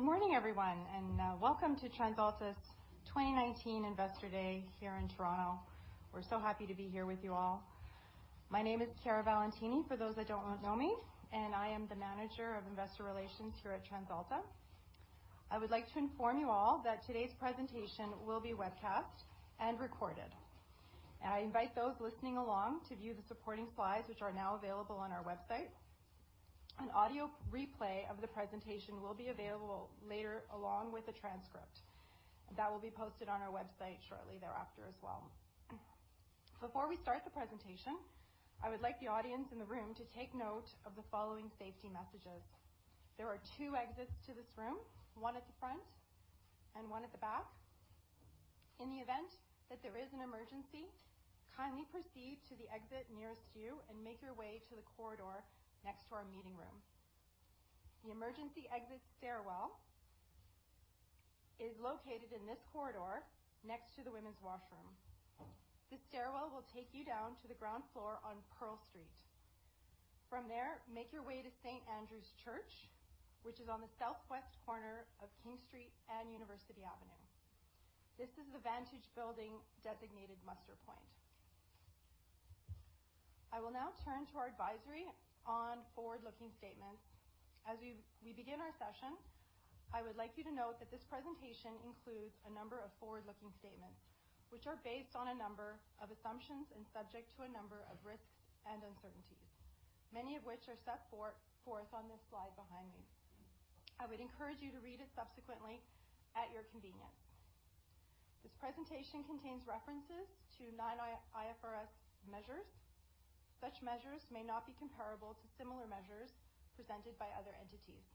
All right. Good morning, everyone, and welcome to TransAlta's 2019 Investor Day here in Toronto. We're so happy to be here with you all. My name is Chiara Valentini, for those that don't know me, and I am the Manager of Investor Relations here at TransAlta. I would like to inform you all that today's presentation will be webcast and recorded. I invite those listening along to view the supporting slides, which are now available on our website. An audio replay of the presentation will be available later, along with a transcript. That will be posted on our website shortly thereafter as well. Before we start the presentation, I would like the audience in the room to take note of the following safety messages. There are two exits to this room, one at the front and one at the back. In the event that there is an emergency, kindly proceed to the exit nearest you and make your way to the corridor next to our meeting room. The emergency exit stairwell is located in this corridor next to the women's washroom. The stairwell will take you down to the ground floor on Pearl Street. From there, make your way to St. Andrew's Church, which is on the Southwest corner of King Street and University Avenue. This is the Vantage Building designated muster point. I will now turn to our advisory on forward-looking statements. As we begin our session, I would like you to note that this presentation includes a number of forward-looking statements, which are based on a number of assumptions and subject to a number of risks and uncertainties, many of which are set forth on this slide behind me. I would encourage you to read it subsequently at your convenience. This presentation contains references to non-IFRS measures. Such measures may not be comparable to similar measures presented by other entities.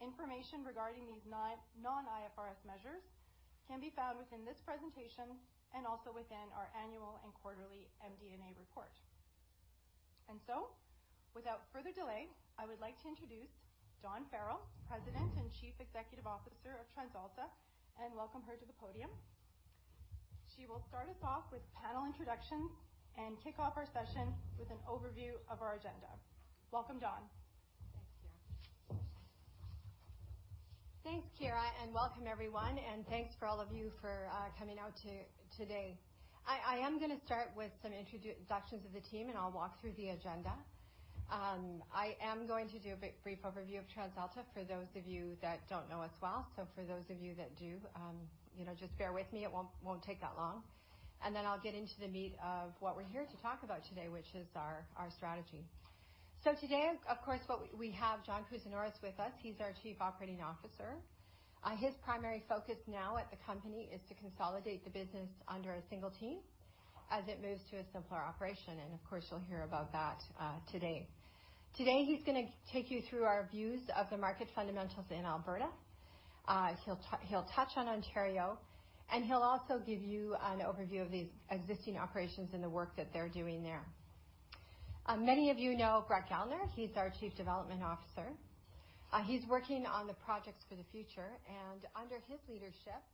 Information regarding these non-IFRS measures can be found within this presentation and also within our annual and quarterly MD&A report. Without further delay, I would like to introduce Dawn Farrell, President and Chief Executive Officer of TransAlta, and welcome her to the podium. She will start us off with panel introductions and kick off our session with an overview of our agenda. Welcome, Dawn. Thanks, Chiara. Thanks, Chiara, welcome everyone, thanks for all of you for coming out today. I am going to start with some introductions of the team, I'll walk through the agenda. I am going to do a brief overview of TransAlta for those of you that don't know us well. For those of you that do, just bear with me. It won't take that long. I'll get into the meat of what we're here to talk about today, which is our strategy. Today, of course, we have John Kousinioris with us. He's our Chief Operating Officer. His primary focus now at the company is to consolidate the business under a single team as it moves to a simpler operation, of course, you'll hear about that today. Today, he's going to take you through our views of the market fundamentals in Alberta. He'll touch on Ontario, and he'll also give you an overview of the existing operations and the work that they're doing there. Many of you know Brett Gellner. He's our Chief Development Officer. He's working on the projects for the future, and under his leadership,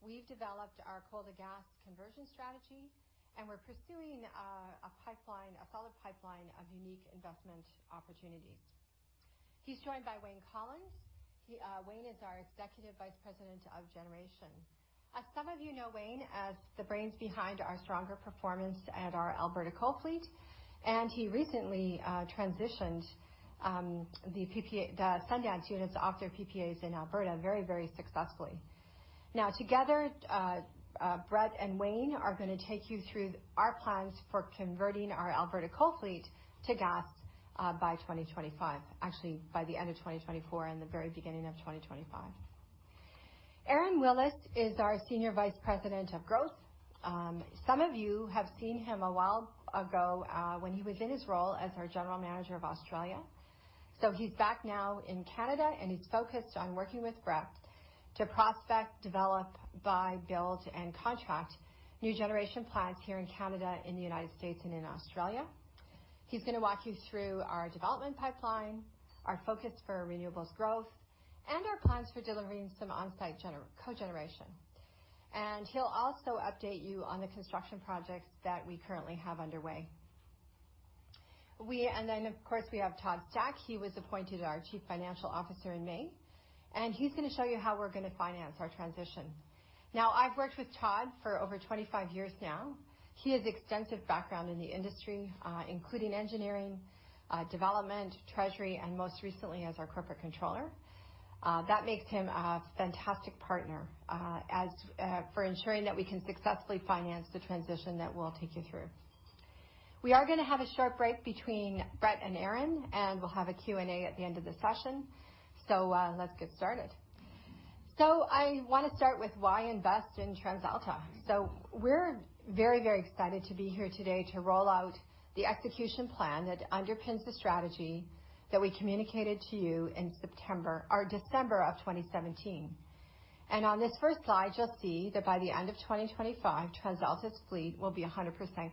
we've developed our coal-to-gas conversion strategy, and we're pursuing a follow pipeline of unique investment opportunities. He's joined by Wayne Collins. Wayne is our Executive Vice President of Generation. Some of you know Wayne as the brains behind our stronger performance at our Alberta coal fleet, and he recently transitioned the Sundance units off their PPAs in Alberta very successfully. Now, together, Brett and Wayne are going to take you through our plans for converting our Alberta coal fleet to gas by 2025. Actually, by the end of 2024 and the very beginning of 2025. Aron Willis is our Senior Vice President of Growth. Some of you have seen him a while ago when he was in his role as our General Manager of Australia. He's back now in Canada, and he's focused on working with Brett to prospect, develop, buy, build, and contract new generation plants here in Canada, in the U.S., and in Australia. He's going to walk you through our development pipeline, our focus for renewables growth, and our plans for delivering some on-site cogeneration. He'll also update you on the construction projects that we currently have underway. Of course, we have Todd Stack. He was appointed our Chief Financial Officer in May, and he's going to show you how we're going to finance our transition. Now, I've worked with Todd for over 25 years now. He has extensive background in the industry, including engineering, development, treasury, and most recently as our corporate controller. That makes him a fantastic partner for ensuring that we can successfully finance the transition that we'll take you through. We are going to have a short break between Brett and Aron, and we'll have a Q&A at the end of the session. Let's get started. I want to start with why invest in TransAlta. We're very, very excited to be here today to roll out the execution plan that underpins the strategy that we communicated to you in December of 2017. On this first slide, you'll see that by the end of 2025, TransAlta's fleet will be 100%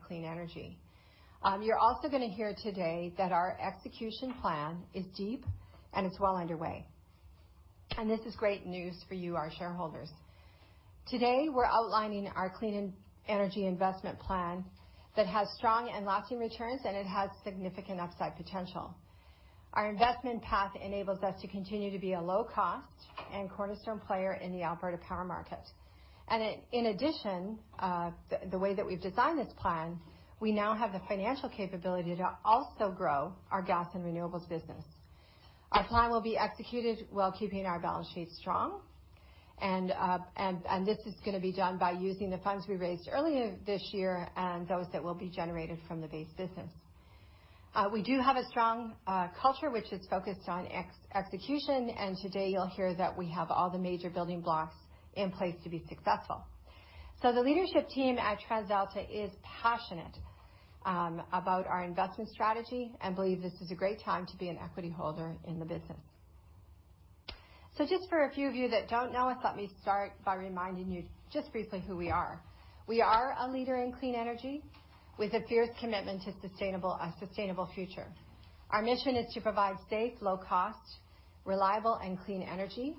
clean energy. You're also going to hear today that our execution plan is deep and it's well underway. This is great news for you, our shareholders. Today, we're outlining our clean energy investment plan that has strong and lasting returns, and it has significant upside potential. Our investment path enables us to continue to be a low cost and cornerstone player in the Alberta power market. In addition, the way that we've designed this plan, we now have the financial capability to also grow our gas and renewables business. Our plan will be executed while keeping our balance sheet strong. This is going to be done by using the funds we raised earlier this year and those that will be generated from the base business. We do have a strong culture, which is focused on execution, and today you'll hear that we have all the major building blocks in place to be successful. The leadership team at TransAlta is passionate about our investment strategy and believe this is a great time to be an equity holder in the business. Just for a few of you that don't know us, let me start by reminding you just briefly who we are. We are a leader in clean energy with a fierce commitment to a sustainable future. Our mission is to provide safe, low cost, reliable, and clean energy.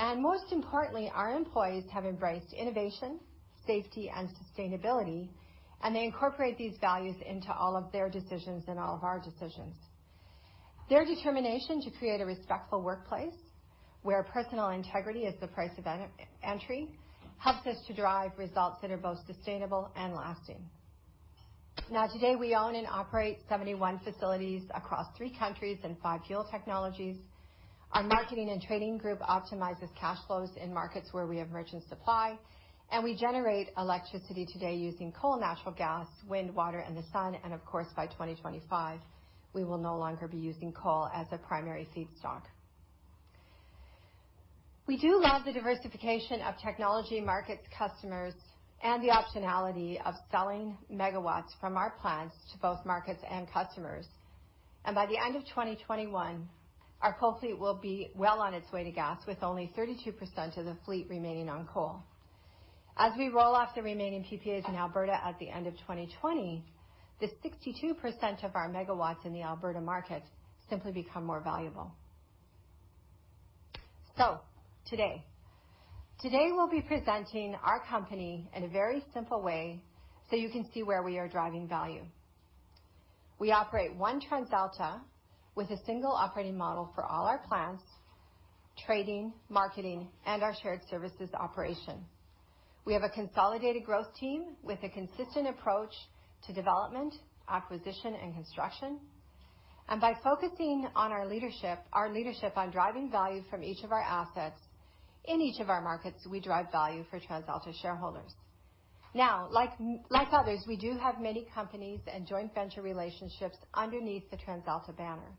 Most importantly, our employees have embraced innovation, safety, and sustainability, and they incorporate these values into all of their decisions and all of our decisions. Their determination to create a respectful workplace where personal integrity is the price of entry helps us to drive results that are both sustainable and lasting. Today we own and operate 71 facilities across three countries and five fuel technologies. Our marketing and trading group optimizes cash flows in markets where we have merchant supply. We generate electricity today using coal, natural gas, wind, water, and the sun, and of course, by 2025, we will no longer be using coal as a primary feedstock. We do love the diversification of technology markets, customers, and the optionality of selling megawatts from our plants to both markets and customers. By the end of 2021, our coal fleet will be well on its way to gas, with only 32% of the fleet remaining on coal. As we roll off the remaining PPAs in Alberta at the end of 2020, the 62% of our megawatts in the Alberta market simply become more valuable. Today, we'll be presenting our company in a very simple way so you can see where we are driving value. We operate one TransAlta with a single operating model for all our plants, trading, marketing, and our shared services operation. We have a consolidated growth team with a consistent approach to development, acquisition, and construction. By focusing on our leadership on driving value from each of our assets in each of our markets, we drive value for TransAlta shareholders. Now, like others, we do have many companies and joint venture relationships underneath the TransAlta banner.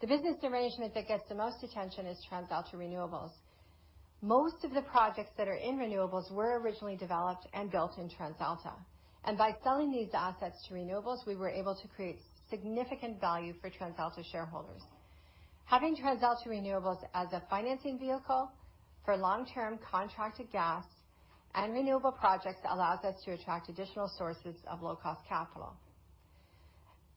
The business arrangement that gets the most attention is TransAlta Renewables. Most of the projects that are in renewables were originally developed and built in TransAlta. By selling these assets to Renewables, we were able to create significant value for TransAlta shareholders. Having TransAlta Renewables as a financing vehicle for long-term contracted gas and renewable projects allows us to attract additional sources of low-cost capital.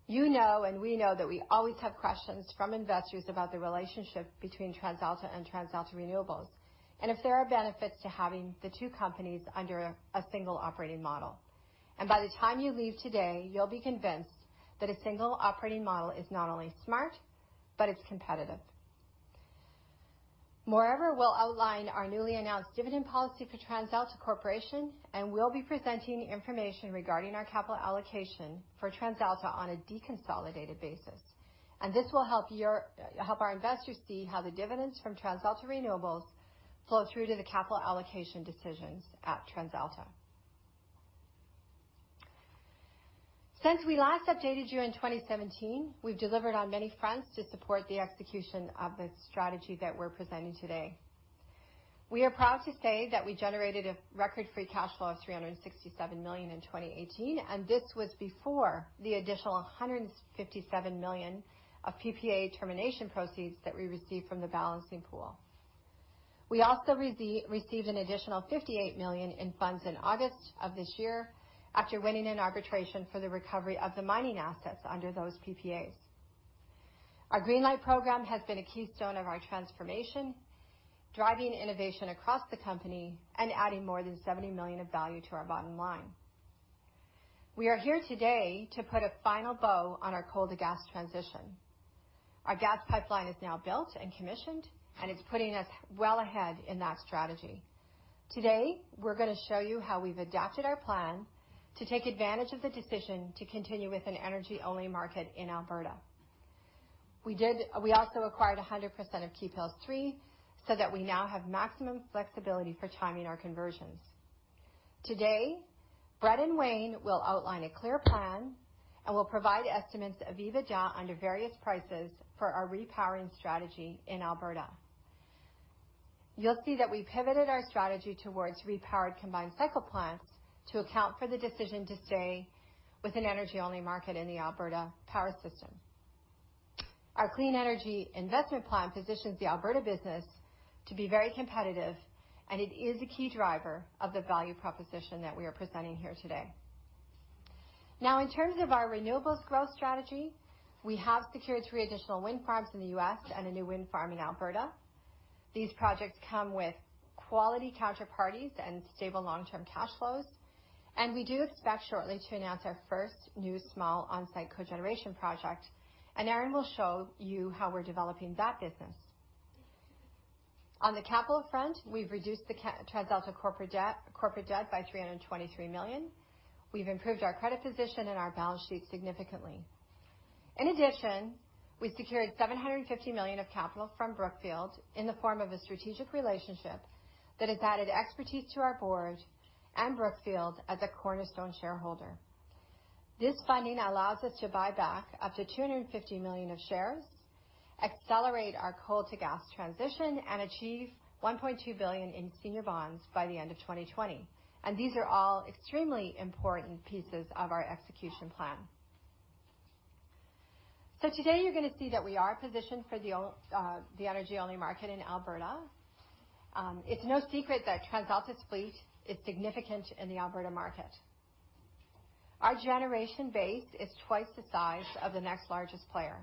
You know, we know that we always have questions from investors about the relationship between TransAlta and TransAlta Renewables. If there are benefits to having the two companies under a single operating model. By the time you leave today, you'll be convinced that a single operating model is not only smart, but it's competitive. Moreover, we'll outline our newly announced dividend policy for TransAlta Corporation, and we'll be presenting information regarding our capital allocation for TransAlta on a deconsolidated basis. This will help our investors see how the dividends from TransAlta Renewables flow through to the capital allocation decisions at TransAlta. Since we last updated you in 2017, we've delivered on many fronts to support the execution of the strategy that we're presenting today. We are proud to say that we generated a record free cash flow of 367 million in 2018. This was before the additional 157 million of PPA termination proceeds that we received from the Balancing Pool. We also received an additional 58 million in funds in August 2019 after winning an arbitration for the recovery of the mining assets under those PPAs. Our Greenlight program has been a keystone of our transformation, driving innovation across the company and adding more than 70 million of value to our bottom line. We are here today to put a final bow on our coal to gas transition. Our gas pipeline is now built and commissioned, and it's putting us well ahead in that strategy. Today, we are going to show you how we have adapted our plan to take advantage of the decision to continue with an energy-only market in Alberta. We also acquired 100% of Keephills 3 so that we now have maximum flexibility for timing our conversions. Today, Brett and Wayne will outline a clear plan and will provide estimates of EBITDA under various prices for our repowering strategy in Alberta. You'll see that we pivoted our strategy towards repowered combined cycle plants to account for the decision to stay with an energy-only market in the Alberta power system. Our clean energy investment plan positions the Alberta business to be very competitive, and it is a key driver of the value proposition that we are presenting here today. In terms of our renewables growth strategy, we have secured three additional wind farms in the U.S. and a new wind farm in Alberta. These projects come with quality counterparties and stable long-term cash flows, and we do expect shortly to announce our first new small on-site cogeneration project. Aron will show you how we're developing that business. On the capital front, we've reduced the TransAlta corporate debt by 323 million. We've improved our credit position and our balance sheet significantly. In addition, we secured 750 million of capital from Brookfield in the form of a strategic relationship that has added expertise to our board and Brookfield as a cornerstone shareholder. This funding allows us to buy back up to 250 million of shares, accelerate our coal-to-gas transition, and achieve 1.2 billion in senior bonds by the end of 2020. These are all extremely important pieces of our execution plan. Today you're going to see that we are positioned for the energy-only market in Alberta. It's no secret that TransAlta's fleet is significant in the Alberta market. Our generation base is twice the size of the next largest player.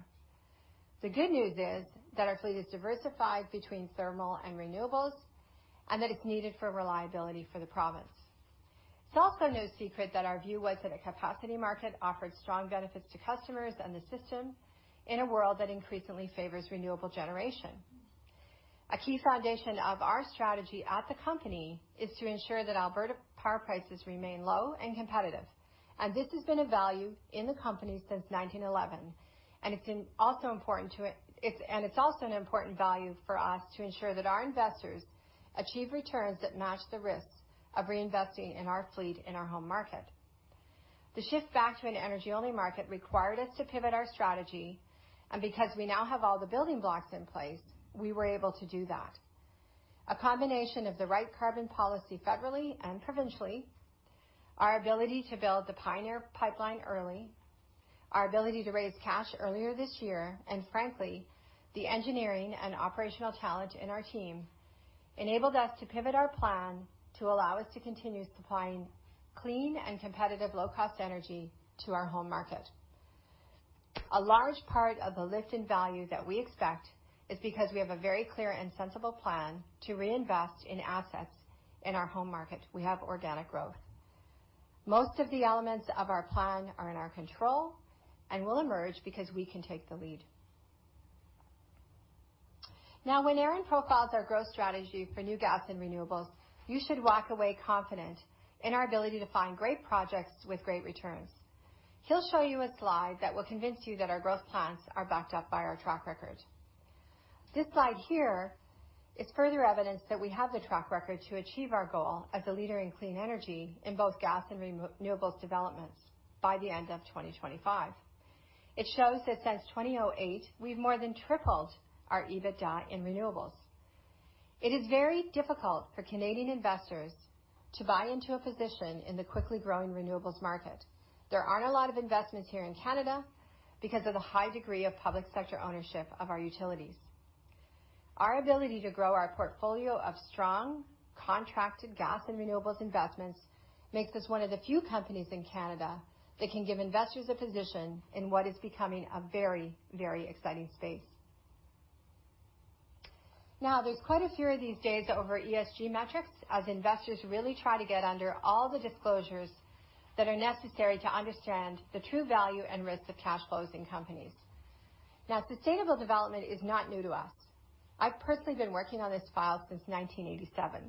The good news is that our fleet is diversified between thermal and renewables, and that it's needed for reliability for the province. It's also no secret that our view was that a capacity market offered strong benefits to customers and the system in a world that increasingly favors renewable generation. A key foundation of our strategy at the company is to ensure that Alberta power prices remain low and competitive. This has been a value in the company since 1911, and it's also an important value for us to ensure that our investors achieve returns that match the risks of reinvesting in our fleet in our home market. The shift back to an energy-only market required us to pivot our strategy, and because we now have all the building blocks in place, we were able to do that. A combination of the right carbon policy federally and provincially, our ability to build the Pioneer Pipeline early, our ability to raise cash earlier this year, and frankly, the engineering and operational talent in our team enabled us to pivot our plan to allow us to continue supplying clean and competitive low-cost energy to our home market. A large part of the lift in value that we expect is because we have a very clear and sensible plan to reinvest in assets in our home market. We have organic growth. Most of the elements of our plan are in our control and will emerge because we can take the lead. Now, when Aron profiles our growth strategy for new gas and renewables, you should walk away confident in our ability to find great projects with great returns. He'll show you a slide that will convince you that our growth plans are backed up by our track record. This slide here is further evidence that we have the track record to achieve our goal as a leader in clean energy in both gas and renewables developments by the end of 2025. It shows that since 2008, we've more than 3x our EBITDA in renewables. It is very difficult for Canadian investors to buy into a position in the quickly growing renewables market. There aren't a lot of investments here in Canada because of the high degree of public sector ownership of our utilities. Our ability to grow our portfolio of strong contracted gas and renewables investments makes us one of the few companies in Canada that can give investors a position in what is becoming a very exciting space. There's quite a furor these days over ESG metrics as investors really try to get under all the disclosures that are necessary to understand the true value and risks of cash flows in companies. Sustainable development is not new to us. I've personally been working on this file since 1987.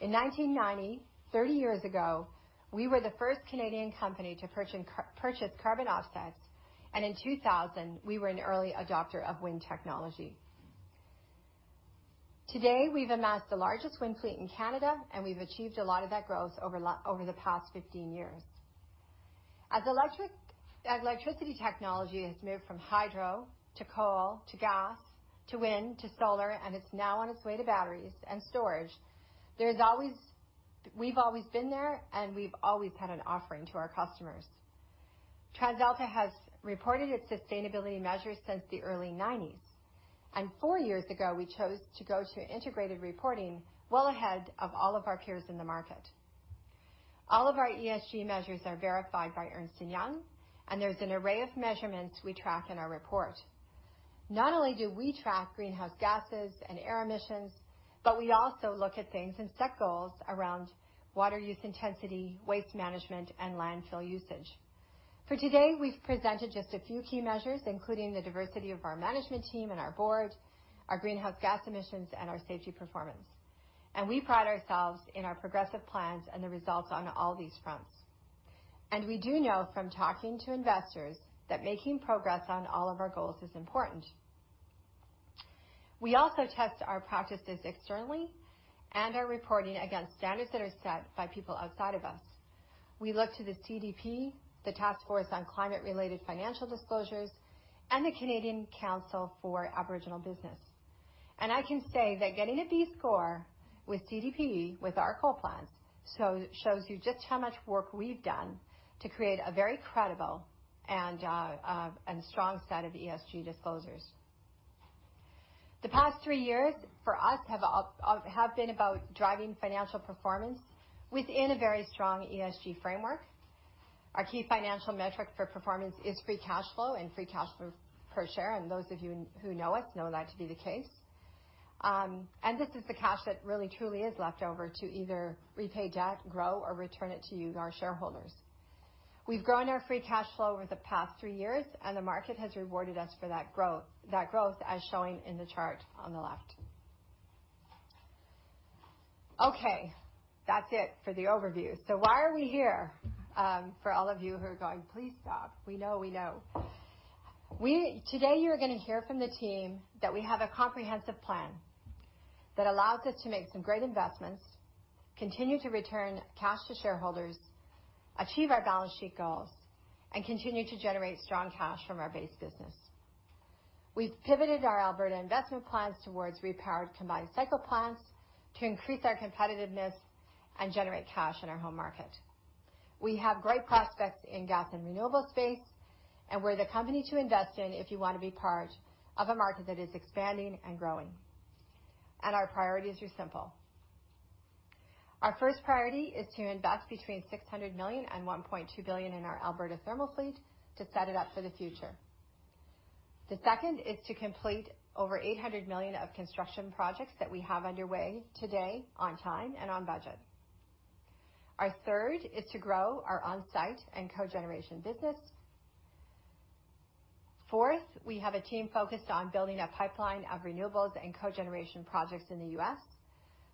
In 1990, 30 years ago, we were the first Canadian company to purchase carbon offsets, and in 2000, we were an early adopter of wind technology. Today, we've amassed the largest wind fleet in Canada, and we've achieved a lot of that growth over the past 15 years. As electricity technology has moved from hydro to coal to gas to wind to solar, and it's now on its way to batteries and storage, we've always been there, and we've always had an offering to our customers. TransAlta has reported its sustainability measures since the early 1990s. Four years ago, we chose to go to integrated reporting well ahead of all of our peers in the market. All of our ESG measures are verified by Ernst & Young. There's an array of measurements we track in our report. Not only do we track greenhouse gases and air emissions, we also look at things and set goals around water use intensity, waste management, and landfill usage. For today, we've presented just a few key measures, including the diversity of our management team and our board, our greenhouse gas emissions, and our safety performance. We pride ourselves in our progressive plans and the results on all these fronts. We do know from talking to investors that making progress on all of our goals is important. We also test our practices externally and our reporting against standards that are set by people outside of us. We look to the CDP, the Task Force on Climate-related Financial Disclosures, and the Canadian Council for Aboriginal Business. I can say that getting a B score with CDP with our coal plants shows you just how much work we've done to create a very credible and strong set of ESG disclosures. The past three years for us have been about driving financial performance within a very strong ESG framework. Our key financial metric for performance is free cash flow and free cash flow per share. Those of you who know us know that to be the case. This is the cash that really truly is left over to either repay debt, grow, or return it to you, our shareholders. We've grown our free cash flow over the past three years, and the market has rewarded us for that growth, as shown in the chart on the left. Okay. That's it for the overview. Why are we here? For all of you who are going, "Please stop." We know. Today, you're going to hear from the team that we have a comprehensive plan that allows us to make some great investments, continue to return cash to shareholders, achieve our balance sheet goals, and continue to generate strong cash from our base business. We've pivoted our Alberta investment plans towards repowered combined cycle plants to increase our competitiveness and generate cash in our home market. We have great prospects in gas and renewable space, and we're the company to invest in if you want to be part of a market that is expanding and growing. Our priorities are simple. Our first priority is to invest between 600 million-1.2 billion in our Alberta thermal fleet to set it up for the future. The second is to complete over 800 million of construction projects that we have underway today, on time and on budget. Our third is to grow our onsite and cogeneration business. Fourth, we have a team focused on building a pipeline of renewables and cogeneration projects in the U.S.,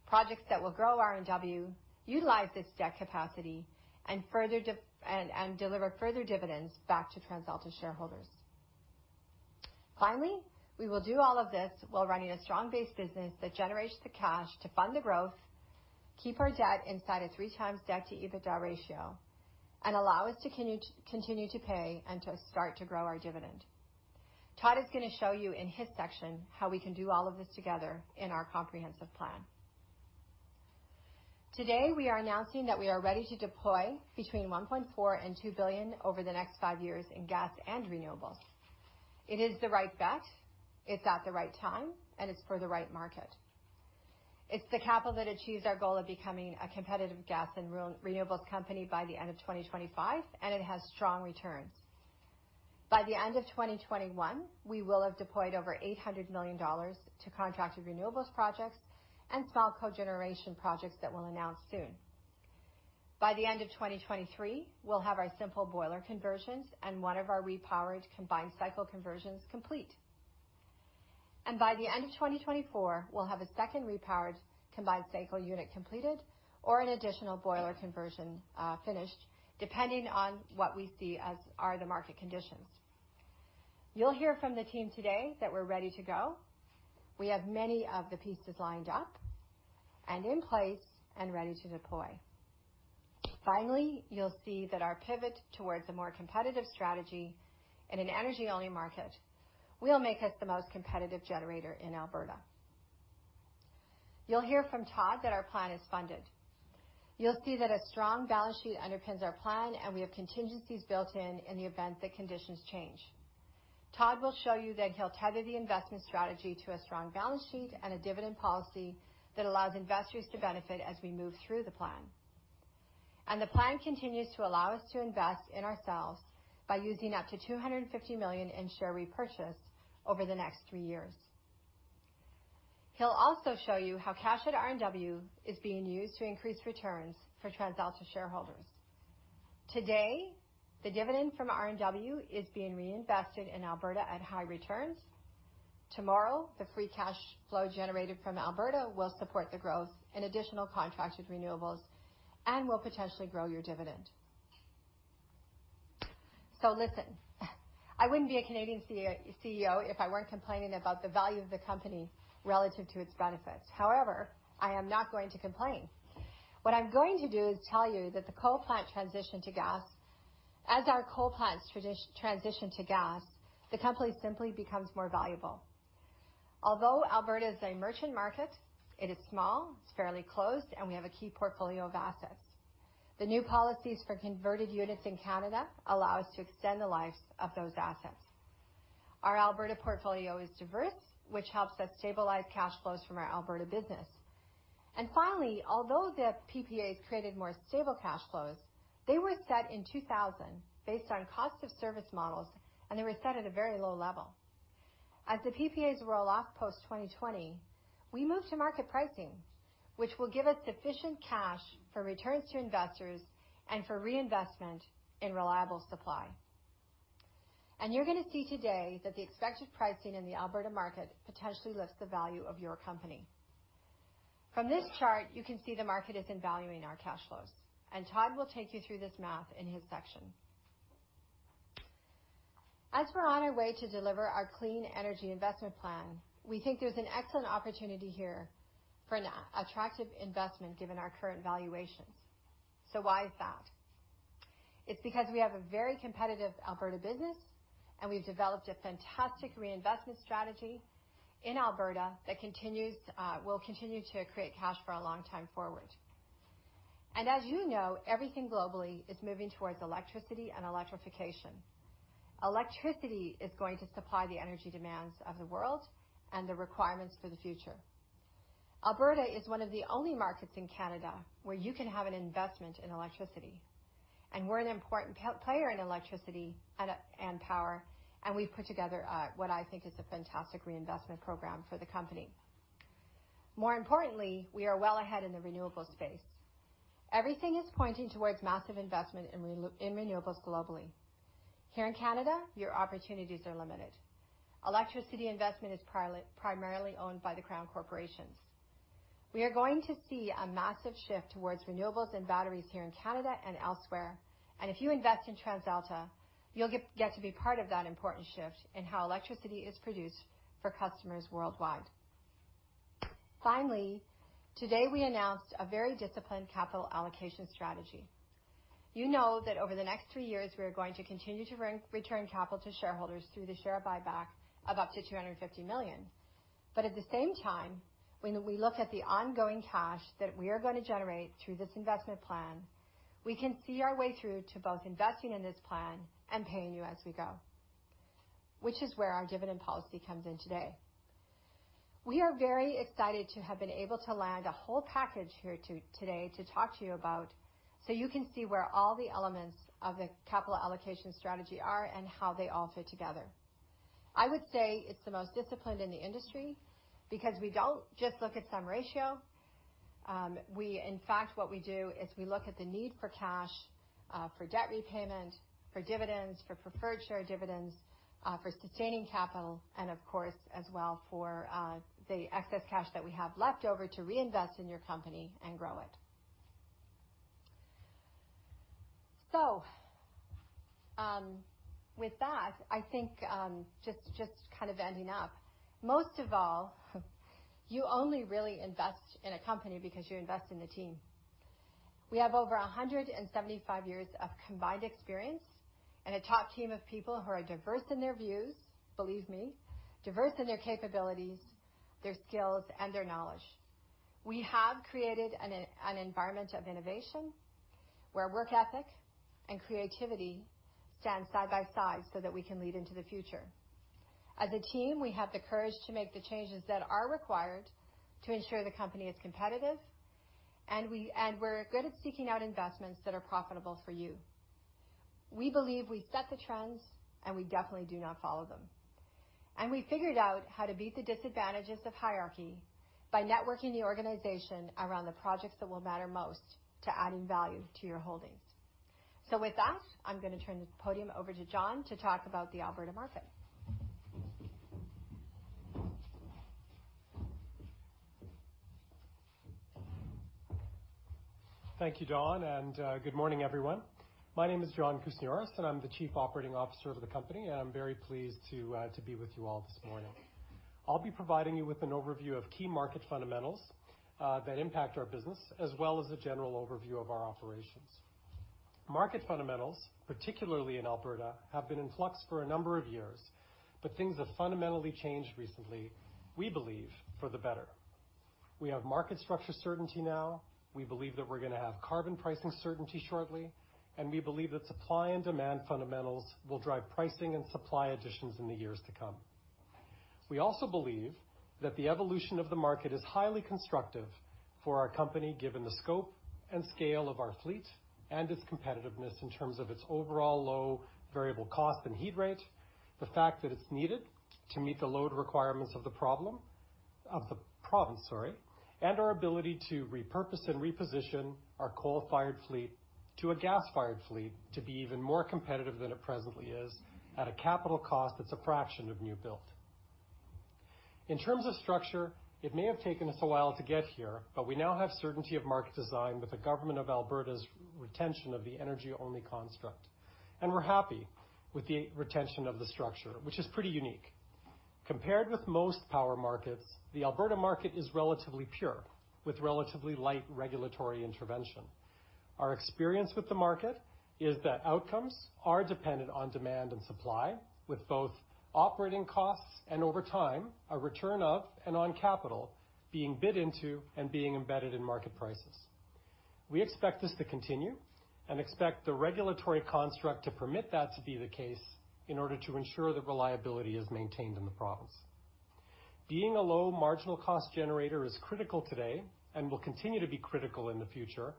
projects that will grow RNW, utilize this debt capacity, and deliver further dividends back to TransAlta shareholders. We will do all of this while running a strong base business that generates the cash to fund the growth, keep our debt inside a 3x debt-to-EBITDA ratio, and allow us to continue to pay and to start to grow our dividend. Todd is going to show you in his section how we can do all of this together in our comprehensive plan. Today, we are announcing that we are ready to deploy between 1.4 billion-2 billion over the next five years in gas and renewables. It is the right bet, it's at the right time, and it's for the right market. It's the capital that achieves our goal of becoming a competitive gas and renewables company by the end of 2025, and it has strong returns. By the end of 2021, we will have deployed over 800 million dollars to contracted renewables projects and small cogeneration projects that we'll announce soon. By the end of 2023, we'll have our simple boiler conversions and one of our repowered combined cycle conversions complete. By the end of 2024, we'll have a second repowered combined cycle unit completed or an additional boiler conversion finished, depending on what we see as are the market conditions. You'll hear from the team today that we're ready to go. We have many of the pieces lined up and in place and ready to deploy. Finally, you'll see that our pivot towards a more competitive strategy in an energy-only market will make us the most competitive generator in Alberta. You'll hear from Todd that our plan is funded. You'll see that a strong balance sheet underpins our plan, and we have contingencies built in in the event that conditions change. Todd will show you that he'll tether the investment strategy to a strong balance sheet and a dividend policy that allows investors to benefit as we move through the plan. The plan continues to allow us to invest in ourselves by using up to 250 million in share repurchase over the next three years. He'll also show you how cash at RNW is being used to increase returns for TransAlta shareholders. Today, the dividend from RNW is being reinvested in Alberta at high returns. Tomorrow, the free cash flow generated from Alberta will support the growth in additional contracted renewables and will potentially grow your dividend. Listen, I wouldn't be a Canadian CEO if I weren't complaining about the value of the company relative to its benefits. However, I am not going to complain. What I'm going to do is tell you that as our coal plants transition to gas, the company simply becomes more valuable. Although Alberta is a merchant market, it is small, it's fairly closed, and we have a key portfolio of assets. The new policies for converted units in Canada allow us to extend the life of those assets. Our Alberta portfolio is diverse, which helps us stabilize cash flows from our Alberta business. Finally, although the PPAs created more stable cash flows, they were set in 2000 based on cost of service models, and they were set at a very low level. As the PPAs roll off post-2020, we move to market pricing, which will give us sufficient cash for returns to investors and for reinvestment in reliable supply. You're going to see today that the expected pricing in the Alberta market potentially lifts the value of your company. From this chart, you can see the market is valuing our cash flows, and Todd will take you through this math in his section. As we're on our way to deliver our clean energy investment plan, we think there's an excellent opportunity here for an attractive investment given our current valuations. Why is that? It's because we have a very competitive Alberta business, and we've developed a fantastic reinvestment strategy in Alberta that will continue to create cash for a long time forward. As you know, everything globally is moving towards electricity and electrification. Electricity is going to supply the energy demands of the world and the requirements for the future. Alberta is one of the only markets in Canada where you can have an investment in electricity, and we're an important player in electricity and power, and we've put together what I think is a fantastic reinvestment program for the company. More importantly, we are well ahead in the renewables space. Everything is pointing towards massive investment in renewables globally. Here in Canada, your opportunities are limited. Electricity investment is primarily owned by the Crown corporations. We are going to see a massive shift towards renewables and batteries here in Canada and elsewhere, and if you invest in TransAlta, you'll get to be part of that important shift in how electricity is produced for customers worldwide. Finally, today we announced a very disciplined capital allocation strategy. You know that over the next three years, we are going to continue to return capital to shareholders through the share buyback of up to 250 million. At the same time, when we look at the ongoing cash that we are going to generate through this investment plan, we can see our way through to both investing in this plan and paying you as we go, which is where our dividend policy comes in today. We are very excited to have been able to land a whole package here today to talk to you about, so you can see where all the elements of the capital allocation strategy are and how they all fit together. I would say it's the most disciplined in the industry, because we don't just look at some ratio. In fact, what we do is we look at the need for cash for debt repayment, for dividends, for preferred share dividends, for sustaining capital, and of course, as well for the excess cash that we have left over to reinvest in your company and grow it. With that, I think, just ending up. Most of all, you only really invest in a company because you invest in the team. We have over 175 years of combined experience and a top team of people who are diverse in their views, believe me, diverse in their capabilities, their skills, and their knowledge. We have created an environment of innovation where work ethic and creativity stand side by side so that we can lead into the future. As a team, we have the courage to make the changes that are required to ensure the company is competitive, and we're good at seeking out investments that are profitable for you. We believe we set the trends, and we definitely do not follow them. We figured out how to beat the disadvantages of hierarchy by networking the organization around the projects that will matter most to adding value to your holdings. With that, I'm going to turn the podium over to John to talk about the Alberta market. Thank you, Dawn, and good morning, everyone. My name is John Kousinioris, and I'm the Chief Operating Officer of the company, and I'm very pleased to be with you all this morning. I'll be providing you with an overview of key market fundamentals that impact our business, as well as a general overview of our operations. Market fundamentals, particularly in Alberta, have been in flux for a number of years, but things have fundamentally changed recently, we believe, for the better. We have market structure certainty now. We believe that we're going to have carbon pricing certainty shortly, and we believe that supply and demand fundamentals will drive pricing and supply additions in the years to come. We also believe that the evolution of the market is highly constructive for our company, given the scope and scale of our fleet and its competitiveness in terms of its overall low variable cost and heat rate, the fact that it's needed to meet the load requirements of the province, sorry, and our ability to repurpose and reposition our coal-fired fleet to a gas-fired fleet to be even more competitive than it presently is at a capital cost that's a fraction of new build. In terms of structure, it may have taken us a while to get here, but we now have certainty of market design with the Government of Alberta's retention of the energy-only construct. We're happy with the retention of the structure, which is pretty unique. Compared with most power markets, the Alberta market is relatively pure, with relatively light regulatory intervention. Our experience with the market is that outcomes are dependent on demand and supply, with both operating costs and over time, a return of and on capital being bid into and being embedded in market prices. We expect this to continue and expect the regulatory construct to permit that to be the case in order to ensure that reliability is maintained in the province. Being a low marginal cost generator is critical today and will continue to be critical in the future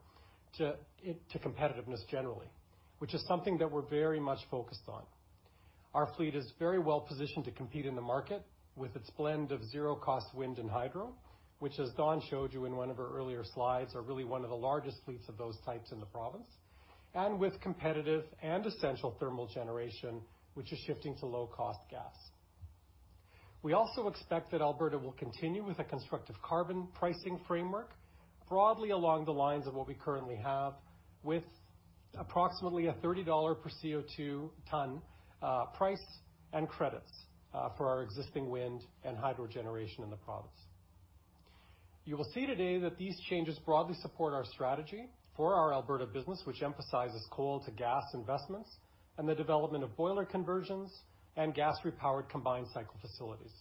to competitiveness generally, which is something that we're very much focused on. Our fleet is very well-positioned to compete in the market with its blend of zero-cost wind and hydro, which, as Dawn showed you in one of her earlier slides, are really one of the largest fleets of those types in the province, and with competitive and essential thermal generation, which is shifting to low-cost gas. We also expect that Alberta will continue with a constructive carbon pricing framework broadly along the lines of what we currently have, with approximately a 30 dollar per CO2 ton price and credits for our existing wind and hydro generation in the province. You will see today that these changes broadly support our strategy for our Alberta business, which emphasizes coal to gas investments and the development of boiler conversions and gas repowered combined cycle facilities.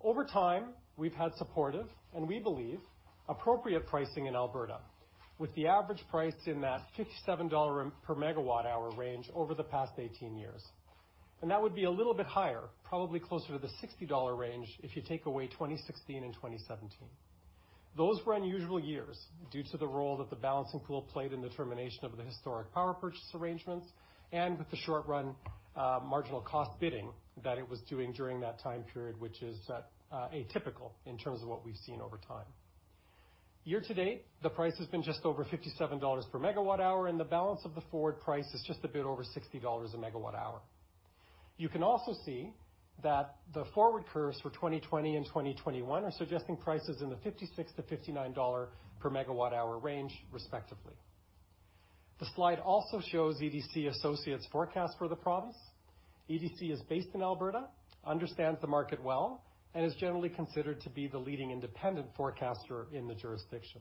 Over time, we've had supportive, and we believe, appropriate pricing in Alberta, with the average price in that 57 dollar per megawatt hour range over the past 18 years. That would be a little bit higher, probably closer to the 60 dollar range, if you take away 2016 and 2017. Those were unusual years due to the role that the Balancing Pool played in the termination of the historic power purchase arrangements and with the short-run marginal cost bidding that it was doing during that time period, which is atypical in terms of what we've seen over time. Year-to-date, the price has been just over 57 dollars per megawatt hour, and the balance of the forward price is just a bit over 60 dollars a megawatt hour. You can also see that the forward curves for 2020 and 2021 are suggesting prices in the 56-59 dollar per megawatt hour range, respectively. The slide also shows EDC Associates' forecast for the province. EDC is based in Alberta, understands the market well, and is generally considered to be the leading independent forecaster in the jurisdiction.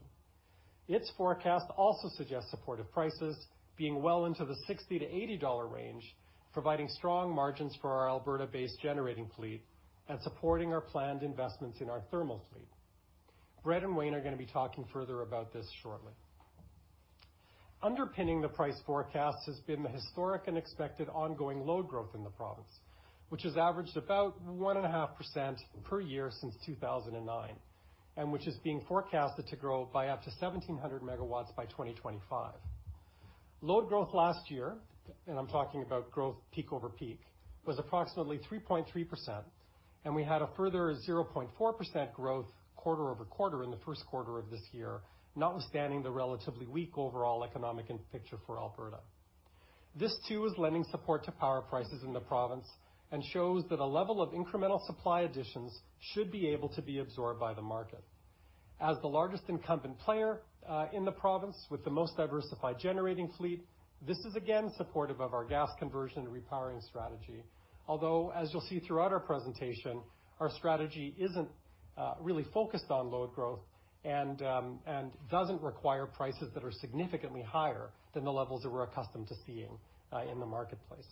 Its forecast also suggests supportive prices being well into the 60-80 dollar range, providing strong margins for our Alberta-based generating fleet and supporting our planned investments in our thermal fleet. Brett and Wayne are going to be talking further about this shortly. Underpinning the price forecast has been the historic and expected ongoing load growth in the province, which has averaged about 1.5% per year since 2009, and which is being forecasted to grow by up to 1,700 MW by 2025. Load growth last year, and I'm talking about growth peak-over-peak, was approximately 3.3%, and we had a further 0.4% growth quarter-over-quarter in the first quarter of this year, notwithstanding the relatively weak overall economic picture for Alberta. This too is lending support to power prices in the province and shows that a level of incremental supply additions should be able to be absorbed by the market. As the largest incumbent player in the province with the most diversified generating fleet, this is again supportive of our gas conversion repowering strategy. As you'll see throughout our presentation, our strategy isn't really focused on load growth and doesn't require prices that are significantly higher than the levels that we're accustomed to seeing in the marketplace.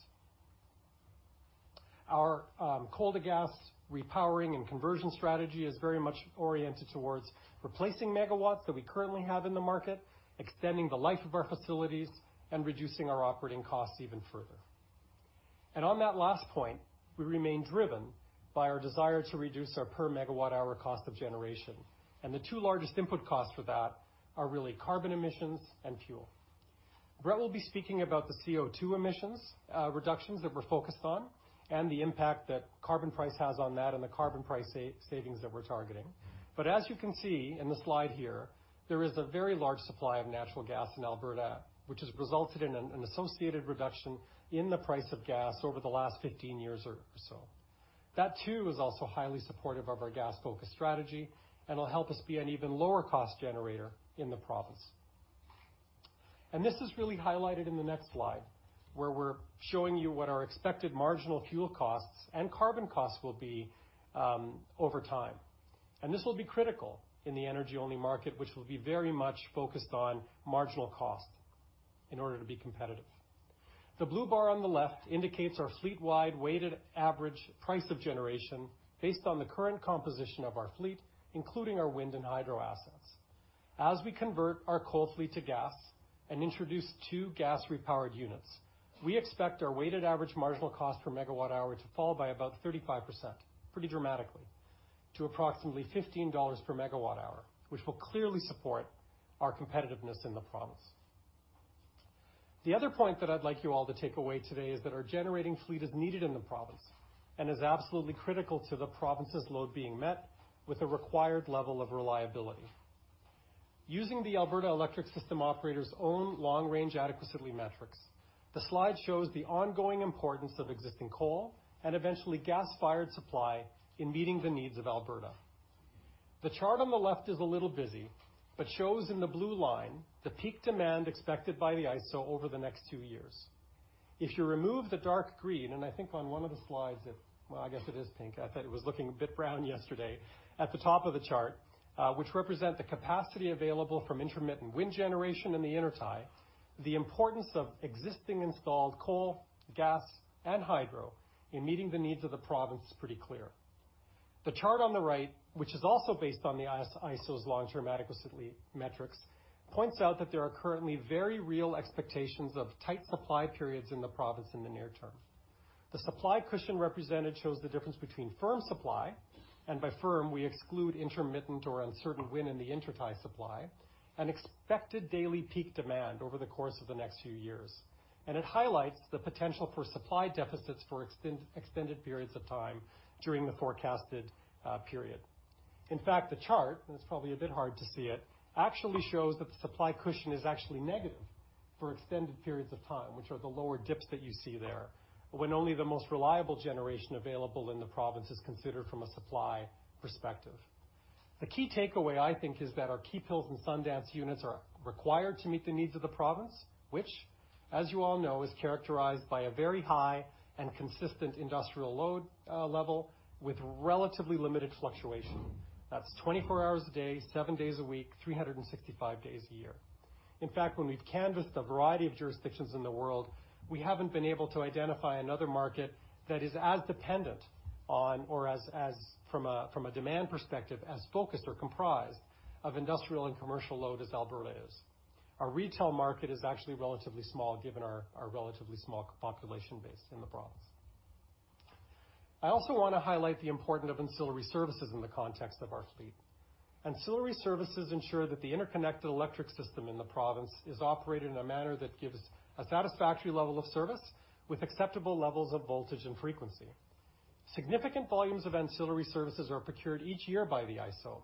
Our coal to gas repowering and conversion strategy is very much oriented towards replacing megawatts that we currently have in the market, extending the life of our facilities and reducing our operating costs even further. On that last point, we remain driven by our desire to reduce our per megawatt hour cost of generation. The two largest input costs for that are really carbon emissions and fuel. Brett will be speaking about the CO2 emissions reductions that we're focused on and the impact that carbon price has on that and the carbon price savings that we're targeting. As you can see in the slide here, there is a very large supply of natural gas in Alberta, which has resulted in an associated reduction in the price of gas over the last 15 years or so. That too, is also highly supportive of our gas-focused strategy and will help us be an even lower cost generator in the province. This is really highlighted in the next slide, where we're showing you what our expected marginal fuel costs and carbon costs will be over time. This will be critical in the energy-only market, which will be very much focused on marginal cost in order to be competitive. The blue bar on the left indicates our fleet-wide weighted average price of generation based on the current composition of our fleet, including our wind and hydro assets. As we convert our coal fleet to gas and introduce two gas-repowered units, we expect our weighted average marginal cost per megawatt hour to fall by about 35%, pretty dramatically, to approximately 15 dollars per megawatt hour, which will clearly support our competitiveness in the province. The other point that I'd like you all to take away today is that our generating fleet is needed in the province and is absolutely critical to the province's load being met with a required level of reliability. Using the Alberta Electric System Operator's own long-range adequacy metrics, the slide shows the ongoing importance of existing coal and eventually gas-fired supply in meeting the needs of Alberta. The chart on the left is a little busy, but shows in the blue line the peak demand expected by the ISO over the next two years. If you remove the dark green, and I think on one of the slides it Well, I guess it is pink. I thought it was looking a bit brown yesterday at the top of the chart, which represent the capacity available from intermittent wind generation in the intertie, the importance of existing installed coal, gas, and hydro in meeting the needs of the province is pretty clear. The chart on the right, which is also based on the ISO's long-term adequacy metrics, points out that there are currently very real expectations of tight supply periods in the province in the near term. The supply cushion represented shows the difference between firm supply, and by firm, we exclude intermittent or uncertain wind in the intertie supply, and expected daily peak demand over the course of the next few years. It highlights the potential for supply deficits for extended periods of time during the forecasted period. In fact, the chart, and it's probably a bit hard to see it, actually shows that the supply cushion is actually negative for extended periods of time, which are the lower dips that you see there when only the most reliable generation available in the province is considered from a supply perspective. The key takeaway, I think, is that our Keephills and Sundance units are required to meet the needs of the province, which as you all know, is characterized by a very high and consistent industrial load level with relatively limited fluctuation. That's 24 hours a day, seven days a week, 365 days a year. In fact, when we've canvassed a variety of jurisdictions in the world, we haven't been able to identify another market that is as dependent on or, from a demand perspective, as focused or comprised of industrial and commercial load as Alberta is. Our retail market is actually relatively small, given our relatively small population base in the province. I also want to highlight the importance of ancillary services in the context of our fleet. Ancillary services ensure that the interconnected electric system in the province is operated in a manner that gives a satisfactory level of service with acceptable levels of voltage and frequency. Significant volumes of ancillary services are procured each year by the ISO,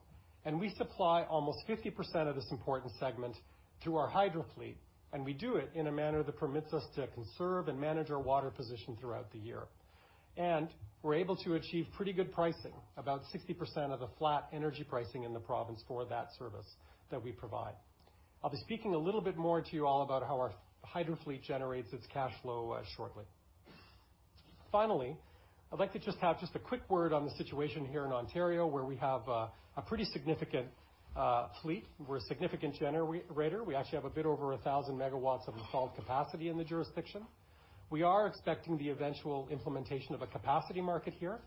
we supply almost 50% of this important segment through our hydro fleet, we do it in a manner that permits us to conserve and manage our water position throughout the year. We're able to achieve pretty good pricing, about 60% of the flat energy pricing in the province for that service that we provide. I'll be speaking a little bit more to you all about how our hydro fleet generates its cash flow shortly. Finally, I'd like to have a quick word on the situation here in Ontario, where we have a pretty significant fleet. We're a significant generator. We actually have a bit over 1,000 megawatts of installed capacity in the jurisdiction. We are expecting the eventual implementation of a capacity market here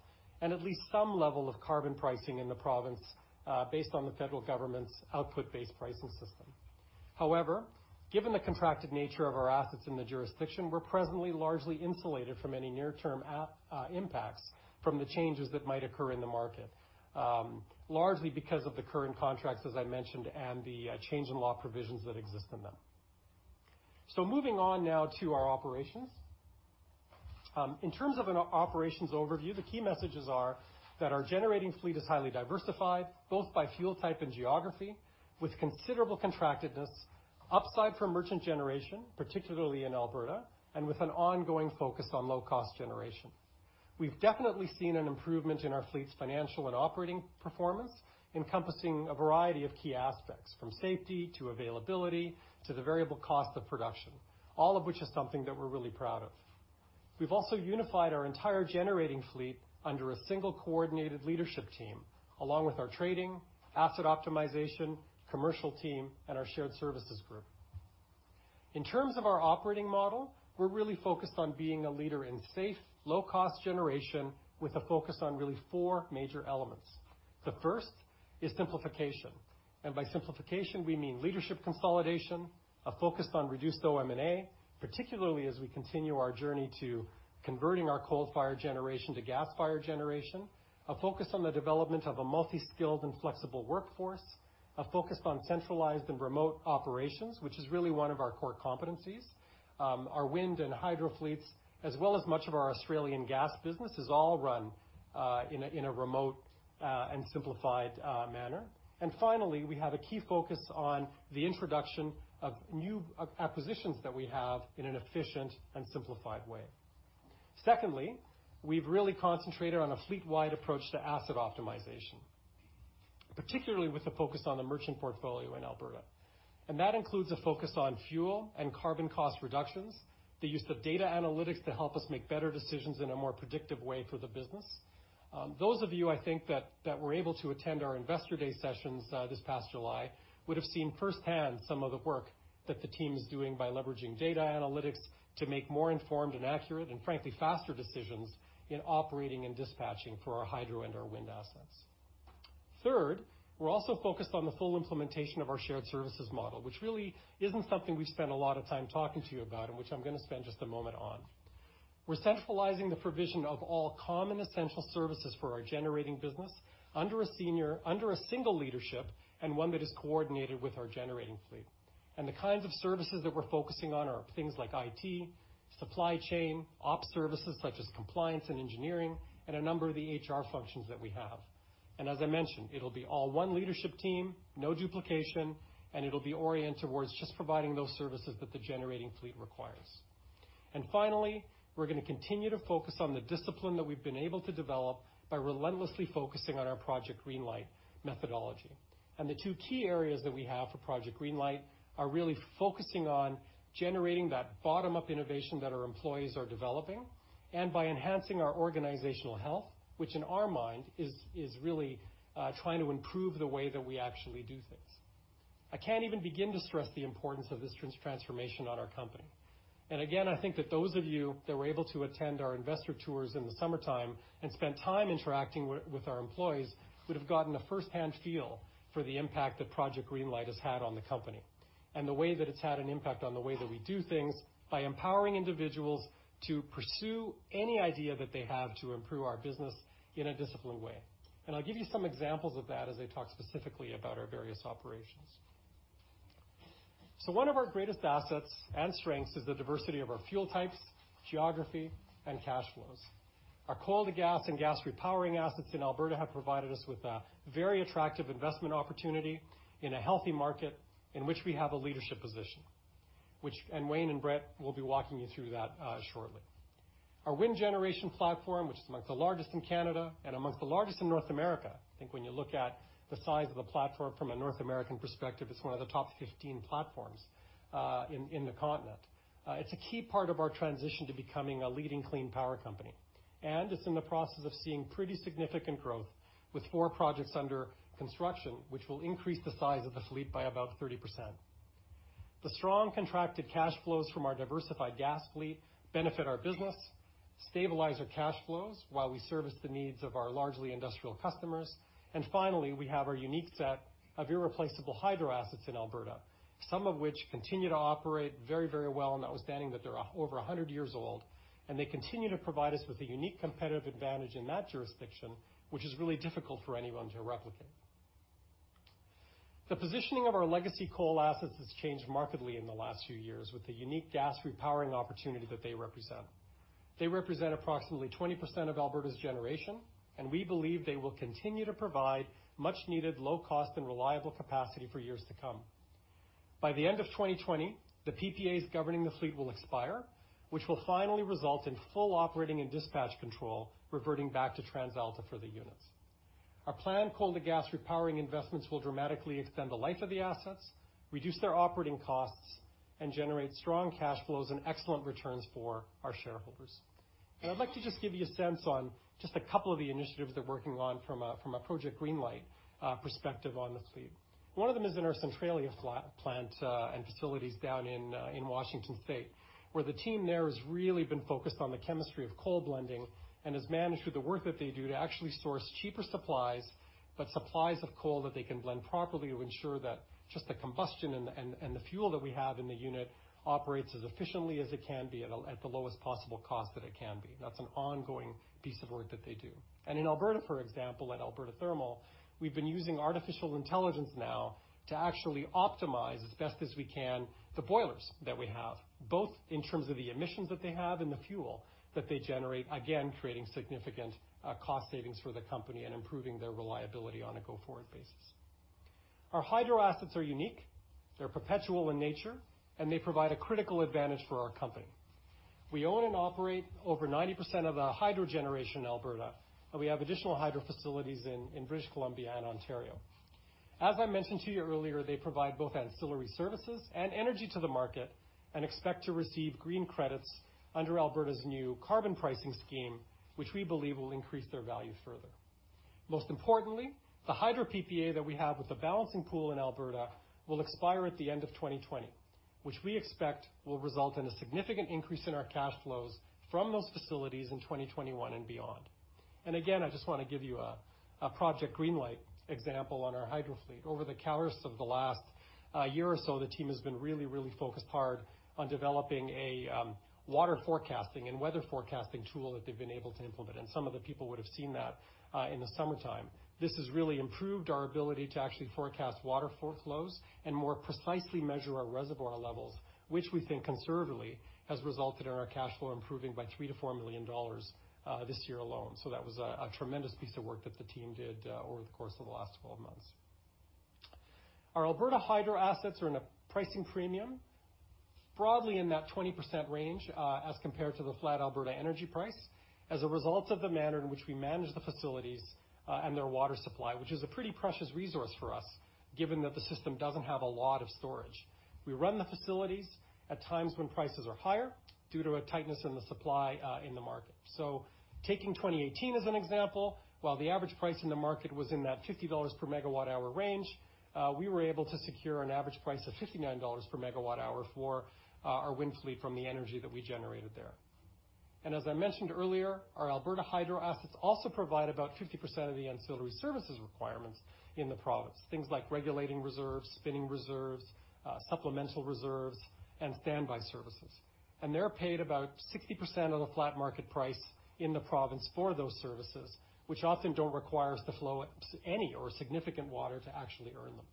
and at least some level of carbon pricing in the province based on the federal government's Output-Based Pricing System. Given the contracted nature of our assets in the jurisdiction, we're presently largely insulated from any near-term impacts from the changes that might occur in the market, largely because of the current contracts, as I mentioned, and the change in law provisions that exist in them. Moving on now to our operations. In terms of an operations overview, the key messages are that our generating fleet is highly diversified, both by fuel type and geography, with considerable contractedness, upside for merchant generation, particularly in Alberta, and with an ongoing focus on low-cost generation. We've definitely seen an improvement in our fleet's financial and operating performance, encompassing a variety of key aspects from safety to availability to the variable cost of production, all of which is something that we're really proud of. We've also unified our entire generating fleet under a single coordinated leadership team, along with our trading, asset optimization, commercial team, and our shared services group. In terms of our operating model, we're really focused on being a leader in safe, low-cost generation with a focus on really four major elements. The first is simplification. By simplification, we mean leadership consolidation, a focus on reduced OM&A, particularly as we continue our journey to converting our coal-fired generation to gas-fired generation, a focus on the development of a multi-skilled and flexible workforce, a focus on centralized and remote operations, which is really one of our core competencies. Our wind and hydro fleets, as well as much of our Australian gas business, is all run in a remote and simplified manner. Finally, we have a key focus on the introduction of new acquisitions that we have in an efficient and simplified way. Secondly, we've really concentrated on a fleet-wide approach to asset optimization, particularly with the focus on the merchant portfolio in Alberta. That includes a focus on fuel and carbon cost reductions, the use of data analytics to help us make better decisions in a more predictive way for the business. Those of you, I think, that were able to attend our Investor Day sessions this past July would have seen firsthand some of the work that the team is doing by leveraging data analytics to make more informed and accurate and, frankly, faster decisions in operating and dispatching for our hydro and our wind assets. Third, we're also focused on the full implementation of our shared services model, which really isn't something we've spent a lot of time talking to you about and which I'm going to spend just a moment on. We're centralizing the provision of all common essential services for our generating business under a single leadership and one that is coordinated with our generating fleet. The kinds of services that we're focusing on are things like IT, supply chain, op services such as compliance and engineering, and a number of the HR functions that we have. As I mentioned, it'll be all one leadership team, no duplication, and it'll be oriented towards just providing those services that the generating fleet requires. Finally, we're going to continue to focus on the discipline that we've been able to develop by relentlessly focusing on our Project Greenlight methodology. The two key areas that we have for Project Greenlight are really focusing on generating that bottom-up innovation that our employees are developing and by enhancing our organizational health, which in our mind is really trying to improve the way that we actually do things. I can't even begin to stress the importance of this transformation on our company. Again, I think that those of you that were able to attend our investor tours in the summertime and spend time interacting with our employees would have gotten a first-hand feel for the impact that Project Greenlight has had on the company and the way that it's had an impact on the way that we do things by empowering individuals to pursue any idea that they have to improve our business in a disciplined way. I'll give you some examples of that as I talk specifically about our various operations. One of our greatest assets and strengths is the diversity of our fuel types, geography, and cash flows. Our coal to gas and gas repowering assets in Alberta have provided us with a very attractive investment opportunity in a healthy market in which we have a leadership position. Wayne and Brett will be walking you through that shortly. Our wind generation platform, which is amongst the largest in Canada and amongst the largest in North America. I think when you look at the size of the platform from a North American perspective, it's one of the top 15 platforms in the continent. It's a key part of our transition to becoming a leading clean power company. It's in the process of seeing pretty significant growth with four projects under construction, which will increase the size of the fleet by about 30%. The strong contracted cash flows from our diversified gas fleet benefit our business, stabilize our cash flows while we service the needs of our largely industrial customers. Finally, we have our unique set of irreplaceable hydro assets in Alberta, some of which continue to operate very, very well, and outstanding that they're over 100 years old. They continue to provide us with a unique competitive advantage in that jurisdiction, which is really difficult for anyone to replicate. The positioning of our legacy coal assets has changed markedly in the last few years with the unique gas repowering opportunity that they represent. They represent approximately 20% of Alberta's generation, and we believe they will continue to provide much needed low cost and reliable capacity for years to come. By the end of 2020, the PPAs governing the fleet will expire, which will finally result in full operating and dispatch control reverting back to TransAlta for the units. Our planned coal-to-gas repowering investments will dramatically extend the life of the assets, reduce their operating costs, and generate strong cash flows and excellent returns for our shareholders. I'd like to just give you a sense on just a couple of the initiatives they're working on from a Project Greenlight perspective on the fleet. One of them is in our Centralia plant and facilities down in Washington State, where the team there has really been focused on the chemistry of coal blending and has managed through the work that they do to actually source cheaper supplies, but supplies of coal that they can blend properly to ensure that just the combustion and the fuel that we have in the unit operates as efficiently as it can be at the lowest possible cost that it can be. That's an ongoing piece of work that they do. In Alberta, for example, at Alberta Thermal, we've been using artificial intelligence now to actually optimize as best as we can the boilers that we have, both in terms of the emissions that they have and the fuel that they generate, again, creating significant cost savings for the company and improving their reliability on a go-forward basis. Our hydro assets are unique, they're perpetual in nature, and they provide a critical advantage for our company. We own and operate over 90% of the hydro generation in Alberta, and we have additional hydro facilities in British Columbia and Ontario. As I mentioned to you earlier, they provide both ancillary services and energy to the market and expect to receive green credits under Alberta's new carbon pricing scheme, which we believe will increase their value further. Most importantly, the hydro PPA that we have with the Balancing Pool in Alberta will expire at the end of 2020, which we expect will result in a significant increase in our cash flows from those facilities in 2021 and beyond. Again, I just want to give you a Project Greenlight example on our hydro fleet. Over the course of the last year or so, the team has been really focused hard on developing a water forecasting and weather forecasting tool that they've been able to implement, and some of the people would have seen that in the summertime. This has really improved our ability to actually forecast water flows and more precisely measure our reservoir levels, which we think conservatively has resulted in our cash flow improving by 3 million-4 million dollars this year alone. That was a tremendous piece of work that the team did over the course of the last 12 months. Our Alberta hydro assets are in a pricing premium, broadly in that 20% range, as compared to the flat Alberta energy price, as a result of the manner in which we manage the facilities and their water supply, which is a pretty precious resource for us, given that the system doesn't have a lot of storage. We run the facilities at times when prices are higher due to a tightness in the supply in the market. Taking 2018 as an example, while the average price in the market was in that 50 dollars per megawatt hour range, we were able to secure an average price of 59 dollars per megawatt hour for our wind fleet from the energy that we generated there. As I mentioned earlier, our Alberta hydro assets also provide about 50% of the ancillary services requirements in the province. Things like regulating reserves, spinning reserves, supplemental reserves, and standby services. They're paid about 60% of the flat market price in the province for those services, which often don't require us to flow any or significant water to actually earn them.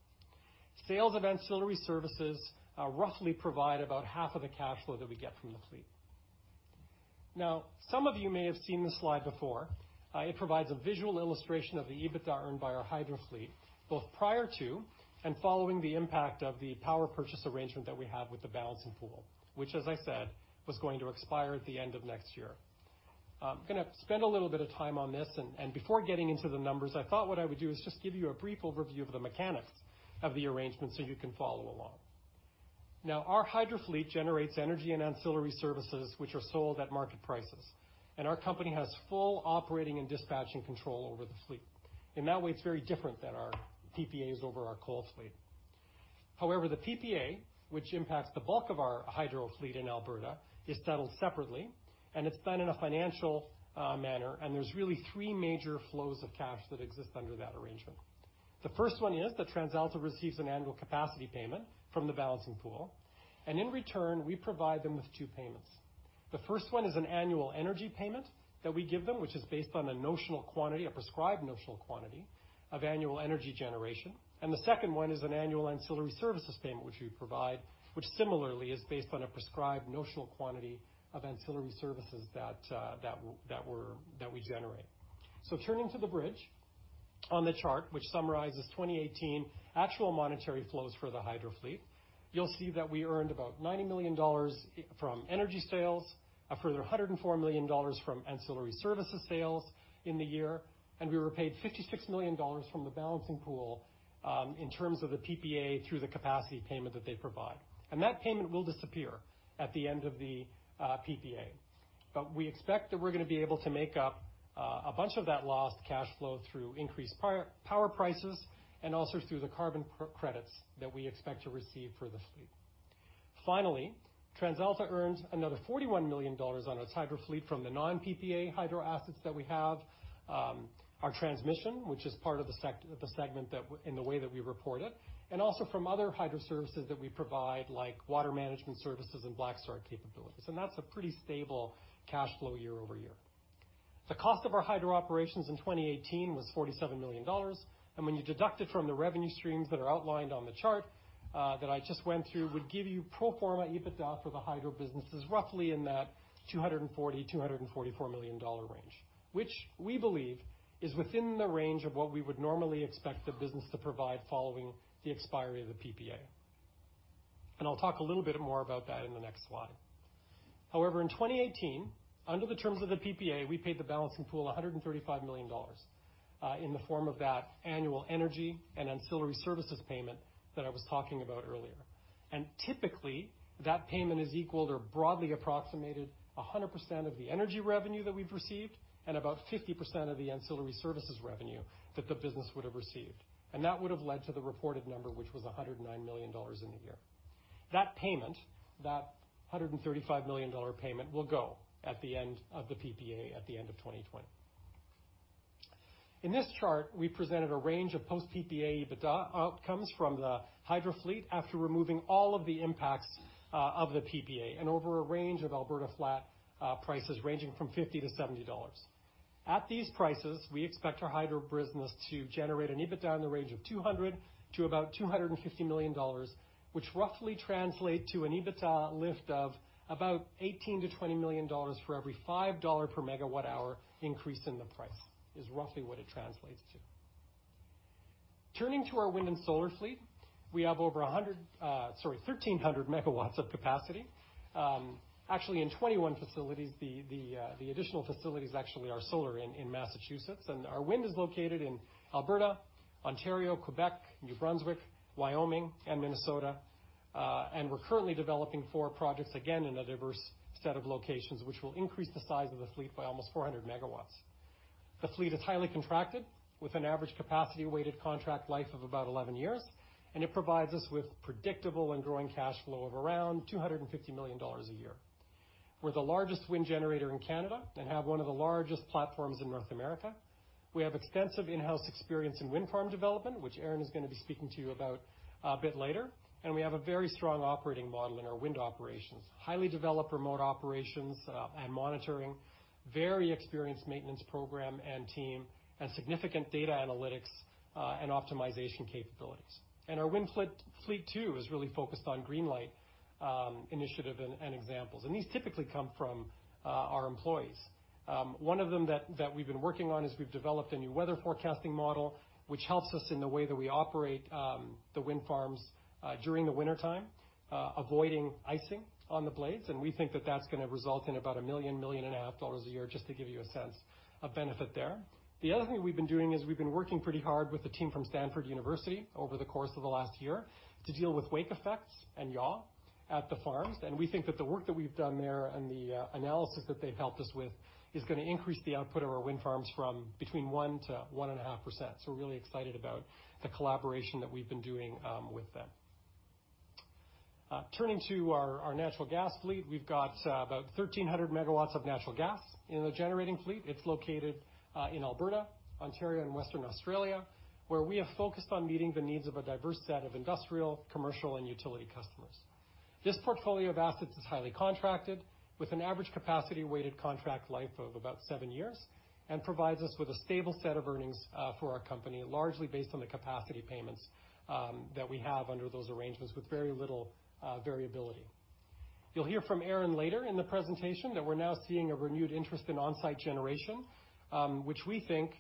Sales of ancillary services roughly provide about half of the cash flow that we get from the fleet. Some of you may have seen this slide before. It provides a visual illustration of the EBITDA earned by our hydro fleet, both prior to and following the impact of the power purchase arrangement that we have with the Balancing Pool, which, as I said, was going to expire at the end of next year. I'm going to spend a little bit of time on this, and before getting into the numbers, I thought what I would do is just give you a brief overview of the mechanics of the arrangement so you can follow along. Our hydro fleet generates energy and ancillary services, which are sold at market prices, and our company has full operating and dispatching control over the fleet. In that way, it's very different than our PPAs over our coal fleet. The PPA, which impacts the bulk of our hydro fleet in Alberta, is settled separately and it's done in a financial manner, and there's really three major flows of cash that exist under that arrangement. The first one is that TransAlta receives an annual capacity payment from the Balancing Pool, and in return, we provide them with two payments. The first one is an annual energy payment that we give them, which is based on a notional quantity, a prescribed notional quantity of annual energy generation. The second one is an annual ancillary services payment, which we provide, which similarly is based on a prescribed notional quantity of ancillary services that we generate. Turning to the bridge on the chart, which summarizes 2018 actual monetary flows for the hydro fleet. You'll see that we earned about 90 million dollars from energy sales, a further 104 million dollars from ancillary services sales in the year, and we were paid 56 million dollars from the Balancing Pool in terms of the PPA through the capacity payment that they provide. That payment will disappear at the end of the PPA. We expect that we're going to be able to make up a bunch of that lost cash flow through increased power prices, and also through the carbon credits that we expect to receive for the fleet. Finally, TransAlta earns another 41 million dollars on its hydro fleet from the non-PPA hydro assets that we have, our transmission, which is part of the segment in the way that we report it, and also from other hydro services that we provide, like water management services and black start capabilities. That's a pretty stable cash flow year-over-year. The cost of our hydro operations in 2018 was 47 million dollars. When you deduct it from the revenue streams that are outlined on the chart that I just went through, would give you pro forma EBITDA for the hydro businesses roughly in that 240 million-244 million dollar range. We believe is within the range of what we would normally expect the business to provide following the expiry of the PPA. I'll talk a little bit more about that in the next slide. However, in 2018, under the terms of the PPA, we paid the Balancing Pool 135 million dollars in the form of that annual energy and ancillary services payment that I was talking about earlier. Typically, that payment is equaled or broadly approximated 100% of the energy revenue that we've received, and about 50% of the ancillary services revenue that the business would have received. That would have led to the reported number, which was 109 million dollars in the year. That payment, that 135 million dollar payment, will go at the end of the PPA at the end of 2020. In this chart, we presented a range of post-PPA EBITDA outcomes from the hydro fleet after removing all of the impacts of the PPA, and over a range of Alberta flat prices ranging from 50-70 dollars. At these prices, we expect our hydro business to generate an EBITDA in the range of 200 million-250 million dollars, which roughly translate to an EBITDA lift of about 18 million-20 million dollars for every 5 dollar per MWh increase in the price, is roughly what it translates to. Turning to our wind and solar fleet, we have over 1,300 MW of capacity. Actually, in 21 facilities, the additional facilities actually are solar in Massachusetts. Our wind is located in Alberta, Ontario, Quebec, New Brunswick, Wyoming, and Minnesota. We're currently developing four projects, again, in a diverse set of locations, which will increase the size of the fleet by almost 400 MW. The fleet is highly contracted, with an average capacity weighted contract life of about 11 years, and it provides us with predictable and growing cash flow of around 250 million dollars a year. We're the largest wind generator in Canada and have one of the largest platforms in N.A. We have extensive in-house experience in wind farm development, which Aron is going to be speaking to you about a bit later. We have a very strong operating model in our wind operations. Highly developed remote operations and monitoring, very experienced maintenance program and team, and significant data analytics and optimization capabilities. Our wind fleet too, is really focused on Greenlight initiative and examples. These typically come from our employees. One of them that we've been working on is we've developed a new weather forecasting model, which helps us in the way that we operate the wind farms during the wintertime, avoiding icing on the blades. We think that that's going to result in about 1 million-1.5 million a year, just to give you a sense of benefit there. The other thing we've been doing is we've been working pretty hard with the team from Stanford University over the course of the last year to deal with wake effects and yaw at the farms. We think that the work that we've done there and the analysis that they've helped us with is going to increase the output of our wind farms from between 1% to 1.5%. We're really excited about the collaboration that we've been doing with them. Turning to our natural gas fleet, we've got about 1,300 megawatts of natural gas in the generating fleet. It's located in Alberta, Ontario, and Western Australia, where we have focused on meeting the needs of a diverse set of industrial, commercial, and utility customers. This portfolio of assets is highly contracted, with an average capacity weighted contract life of about seven years. It provides us with a stable set of earnings for our company, largely based on the capacity payments that we have under those arrangements with very little variability. You'll hear from Aron later in the presentation that we're now seeing a renewed interest in on-site generation, which we think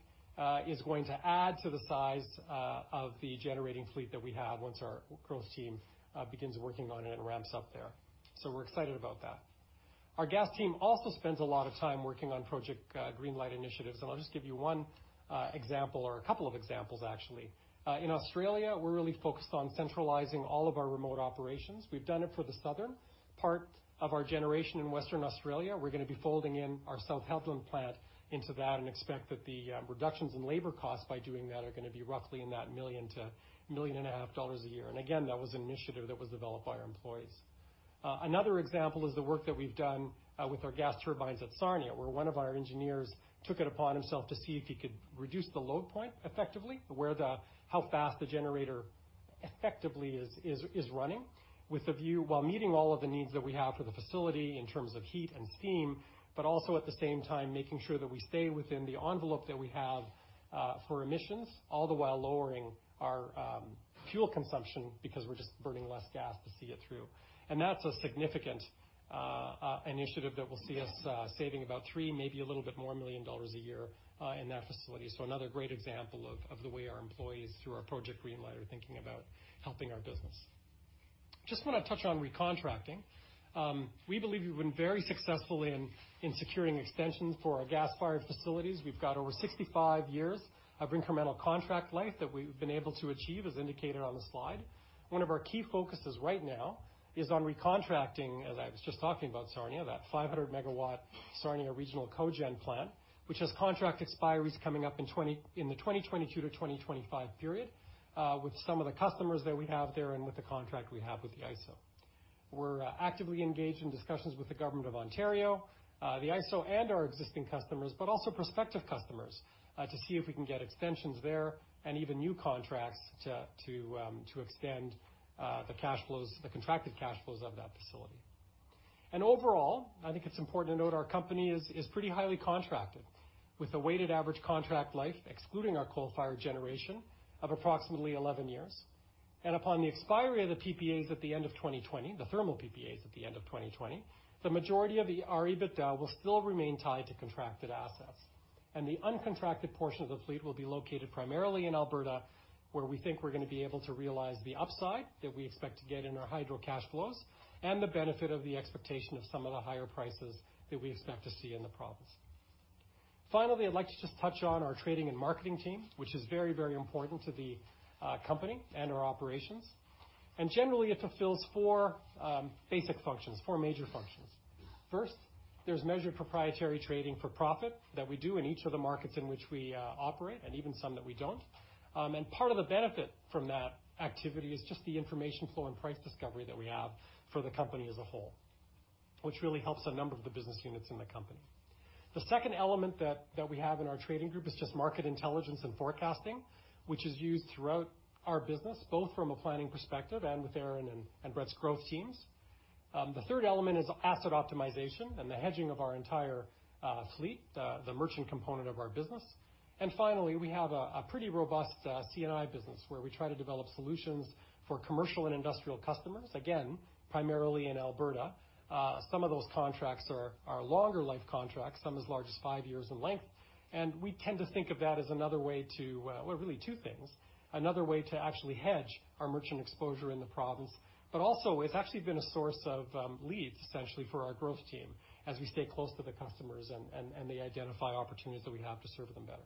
is going to add to the size of the generating fleet that we have once our growth team begins working on it and ramps up there. We're excited about that. Our gas team also spends a lot of time working on Project Greenlight initiatives. I'll just give you one example or a couple of examples, actually. In Australia, we're really focused on centralizing all of our remote operations. We've done it for the southern part of our generation in Western Australia. We're going to be folding in our South Hedland plant into that and expect that the reductions in labor costs by doing that are going to be roughly in that 1 million-1.5 million a year. Again, that was an initiative that was developed by our employees. Another example is the work that we've done with our gas turbines at Sarnia, where one of our engineers took it upon himself to see if he could reduce the load point effectively, how fast the generator effectively is running, while meeting all of the needs that we have for the facility in terms of heat and steam, but also at the same time making sure that we stay within the envelope that we have for emissions, all the while lowering our fuel consumption because we're just burning less gas to see it through. That's a significant initiative that will see us saving about three, maybe a little bit more, 3 million dollars a year in that facility. Another great example of the way our employees, through our Project Greenlight, are thinking about helping our business. I just want to touch on recontracting. We believe we've been very successful in securing extensions for our gas-fired facilities. We've got over 65 years of incremental contract life that we've been able to achieve, as indicated on the slide. One of our key focuses right now is on recontracting, as I was just talking about Sarnia, that 500-megawatt Sarnia Regional Cogen Plant, which has contract expiries coming up in the 2022 to 2025 period with some of the customers that we have there and with the contract we have with the ISO. We're actively engaged in discussions with the government of Ontario, the ISO, and our existing customers, but also prospective customers, to see if we can get extensions there and even new contracts to extend the contracted cash flows of that facility. Overall, I think it's important to note our company is pretty highly contracted with a weighted average contract life, excluding our coal-fired generation, of approximately 11 years. Upon the expiry of the PPAs at the end of 2020, the thermal PPAs at the end of 2020, the majority of the EBITDA will still remain tied to contracted assets. The uncontracted portion of the fleet will be located primarily in Alberta, where we think we're going to be able to realize the upside that we expect to get in our hydro cash flows and the benefit of the expectation of some of the higher prices that we expect to see in the province. Finally, I'd like to just touch on our trading and marketing team, which is very, very important to the company and our operations. Generally, it fulfills four major functions. First, there's measured proprietary trading for profit that we do in each of the markets in which we operate and even some that we don't. Part of the benefit from that activity is just the information flow and price discovery that we have for the company as a whole, which really helps a number of the business units in the company. The second element that we have in our trading group is just market intelligence and forecasting, which is used throughout our business, both from a planning perspective and with Aron and Brett's growth teams. The third element is asset optimization and the hedging of our entire fleet, the merchant component of our business. Finally, we have a pretty robust C&I business where we try to develop solutions for commercial and industrial customers, again, primarily in Alberta. Some of those contracts are longer life contracts, some as large as five years in length. We tend to think of that as another way to Well, really two things. Another way to actually hedge our merchant exposure in the province. Also, it's actually been a source of leads, essentially, for our growth team as we stay close to the customers and they identify opportunities that we have to serve them better.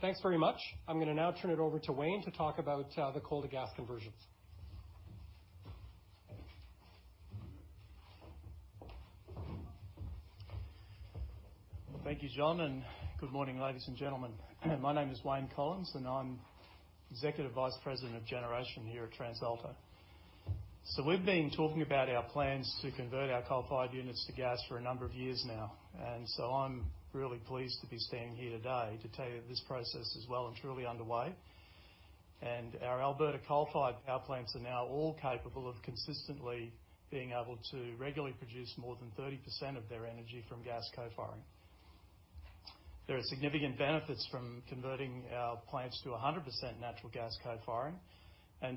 Thanks very much. I'm going to now turn it over to Wayne to talk about the coal-to-gas conversions. Thank you, John. Good morning, ladies and gentlemen. My name is Wayne Collins, and I'm Executive Vice President of Generation here at TransAlta. We've been talking about our plans to convert our coal-fired units to gas for a number of years now. I'm really pleased to be standing here today to tell you that this process is well and truly underway. Our Alberta coal-fired power plants are now all capable of consistently being able to regularly produce more than 30% of their energy from gas co-firing. There are significant benefits from converting our plants to 100% natural gas co-firing.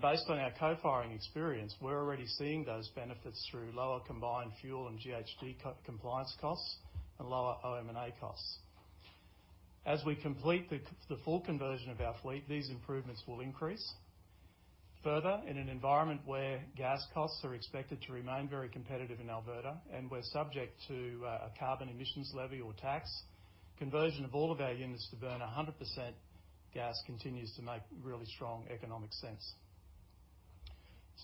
Based on our co-firing experience, we're already seeing those benefits through lower combined fuel and GHG compliance costs and lower OM&A costs. As we complete the full conversion of our fleet, these improvements will increase. Further, in an environment where gas costs are expected to remain very competitive in Alberta and we're subject to a carbon emissions levy or tax, conversion of all of our units to burn 100% gas continues to make really strong economic sense.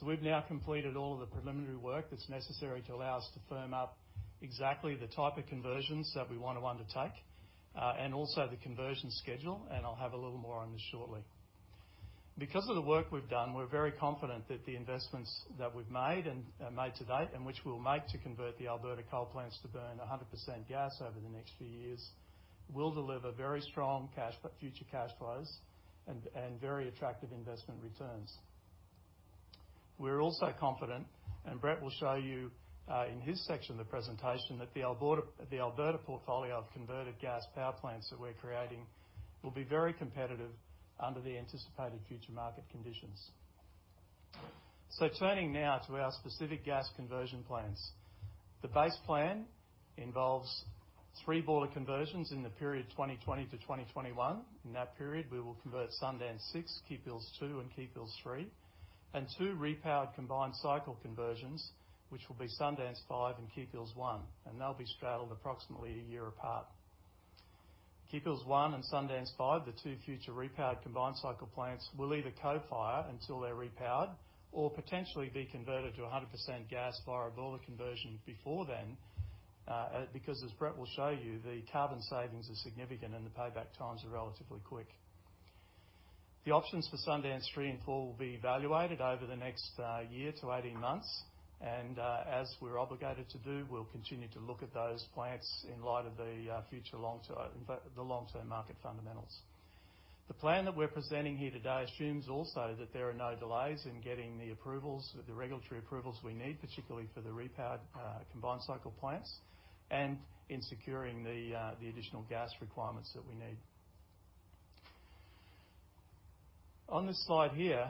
We've now completed all of the preliminary work that's necessary to allow us to firm up exactly the type of conversions that we want to undertake and also the conversion schedule, and I'll have a little more on this shortly. Because of the work we've done, we're very confident that the investments that we've made to date and which we'll make to convert the Alberta coal plants to burn 100% gas over the next few years will deliver very strong future cash flows and very attractive investment returns. We're also confident, and Brett will show you in his section of the presentation, that the Alberta portfolio of converted gas power plants that we're creating will be very competitive under the anticipated future market conditions. Turning now to our specific gas conversion plans. The base plan involves three boiler conversions in the period 2020-2021. In that period, we will convert Sundance 6, Keephills 2, and Keephills 3, and two repowered combined cycle conversions, which will be Sundance 5 and Keephills 1, and they'll be straddled approximately a year apart. Keephills 1 and Sundance 5, the two future repowered combined cycle plants, will either co-fire until they're repowered or potentially be converted to 100% gas via a boiler conversion before then, because as Brett will show you, the carbon savings are significant and the payback times are relatively quick. The options for Sundance 3 and 4 will be evaluated over the next year to 18 months. As we're obligated to do, we'll continue to look at those plants in light of the long-term market fundamentals. The plan that we're presenting here today assumes also that there are no delays in getting the regulatory approvals we need, particularly for the repowered combined cycle plants, and in securing the additional gas requirements that we need. On this slide here,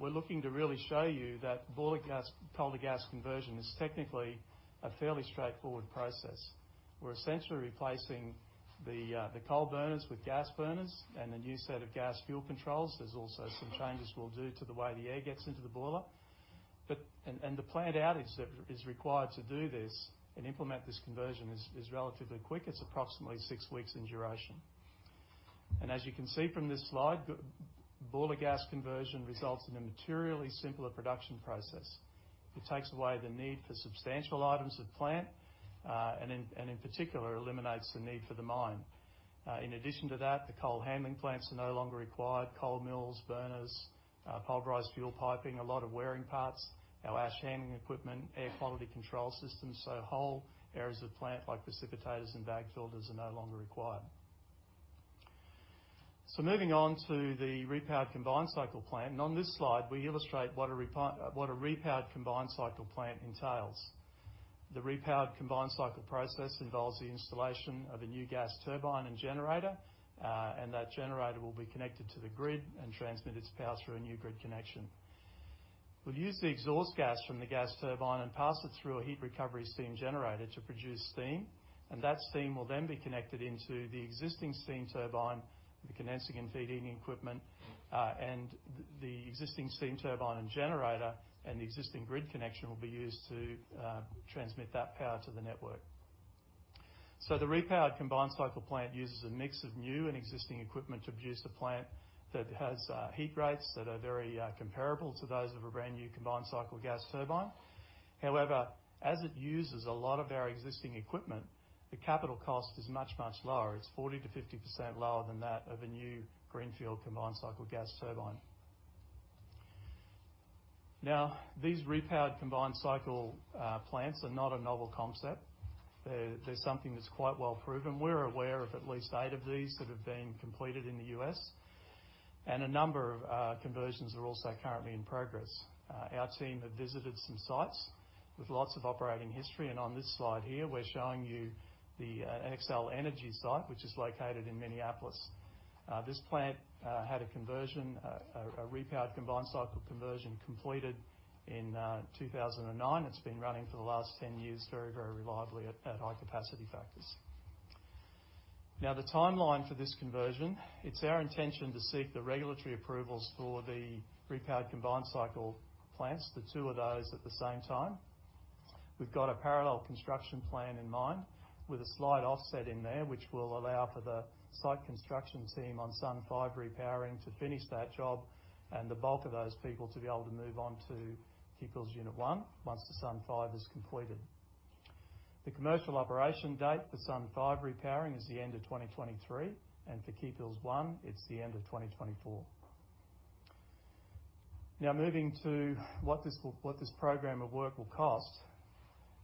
we're looking to really show you that boiler gas, coal-to-gas conversion is technically a fairly straightforward process. We're essentially replacing the coal burners with gas burners and a new set of gas fuel controls. There's also some changes we'll do to the way the air gets into the boiler. The plant outage that is required to do this and implement this conversion is relatively quick. It's approximately six weeks in duration. As you can see from this slide, boiler gas conversion results in a materially simpler production process. It takes away the need for substantial items of plant, and in particular, eliminates the need for the mine. In addition to that, the coal handling plants are no longer required, coal mills, burners, pulverized fuel piping, a lot of wearing parts, our ash handling equipment, air quality control systems. Whole areas of plant, like precipitators and bag filters, are no longer required. Moving on to the repowered combined cycle plant. On this slide, we illustrate what a repowered combined cycle plant entails. The repowered combined cycle process involves the installation of a new gas turbine and generator, and that generator will be connected to the grid and transmit its power through a new grid connection. We'll use the exhaust gas from the gas turbine and pass it through a heat recovery steam generator to produce steam, and that steam will then be connected into the existing steam turbine with the condensing and feeding equipment. The existing steam turbine and generator and the existing grid connection will be used to transmit that power to the network. The repowered combined cycle plant uses a mix of new and existing equipment to produce a plant that has heat rates that are very comparable to those of a brand new combined cycle gas turbine. However, as it uses a lot of our existing equipment, the capital cost is much, much lower. It's 40%-50% lower than that of a new greenfield combined cycle gas turbine. Now, these repowered combined cycle plants are not a novel concept. They're something that's quite well proven. We're aware of at least eight of these that have been completed in the U.S. A number of conversions are also currently in progress. Our team have visited some sites with lots of operating history, and on this slide here, we're showing you the Xcel Energy site, which is located in Minneapolis. This plant had a repowered combined cycle conversion completed in 2009. It's been running for the last 10 years very reliably at high capacity factors. The timeline for this conversion, it's our intention to seek the regulatory approvals for the repowered combined cycle plants, the two of those at the same time. We've got a parallel construction plan in mind with a slight offset in there, which will allow for the site construction team on Sun 5 repowering to finish that job and the bulk of those people to be able to move on to Keephills Unit 1 once the Sun 5 is completed. The commercial operation date for Sun 5 repowering is the end of 2023, and for Keephills 1, it's the end of 2024. Moving to what this program of work will cost.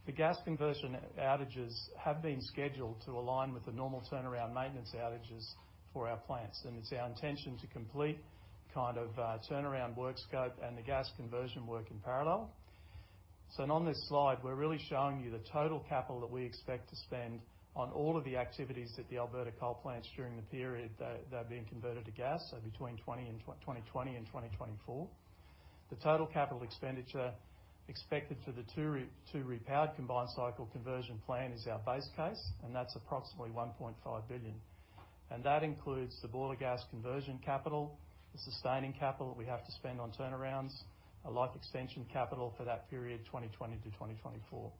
The gas conversion outages have been scheduled to align with the normal turnaround maintenance outages for our plants, and it's our intention to complete turnaround work scope and the gas conversion work in parallel. On this slide, we're really showing you the total capital that we expect to spend on all of the activities at the Alberta coal plants during the period that they're being converted to gas, so between 2020-2024. The total capital expenditure expected for the two repowered combined cycle conversion plan is our base case, and that's approximately 1.5 billion. That includes the boiler gas conversion capital, the sustaining capital we have to spend on turnarounds, a life extension capital for that period, 2020 to 2024.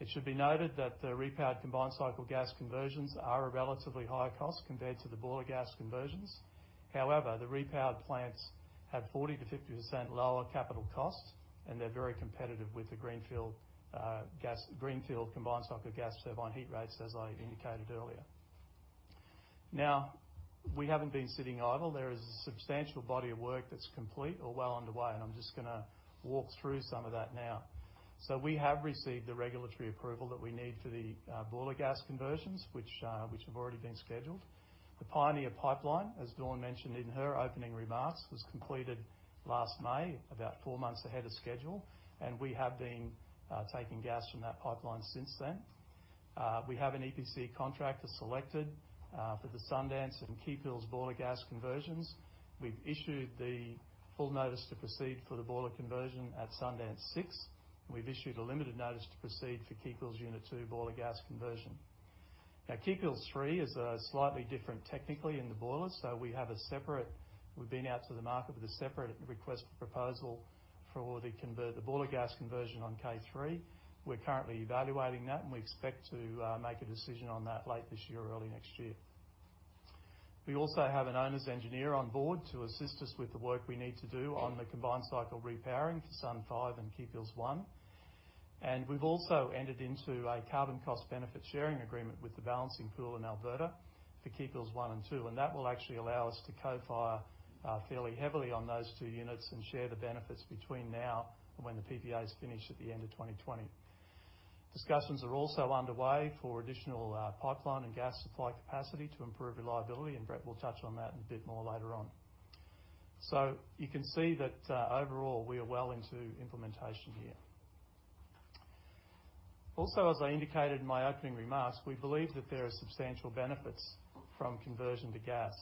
It should be noted that the repowered combined cycle gas conversions are a relatively higher cost compared to the boiler gas conversions. However, the repowered plants have 40%-50% lower capital cost, and they're very competitive with the greenfield combined cycle gas turbine heat rates, as I indicated earlier. Now, we haven't been sitting idle. There is a substantial body of work that's complete or well underway, and I'm just gonna walk through some of that now. We have received the regulatory approval that we need for the boiler gas conversions, which have already been scheduled. The Pioneer Pipeline, as Dawn mentioned in her opening remarks, was completed last May, about four months ahead of schedule, and we have been taking gas from that pipeline since then. We have an EPC contractor selected for the Sundance and Keephills boiler gas conversions. We've issued the full notice to proceed for the boiler conversion at Sundance 6, and we've issued a limited notice to proceed for Keephills Unit 2 boiler gas conversion. Keephills 3 is slightly different technically in the boiler. We've been out to the market with a separate request for proposal for the boiler gas conversion on K3. We're currently evaluating that, we expect to make a decision on that late this year or early next year. We also have an owner's engineer on board to assist us with the work we need to do on the combined cycle repowering for Sundance 5 and Keephills Unit 1. We've also entered into a carbon cost benefit sharing agreement with the Balancing Pool in Alberta for Keephills 1 and 2, and that will actually allow us to co-fire fairly heavily on those two units and share the benefits between now and when the PPA is finished at the end of 2020. Discussions are also underway for additional pipeline and gas supply capacity to improve reliability, and Brett will touch on that a bit more later on. You can see that overall, we are well into implementation here. As I indicated in my opening remarks, we believe that there are substantial benefits from conversion to gas.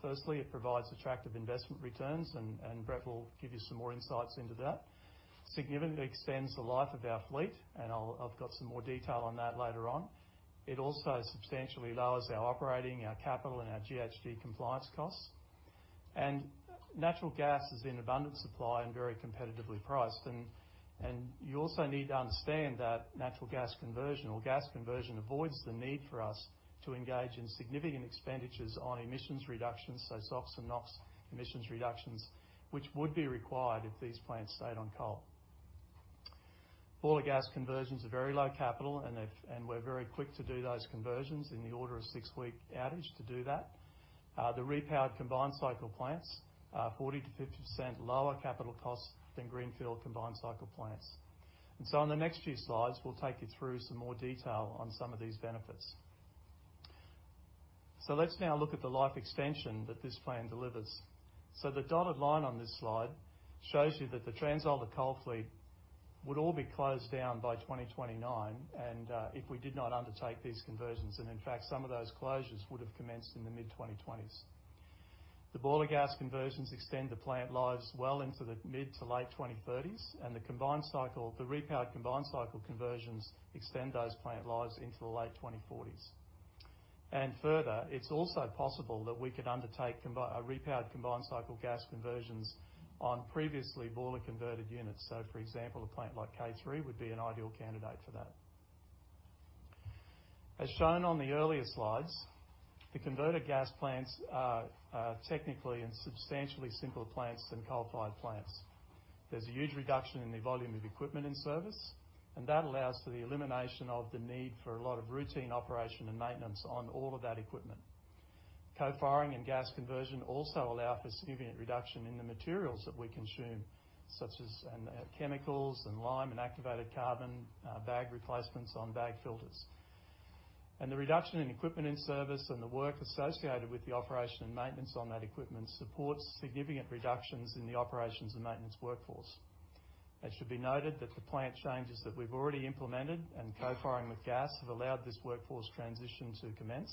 Firstly, it provides attractive investment returns, and Brett will give you some more insights into that. Significantly extends the life of our fleet, and I've got some more detail on that later on. It also substantially lowers our operating, our capital, and our GHG compliance costs. Natural gas is in abundant supply and very competitively priced. You also need to understand that natural gas conversion or gas conversion avoids the need for us to engage in significant expenditures on emissions reductions, so SOx and NOx emissions reductions, which would be required if these plants stayed on coal. Boiler gas conversions are very low capital and we're very quick to do those conversions in the order of six-week outage to do that. The repowered combined cycle plants are 40%-50% lower capital costs than greenfield combined cycle plants. On the next few slides, we'll take you through some more detail on some of these benefits. Let's now look at the life extension that this plan delivers. The dotted line on this slide shows you that the TransAlta coal fleet would all be closed down by 2029 and if we did not undertake these conversions. In fact, some of those closures would have commenced in the mid-2020s. The boiler gas conversions extend the plant lives well into the mid to late 2030s, and the repowered combined cycle conversions extend those plant lives into the late 2040s. Further, it's also possible that we could undertake repowered combined cycle gas conversions on previously boiler converted units. For example, a plant like K3 would be an ideal candidate for that. As shown on the earlier slides, the converted gas plants are technically and substantially simpler plants than coal-fired plants. There's a huge reduction in the volume of equipment in service, and that allows for the elimination of the need for a lot of routine operation and maintenance on all of that equipment. Co-firing and gas conversion also allow for significant reduction in the materials that we consume, such as chemicals, and lime, and activated carbon, bag replacements on bag filters. The reduction in equipment in service and the work associated with the operation and maintenance on that equipment supports significant reductions in the operations and maintenance workforce. It should be noted that the plant changes that we've already implemented and co-firing with gas have allowed this workforce transition to commence.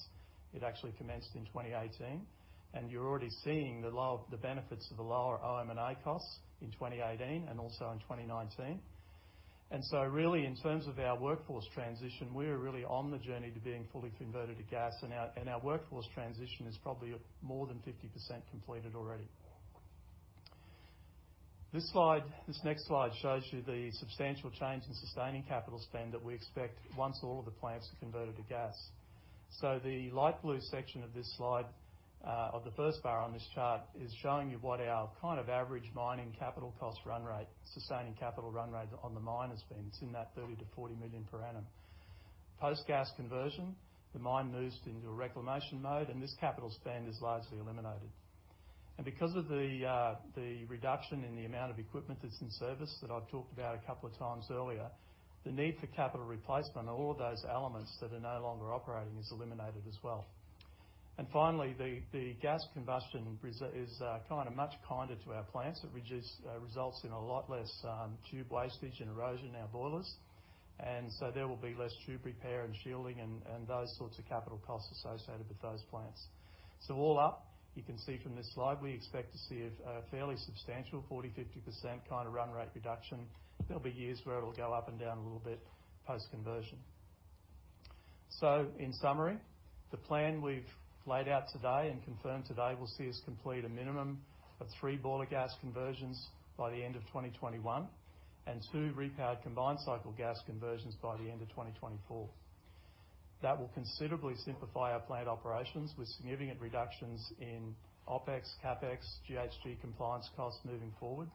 It actually commenced in 2018, and you're already seeing the benefits of the lower OM&A costs in 2018 and also in 2019. Really, in terms of our workforce transition, we are really on the journey to being fully converted to gas. Our workforce transition is probably more than 50% completed already. This next slide shows you the substantial change in sustaining capital spend that we expect once all of the plants are converted to gas. The light blue section of this slide, of the first bar on this chart, is showing you what our average mining capital cost run rate, sustaining capital run rate on the mine has been. It's in that 30 million-40 million per annum. Post-gas conversion, the mine moves into a reclamation mode and this capital spend is largely eliminated. Because of the reduction in the amount of equipment that's in service that I've talked about a couple of times earlier, the need for capital replacement of all of those elements that are no longer operating is eliminated as well. Finally, the gas combustion is much kinder to our plants. It results in a lot less tube wastage and erosion in our boilers. There will be less tube repair and shielding and those sorts of capital costs associated with those plants. All up, you can see from this slide, we expect to see a fairly substantial 40%-50% run rate reduction. There'll be years where it'll go up and down a little bit post-conversion. In summary, the plan we've laid out today and confirmed today will see us complete a minimum of three boiler gas conversions by the end of 2021 and two repowered combined cycle gas conversions by the end of 2024. That will considerably simplify our plant operations with significant reductions in OpEx, CapEx, GHG compliance costs moving forward,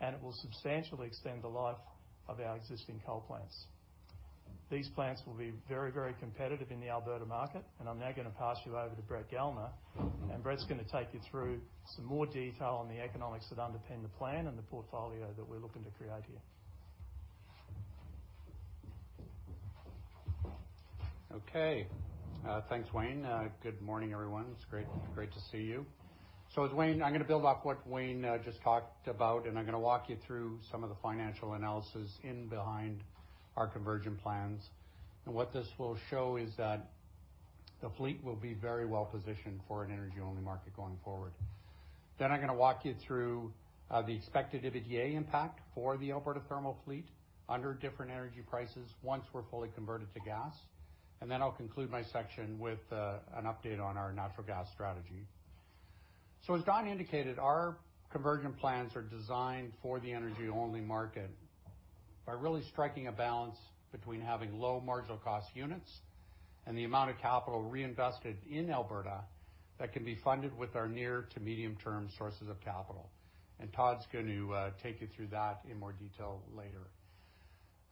and it will substantially extend the life of our existing coal plants. These plants will be very, very competitive in the Alberta market, and I'm now going to pass you over to Brett Gellner, and Brett's going to take you through some more detail on the economics that underpin the plan and the portfolio that we're looking to create here. Okay. Thanks, Wayne. Good morning, everyone. It's great to see you. I'm going to build off what Wayne just talked about, and I'm going to walk you through some of the financial analysis in behind our conversion plans. What this will show is that the fleet will be very well positioned for an energy-only market going forward. I'm going to walk you through the expected EBITDA impact for the Alberta thermal fleet under different energy prices once we're fully converted to gas. I'll conclude my section with an update on our natural gas strategy. As Dawn indicated, our conversion plans are designed for the energy-only market by really striking a balance between having low marginal cost units and the amount of capital reinvested in Alberta that can be funded with our near to medium term sources of capital. Todd's going to take you through that in more detail later.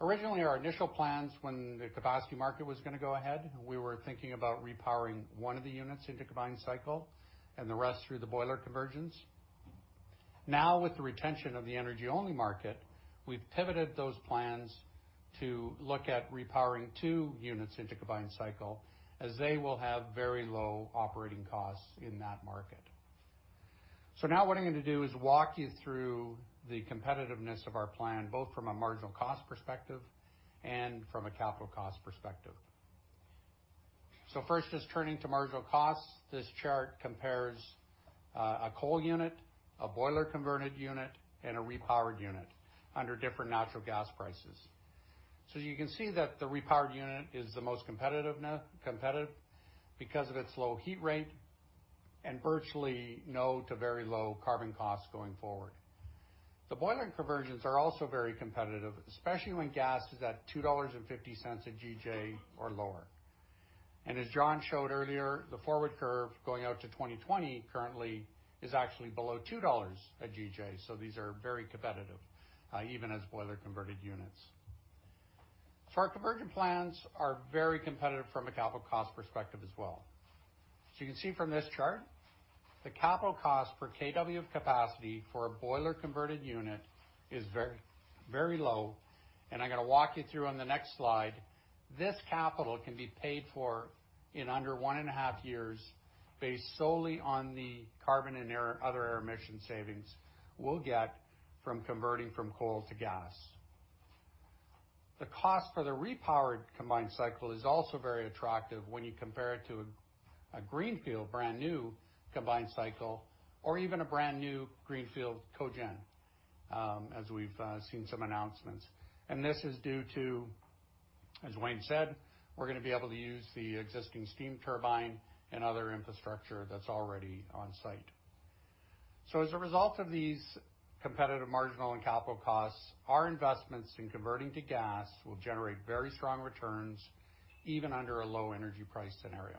Originally, our initial plans when the capacity market was going to go ahead, we were thinking about repowering one of the units into combined cycle and the rest through the boiler conversions. Now, with the retention of the energy-only market, we've pivoted those plans to look at repowering two units into combined cycle as they will have very low operating costs in that market. Now what I'm going to do is walk you through the competitiveness of our plan, both from a marginal cost perspective and from a capital cost perspective. First, just turning to marginal costs, this chart compares a coal unit, a boiler converted unit, and a repowered unit under different natural gas prices. You can see that the repowered unit is the most competitive because of its low heat rate and virtually no to very low carbon costs going forward. The boiler conversions are also very competitive, especially when gas is at 2.50 dollars a GJ or lower. As John showed earlier, the forward curve going out to 2020 currently is actually below 2 dollars a GJ, so these are very competitive, even as boiler converted units. Our conversion plans are very competitive from a capital cost perspective as well. As you can see from this chart, the capital cost per kW of capacity for a boiler converted unit is very low. I'm going to walk you through on the next slide, this capital can be paid for in under 1.5 years based solely on the carbon and other emission savings we'll get from converting from coal to gas. The cost for the repowered combined cycle is also very attractive when you compare it to a greenfield, brand-new combined cycle or even a brand-new greenfield cogen, as we've seen some announcements. This is due to, as Wayne said, we're going to be able to use the existing steam turbine and other infrastructure that's already on site. As a result of these competitive marginal and capital costs, our investments in converting to gas will generate very strong returns, even under a low energy price scenario.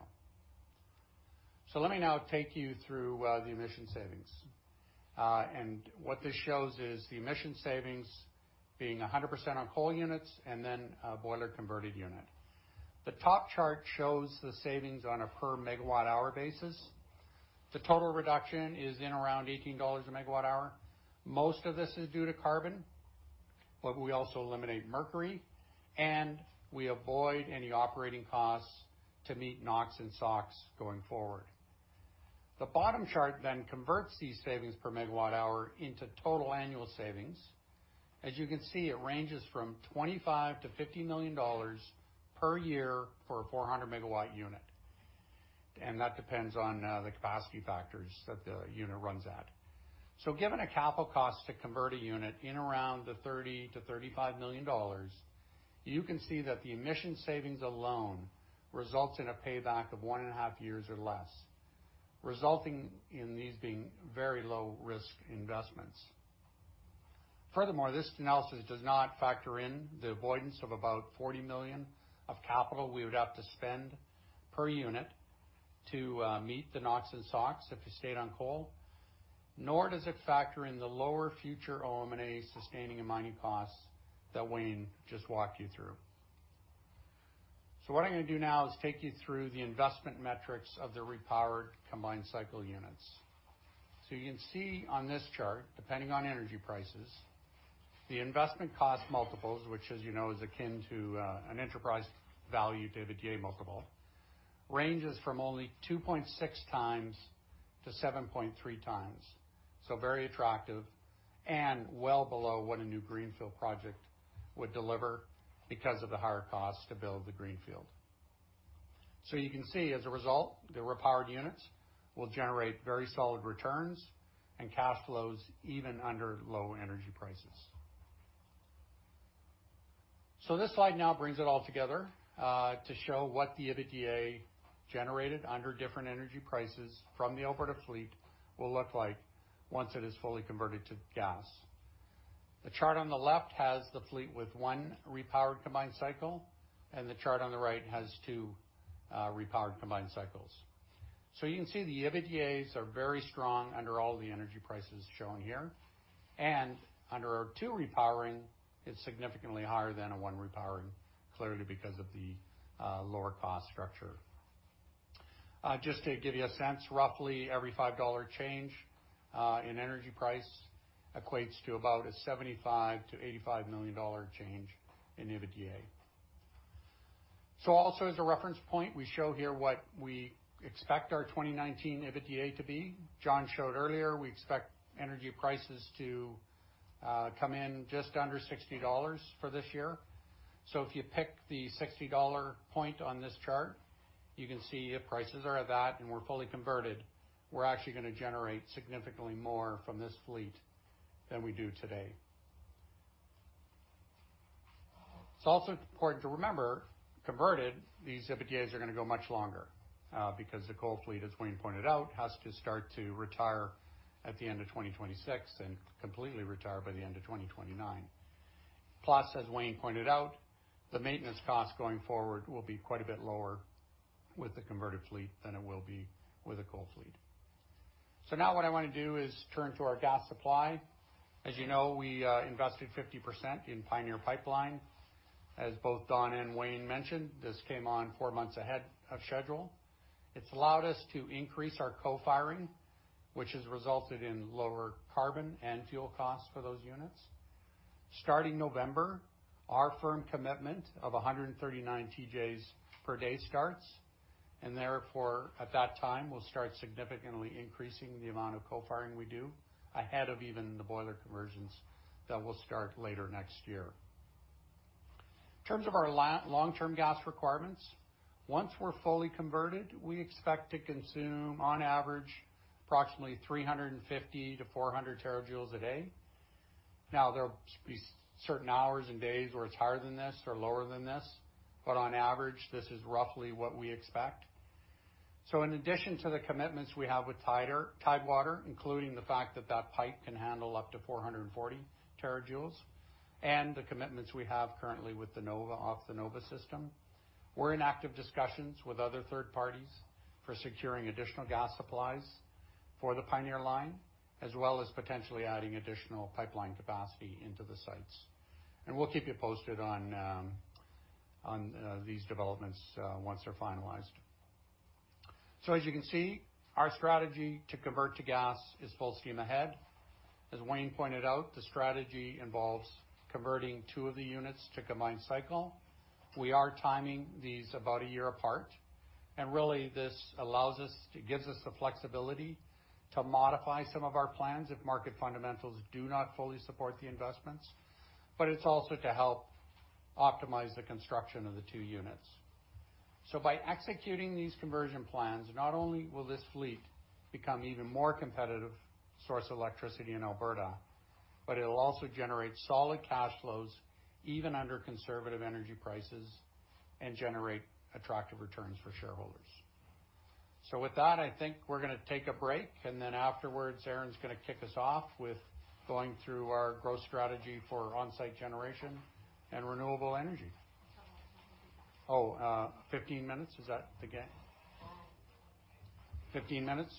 Let me now take you through the emission savings. What this shows is the emission savings being 100% on coal units and then a boiler converted unit. The top chart shows the savings on a per megawatt hour basis. The total reduction is in around 18 dollars a megawatt hour. Most of this is due to carbon, but we also eliminate mercury, and we avoid any operating costs to meet NOx and SOx going forward. The bottom chart converts these savings per megawatt hour into total annual savings. As you can see, it ranges from 25 million to 50 million dollars per year for a 400-megawatt unit. That depends on the capacity factors that the unit runs at. Given a capital cost to convert a unit in around the 30 million-35 million dollars, you can see that the emission savings alone results in a payback of 1.5 years or less, resulting in these being very low risk investments. Furthermore, this analysis does not factor in the avoidance of about 40 million of capital we would have to spend per unit to meet the NOx and SOx if we stayed on coal, nor does it factor in the lower future OM&A sustaining and mining costs that Wayne just walked you through. What I'm going to do now is take you through the investment metrics of the repowered combined cycle units. You can see on this chart, depending on energy prices, the investment cost multiples, which as you know is akin to an enterprise value to EBITDA multiple, ranges from only 2.6x-7.3x. Very attractive and well below what a new greenfield project would deliver because of the higher cost to build the greenfield. You can see as a result, the repowered units will generate very solid returns and cash flows even under low energy prices. This slide now brings it all together to show what the EBITDA generated under different energy prices from the Alberta fleet will look like once it is fully converted to gas. The chart on the left has the fleet with one repowered combined cycle, and the chart on the right has two repowered combined cycles. You can see the EBITDAs are very strong under all the energy prices shown here. Under our 2 repowering, it's significantly higher than a one repowering, clearly because of the lower cost structure. Just to give you a sense, roughly every 5 dollar change in energy price equates to about a 75 million-85 million dollar change in EBITDA. Also as a reference point, we show here what we expect our 2019 EBITDA to be. John showed earlier, we expect energy prices to come in just under 60 dollars for this year. If you pick the 60 dollar point on this chart, you can see if prices are at that and we're fully converted, we're actually going to generate significantly more from this fleet than we do today. It's also important to remember, converted, these EBITDAs are going to go much longer, because the coal fleet, as Wayne pointed out, has to start to retire at the end of 2026 and completely retire by the end of 2029. Plus, as Wayne pointed out, the maintenance cost going forward will be quite a bit lower with the converted fleet than it will be with a coal fleet. Now what I want to do is turn to our gas supply. As you know, we invested 50% in Pioneer Pipeline. As both Dawn and Wayne mentioned, this came on four months ahead of schedule. It's allowed us to increase our co-firing, which has resulted in lower carbon and fuel costs for those units. Starting November, our firm commitment of 139 TJs per day starts. Therefore, at that time, we'll start significantly increasing the amount of co-firing we do ahead of even the boiler conversions that will start later next year. In terms of our long-term gas requirements, once we're fully converted, we expect to consume on average approximately 350-400 terajoules a day. There'll be certain hours and days where it's higher than this or lower than this, but on average, this is roughly what we expect. In addition to the commitments we have with Tidewater, including the fact that that pipe can handle up to 440 terajoules, and the commitments we have currently off the Nova system, we're in active discussions with other third parties for securing additional gas supplies for the Pioneer line, as well as potentially adding additional pipeline capacity into the sites. We'll keep you posted on these developments once they're finalized. As you can see, our strategy to convert to gas is full steam ahead. As Wayne pointed out, the strategy involves converting two of the units to combined cycle. We are timing these about a year apart, and really, this gives us the flexibility to modify some of our plans if market fundamentals do not fully support the investments, but it's also to help optimize the construction of the two units. By executing these conversion plans, not only will this fleet become even more competitive source of electricity in Alberta, but it will also generate solid cash flows even under conservative energy prices and generate attractive returns for shareholders. With that, I think we are going to take a break, and then afterwards, Aron's going to kick us off with going through our growth strategy for onsite generation and renewable energy. 15 minutes. Is that the game? 15 minutes?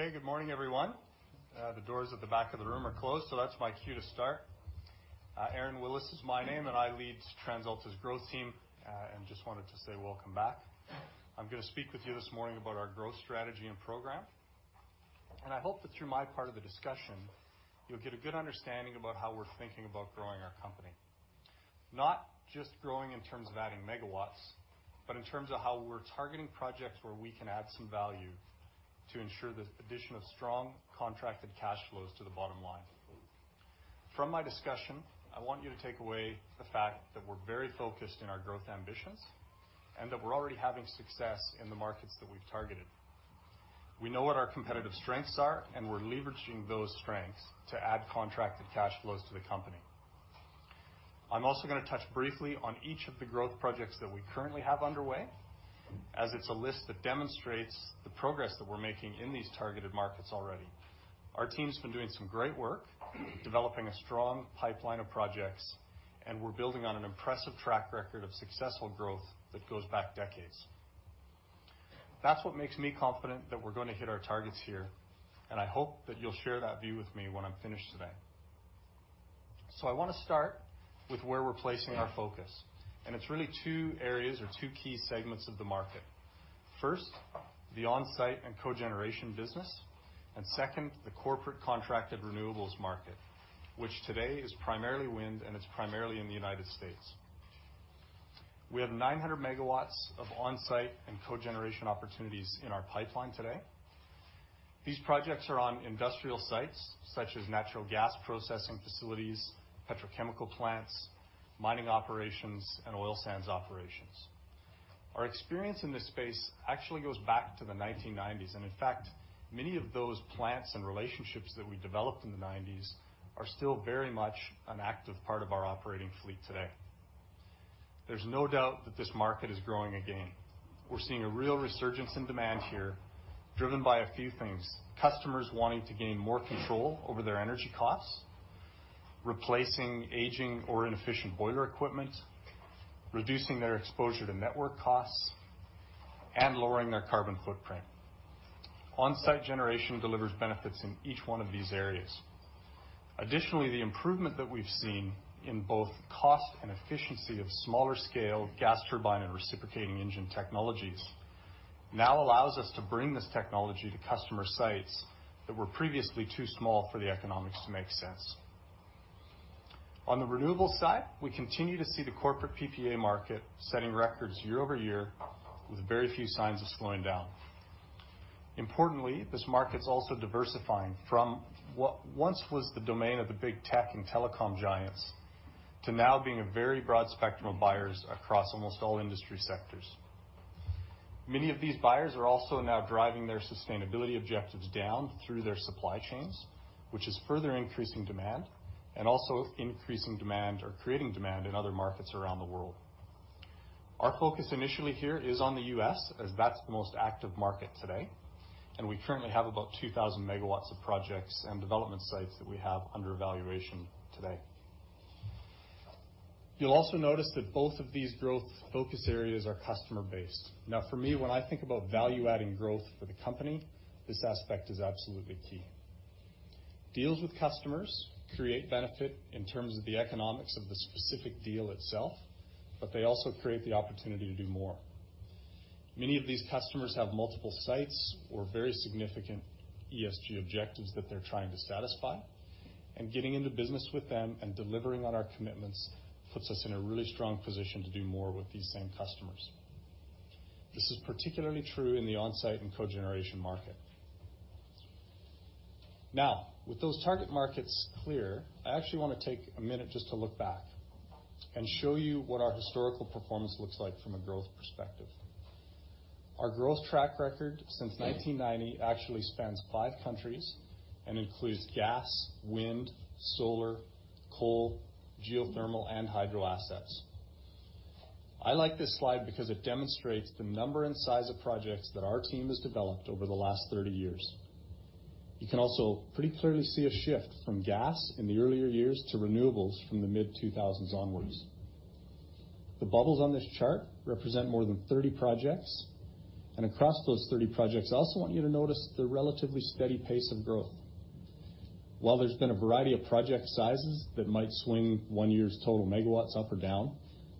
Okay. Good morning, everyone. The doors at the back of the room are closed, so that's my cue to start. Aron Willis is my name, and I lead TransAlta's growth team, and just wanted to say welcome back. I'm going to speak with you this morning about our growth strategy and program. I hope that through my part of the discussion, you'll get a good understanding about how we're thinking about growing our company. Not just growing in terms of adding megawatts, but in terms of how we're targeting projects where we can add some value to ensure the addition of strong contracted cash flows to the bottom line. From my discussion, I want you to take away the fact that we're very focused in our growth ambitions and that we're already having success in the markets that we've targeted. We know what our competitive strengths are, and we're leveraging those strengths to add contracted cash flows to the company. I'm also going to touch briefly on each of the growth projects that we currently have underway, as it's a list that demonstrates the progress that we're making in these targeted markets already. Our team's been doing some great work developing a strong pipeline of projects, and we're building on an impressive track record of successful growth that goes back decades. That's what makes me confident that we're going to hit our targets here, and I hope that you'll share that view with me when I'm finished today. I want to start with where we're placing our focus, and it's really two areas or two key segments of the market. First, the on-site and cogeneration business. Second, the corporate contracted renewables market, which today is primarily wind, and it's primarily in the United States. We have 900 megawatts of on-site and cogeneration opportunities in our pipeline today. These projects are on industrial sites, such as natural gas processing facilities, petrochemical plants, mining operations, and oil sands operations. Our experience in this space actually goes back to the 1990s. In fact, many of those plants and relationships that we developed in the '90s are still very much an active part of our operating fleet today. There's no doubt that this market is growing again. We're seeing a real resurgence in demand here, driven by a few things. Customers wanting to gain more control over their energy costs, replacing aging or inefficient boiler equipment, reducing their exposure to network costs, and lowering their carbon footprint. On-site generation delivers benefits in each one of these areas. Additionally, the improvement that we've seen in both cost and efficiency of smaller scale gas turbine and reciprocating engine technologies now allows us to bring this technology to customer sites that were previously too small for the economics to make sense. On the renewable side, we continue to see the corporate PPA market setting records year-over-year with very few signs of slowing down. Importantly, this market's also diversifying from what once was the domain of the big tech and telecom giants to now being a very broad spectrum of buyers across almost all industry sectors. Many of these buyers are also now driving their sustainability objectives down through their supply chains, which is further increasing demand and also increasing demand or creating demand in other markets around the world. Our focus initially here is on the U.S., as that's the most active market today. We currently have about 2,000 megawatts of projects and development sites that we have under evaluation today. You'll also notice that both of these growth focus areas are customer-based. For me, when I think about value-adding growth for the company, this aspect is absolutely key. Deals with customers create benefit in terms of the economics of the specific deal itself. They also create the opportunity to do more. Many of these customers have multiple sites or very significant ESG objectives that they're trying to satisfy. Getting into business with them and delivering on our commitments puts us in a really strong position to do more with these same customers. This is particularly true in the onsite and cogeneration market. With those target markets clear, I actually want to take a minute just to look back and show you what our historical performance looks like from a growth perspective. Our growth track record since 1990 actually spans five countries and includes gas, wind, solar, coal, geothermal, and hydro assets. I like this slide because it demonstrates the number and size of projects that our team has developed over the last 30 years. You can also pretty clearly see a shift from gas in the earlier years to renewables from the mid-2000s onwards. The bubbles on this chart represent more than 30 projects. Across those 30 projects, I also want you to notice the relatively steady pace of growth. While there's been a variety of project sizes that might swing one year's total megawatts up or down,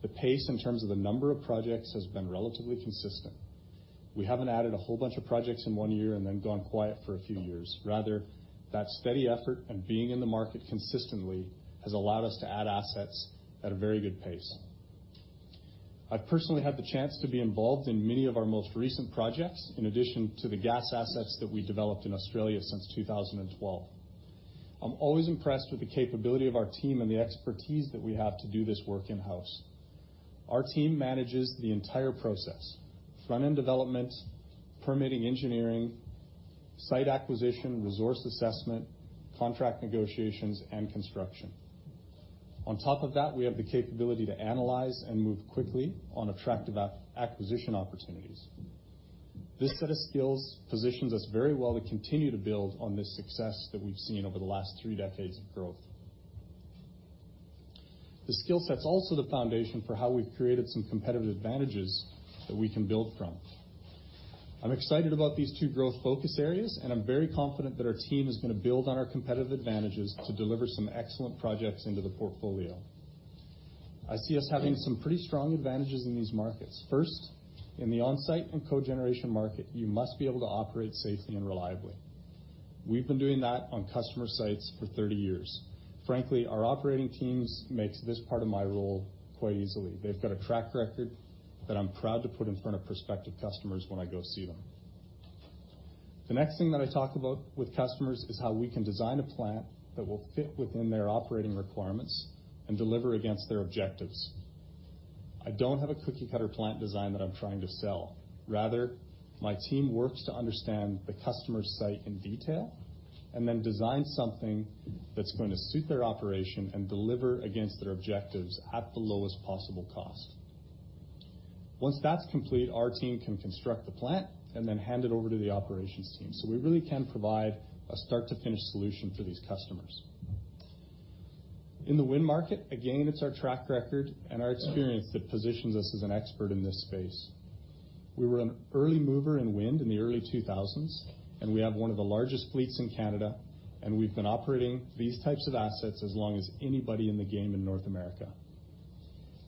the pace in terms of the number of projects has been relatively consistent. We haven't added a whole bunch of projects in one year and then gone quiet for a few years. Rather, that steady effort and being in the market consistently has allowed us to add assets at a very good pace. I've personally had the chance to be involved in many of our most recent projects, in addition to the gas assets that we developed in Australia since 2012. I'm always impressed with the capability of our team and the expertise that we have to do this work in-house. Our team manages the entire process, front-end development, permitting engineering, site acquisition, resource assessment, contract negotiations, and construction. On top of that, we have the capability to analyze and move quickly on attractive acquisition opportunities. This set of skills positions us very well to continue to build on this success that we've seen over the last three decades of growth. The skill set's also the foundation for how we've created some competitive advantages that we can build from. I'm excited about these two growth focus areas, and I'm very confident that our team is going to build on our competitive advantages to deliver some excellent projects into the portfolio. I see us having some pretty strong advantages in these markets. First, in the on-site and cogeneration market, you must be able to operate safely and reliably. We've been doing that on customer sites for 30 years. Frankly, our operating teams makes this part of my role quite easily. They've got a track record that I'm proud to put in front of prospective customers when I go see them. The next thing that I talk about with customers is how we can design a plant that will fit within their operating requirements and deliver against their objectives. I don't have a cookie-cutter plant design that I'm trying to sell. Rather, my team works to understand the customer's site in detail and then design something that's going to suit their operation and deliver against their objectives at the lowest possible cost. Once that's complete, our team can construct the plant and then hand it over to the operations team. We really can provide a start-to-finish solution for these customers. In the wind market, again, it's our track record and our experience that positions us as an expert in this space. We were an early mover in wind in the early 2000s, and we have one of the largest fleets in Canada, and we've been operating these types of assets as long as anybody in the game in North America.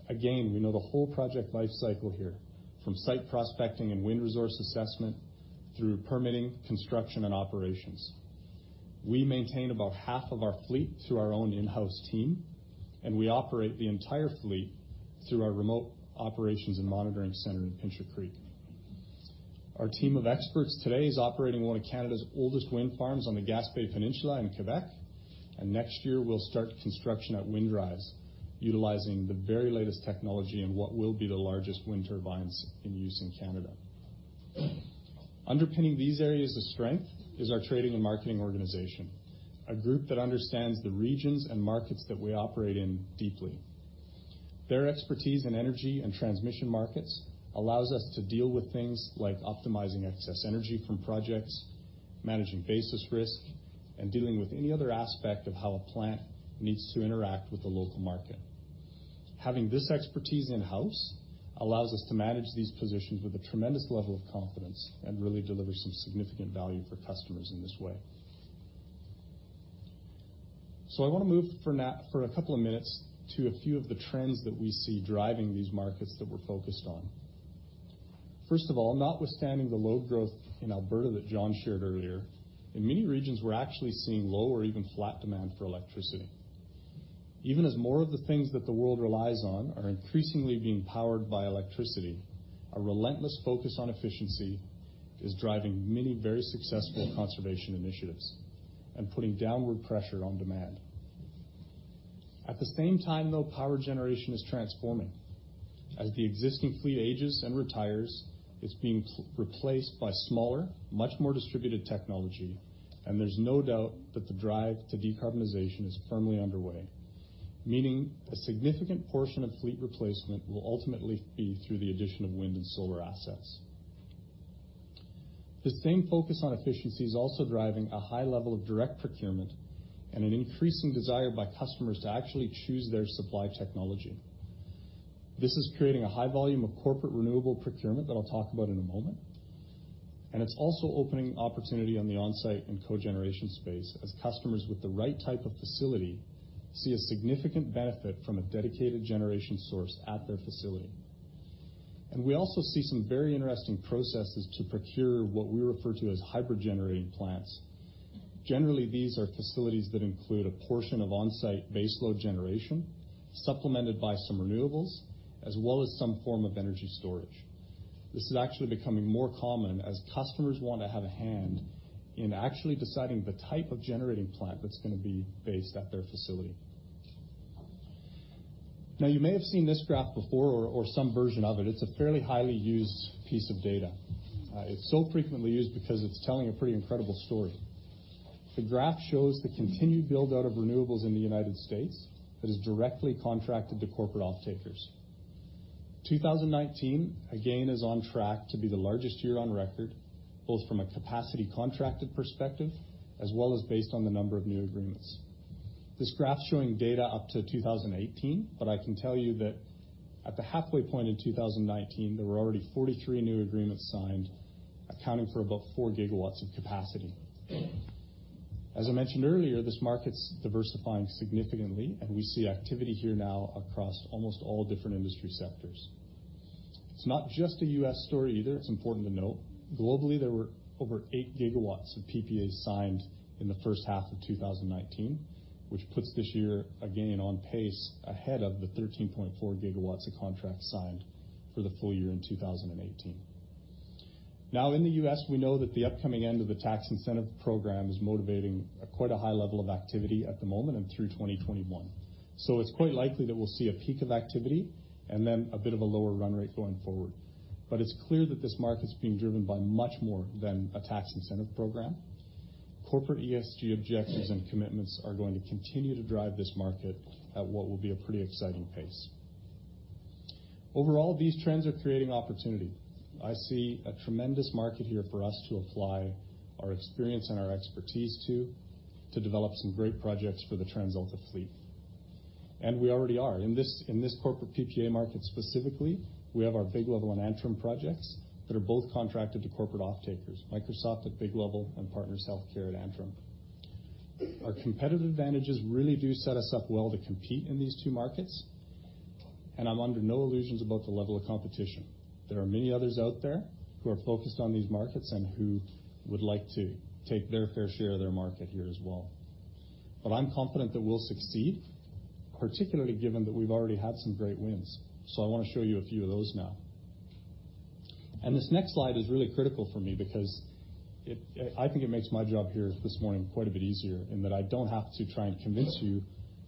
Again, we know the whole project life cycle here, from site prospecting and wind resource assessment through permitting, construction, and operations. We maintain about 1/2 of our fleet through our own in-house team, and we operate the entire fleet through our remote operations and monitoring center in Pincher Creek. Our team of experts today is operating one of Canada's oldest wind farms on the Gaspé Peninsula in Quebec, and next year, we'll start construction at Windrise, utilizing the very latest technology and what will be the largest wind turbines in use in Canada. Underpinning these areas of strength is our trading and marketing organization, a group that understands the regions and markets that we operate in deeply. Their expertise in energy and transmission markets allows us to deal with things like optimizing excess energy from projects, managing basis risk, and dealing with any other aspect of how a plant needs to interact with the local market. Having this expertise in-house allows us to manage these positions with a tremendous level of confidence and really deliver some significant value for customers in this way. I want to move for a couple of minutes to a few of the trends that we see driving these markets that we're focused on. First of all, notwithstanding the load growth in Alberta that John shared earlier, in many regions, we're actually seeing low or even flat demand for electricity. Even as more of the things that the world relies on are increasingly being powered by electricity, a relentless focus on efficiency is driving many very successful conservation initiatives and putting downward pressure on demand. At the same time, though, power generation is transforming. As the existing fleet ages and retires, it's being replaced by smaller, much more distributed technology, and there's no doubt that the drive to decarbonization is firmly underway, meaning a significant portion of fleet replacement will ultimately be through the addition of wind and solar assets. The same focus on efficiency is also driving a high level of direct procurement and an increasing desire by customers to actually choose their supply technology. This is creating a high volume of corporate renewable procurement that I'll talk about in a moment. It's also opening opportunity on the on-site and cogeneration space as customers with the right type of facility see a significant benefit from a dedicated generation source at their facility. We also see some very interesting processes to procure what we refer to as hyper generating plants. Generally, these are facilities that include a portion of on-site baseload generation, supplemented by some renewables, as well as some form of energy storage. This is actually becoming more common as customers want to have a hand in actually deciding the type of generating plant that's going to be based at their facility. You may have seen this graph before or some version of it. It's a fairly highly used piece of data. It's so frequently used because it's telling a pretty incredible story. The graph shows the continued build-out of renewables in the U.S. that is directly contracted to corporate off-takers. 2019, again, is on track to be the largest year on record, both from a capacity contracted perspective as well as based on the number of new agreements. This graph is showing data up to 2018. I can tell you that at the halfway point in 2019, there were already 43 new agreements signed, accounting for about 4 gigawatts of capacity. As I mentioned earlier, this market's diversifying significantly. We see activity here now across almost all different industry sectors. It's not just a U.S. story either, it's important to note. Globally, there were over 8 gigawatts of PPAs signed in the first half of 2019, which puts this year again on pace ahead of the 13.4 gigawatts of contracts signed for the full year in 2018. In the U.S., we know that the upcoming end of the tax incentive program is motivating quite a high level of activity at the moment and through 2021. It's quite likely that we'll see a peak of activity and then a bit of a lower run rate going forward. It's clear that this market is being driven by much more than a tax incentive program. Corporate ESG objectives and commitments are going to continue to drive this market at what will be a pretty exciting pace. Overall, these trends are creating opportunity. I see a tremendous market here for us to apply our experience and our expertise to develop some great projects for the TransAlta fleet. We already are. In this corporate PPA market specifically, we have our Big Level and Antrim projects that are both contracted to corporate off-takers, Microsoft at Big Level and Partners HealthCare at Antrim. Our competitive advantages really do set us up well to compete in these two markets. I'm under no illusions about the level of competition. There are many others out there who are focused on these markets and who would like to take their fair share of their market here as well. I'm confident that we'll succeed, particularly given that we've already had some great wins. I want to show you a few of those now. This next slide is really critical for me because I think it makes my job here this morning quite a bit easier in that I don't have to try and convince you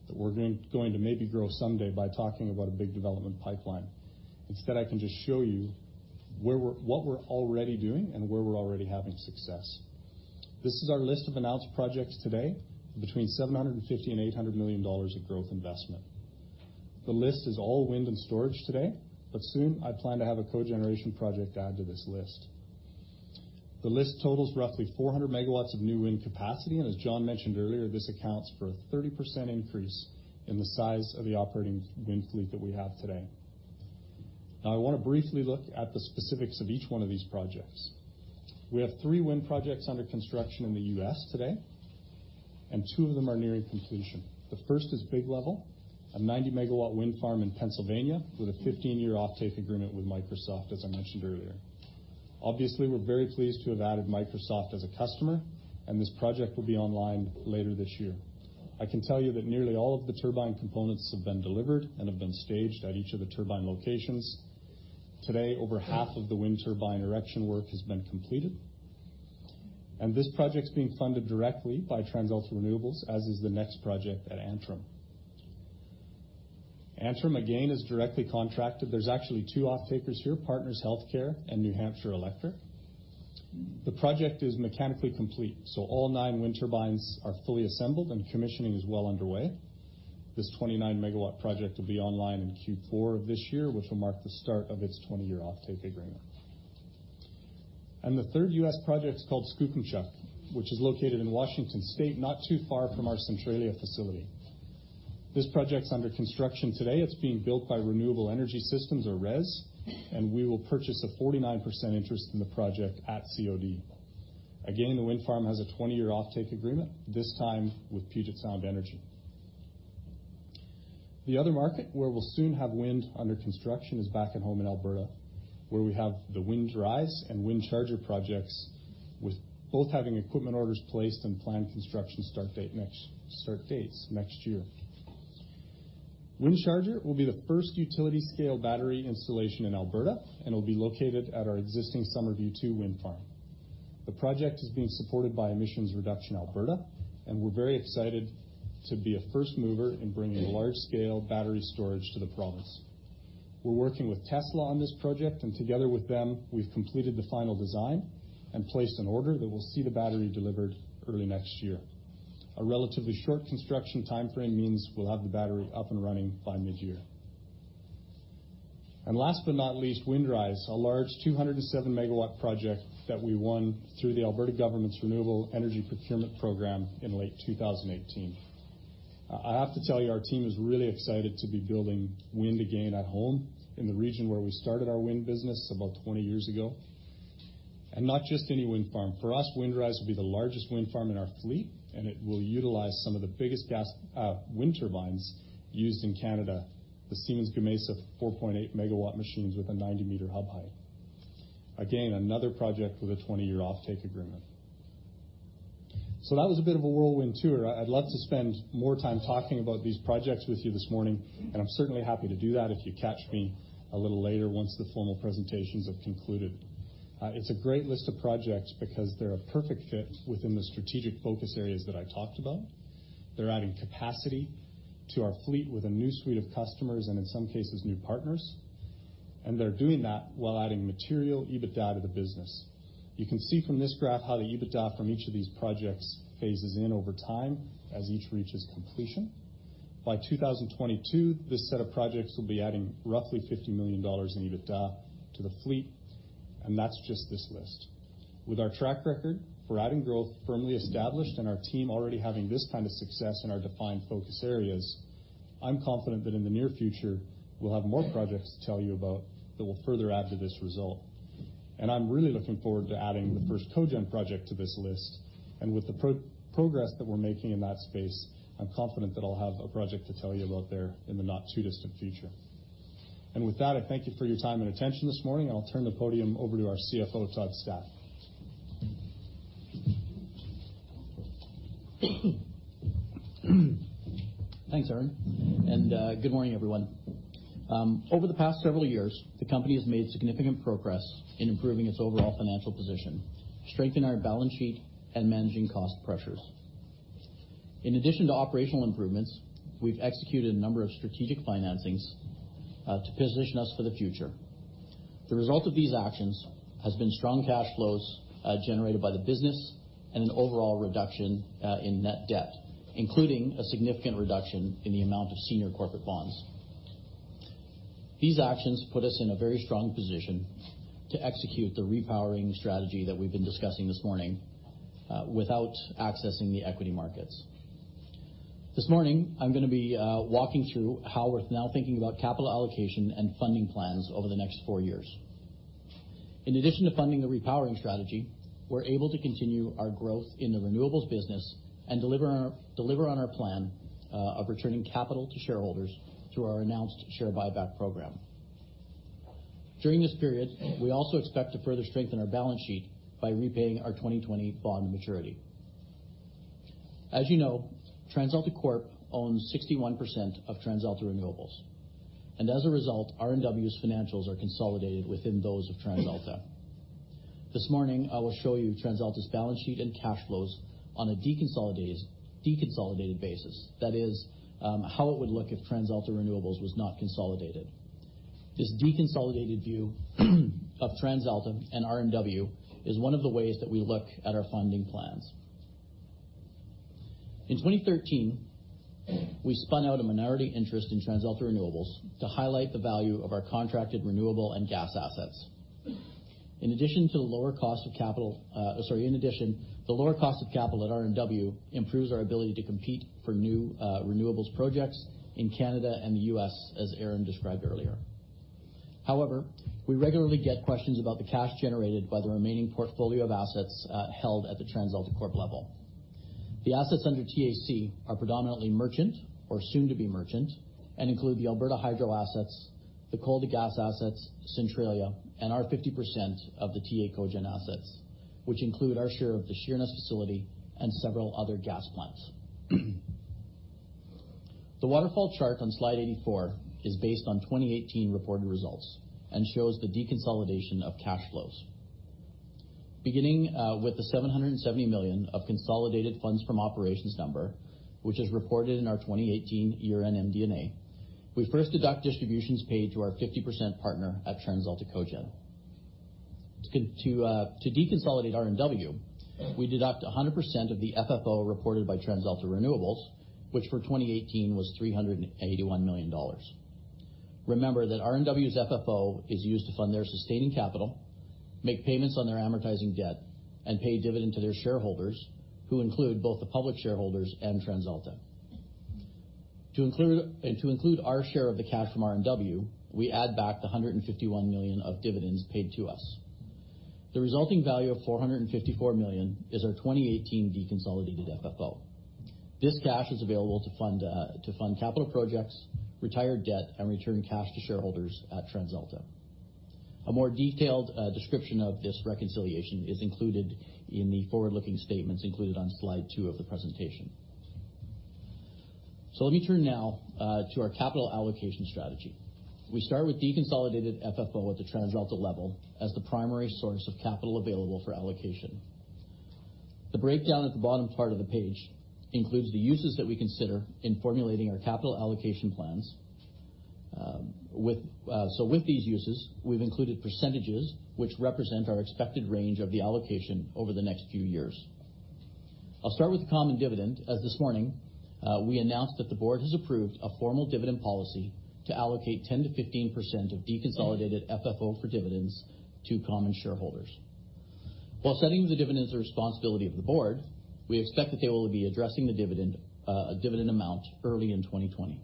that we're going to maybe grow someday by talking about a big development pipeline. Instead, I can just show you what we're already doing and where we're already having success. This is our list of announced projects today, between 750 million and 800 million dollars of growth investment. Soon I plan to have a cogeneration project added to this list. The list totals roughly 400 megawatts of new wind capacity, as John mentioned earlier, this accounts for a 30% increase in the size of the operating wind fleet that we have today. I want to briefly look at the specifics of each one of these projects. We have three wind projects under construction in the U.S. today, and two of them are nearing completion. The first is Big Level, a 90 MW wind farm in Pennsylvania with a 15-year offtake agreement with Microsoft, as I mentioned earlier. Obviously, we're very pleased to have added Microsoft as a customer, and this project will be online later this year. I can tell you that nearly all of the turbine components have been delivered and have been staged at each of the turbine locations. Today, over half of the wind turbine erection work has been completed. This project is being funded directly by TransAlta Renewables, as is the next project at Antrim. Antrim, again, is directly contracted. There's actually two off-takers here, Partners HealthCare and New Hampshire Electric. The project is mechanically complete, so all nine wind turbines are fully assembled and commissioning is well underway. This 29 MW project will be online in Q4 of this year, which will mark the start of its 20-year offtake agreement. The third U.S. project is called Skookumchuck, which is located in Washington State, not too far from our Centralia facility. This project is under construction today. It's being built by Renewable Energy Systems, or RES, and we will purchase a 49% interest in the project at COD. Again, the wind farm has a 20-year offtake agreement, this time with Puget Sound Energy. The other market where we'll soon have wind under construction is back at home in Alberta, where we have the Windrise and Wind Charger projects, with both having equipment orders placed and planned construction start dates next year. Wind Charger will be the first utility-scale battery installation in Alberta and will be located at our existing Summerview 2 wind farm. The project is being supported by Emissions Reduction Alberta, and we're very excited to be a first mover in bringing large-scale battery storage to the province. We're working with Tesla on this project, and together with them, we've completed the final design and placed an order that will see the battery delivered early next year. A relatively short construction timeframe means we'll have the battery up and running by mid-year. Last but not least, Windrise, a large 207-megawatt project that we won through the Alberta government's Renewable Electricity Program in late 2018. I have to tell you, our team is really excited to be building wind again at home in the region where we started our wind business about 20 years ago. Not just any wind farm. For us, Windrise will be the largest wind farm in our fleet. It will utilize some of the biggest wind turbines used in Canada, the Siemens Gamesa 4.8-megawatt machines with a 90-meter hub height. Again, another project with a 20-year offtake agreement. That was a bit of a whirlwind tour. I'd love to spend more time talking about these projects with you this morning, and I'm certainly happy to do that if you catch me a little later once the formal presentations have concluded. It's a great list of projects because they're a perfect fit within the strategic focus areas that I talked about. They're adding capacity to our fleet with a new suite of customers and, in some cases, new partners. They're doing that while adding material EBITDA to the business. You can see from this graph how the EBITDA from each of these projects phases in over time as each reaches completion. By 2022, this set of projects will be adding roughly 50 million dollars in EBITDA to the fleet, and that's just this list. With our track record for adding growth firmly established and our team already having this kind of success in our defined focus areas, I'm confident that in the near future, we'll have more projects to tell you about that will further add to this result. I'm really looking forward to adding the first cogen project to this list. With the progress that we're making in that space, I'm confident that I'll have a project to tell you about there in the not-too-distant future. With that, I thank you for your time and attention this morning, and I'll turn the podium over to our CFO, Todd Stack. Thanks, Aron. Good morning, everyone. Over the past several years, the company has made significant progress in improving its overall financial position, strengthen our balance sheet, and managing cost pressures. In addition to operational improvements, we've executed a number of strategic financings to position us for the future. The result of these actions has been strong cash flows generated by the business and an overall reduction in net debt, including a significant reduction in the amount of senior corporate bonds. These actions put us in a very strong position to execute the repowering strategy that we've been discussing this morning without accessing the equity markets. This morning, I'm going to be walking through how we're now thinking about capital allocation and funding plans over the next four years. In addition to funding the repowering strategy, we're able to continue our growth in the renewables business and deliver on our plan of returning capital to shareholders through our announced share buyback program. During this period, we also expect to further strengthen our balance sheet by repaying our 2020 bond maturity. As you know, TransAlta Corp. owns 61% of TransAlta Renewables. As a result, RNW's financials are consolidated within those of TransAlta. This morning, I will show you TransAlta's balance sheet and cash flows on a deconsolidated basis. That is, how it would look if TransAlta Renewables was not consolidated. This deconsolidated view of TransAlta and RNW is one of the ways that we look at our funding plans. In 2013, we spun out a minority interest in TransAlta Renewables to highlight the value of our contracted renewable and gas assets. The lower cost of capital at RNW improves our ability to compete for new renewables projects in Canada and the U.S., as Aron described earlier. We regularly get questions about the cash generated by the remaining portfolio of assets held at the TransAlta Corp level. The assets under TAC are predominantly merchant or soon to be merchant and include the Alberta Hydro assets, the coal-to-gas assets, Centralia, and our 50% of the TA Cogen assets, which include our share of the Sheerness facility and several other gas plants. The waterfall chart on slide 84 is based on 2018 reported results and shows the deconsolidation of cash flows. Beginning with the 770 million of consolidated funds from operations number, which is reported in our 2018 year-end MD&A, we first deduct distributions paid to our 50% partner at TransAlta Cogen. To deconsolidate RNW, we deduct 100% of the FFO reported by TransAlta Renewables, which for 2018 was 381 million dollars. Remember that RNW's FFO is used to fund their sustaining capital, make payments on their amortizing debt, and pay dividends to their shareholders, who include both the public shareholders and TransAlta. To include our share of the cash from RNW, we add back the 151 million of dividends paid to us. The resulting value of 454 million is our 2018 deconsolidated FFO. This cash is available to fund capital projects, retire debt, and return cash to shareholders at TransAlta. A more detailed description of this reconciliation is included in the forward-looking statements included on slide two of the presentation. Let me turn now to our capital allocation strategy. We start with deconsolidated FFO at the TransAlta level as the primary source of capital available for allocation. The breakdown at the bottom part of the page includes the uses that we consider in formulating our capital allocation plans. With these uses, we've included percentages which represent our expected range of the allocation over the next few years. I'll start with the common dividend, as this morning, we announced that the board has approved a formal dividend policy to allocate 10%-15% of deconsolidated FFO for dividends to common shareholders. While setting the dividend is the responsibility of the board, we expect that they will be addressing the dividend amount early in 2020.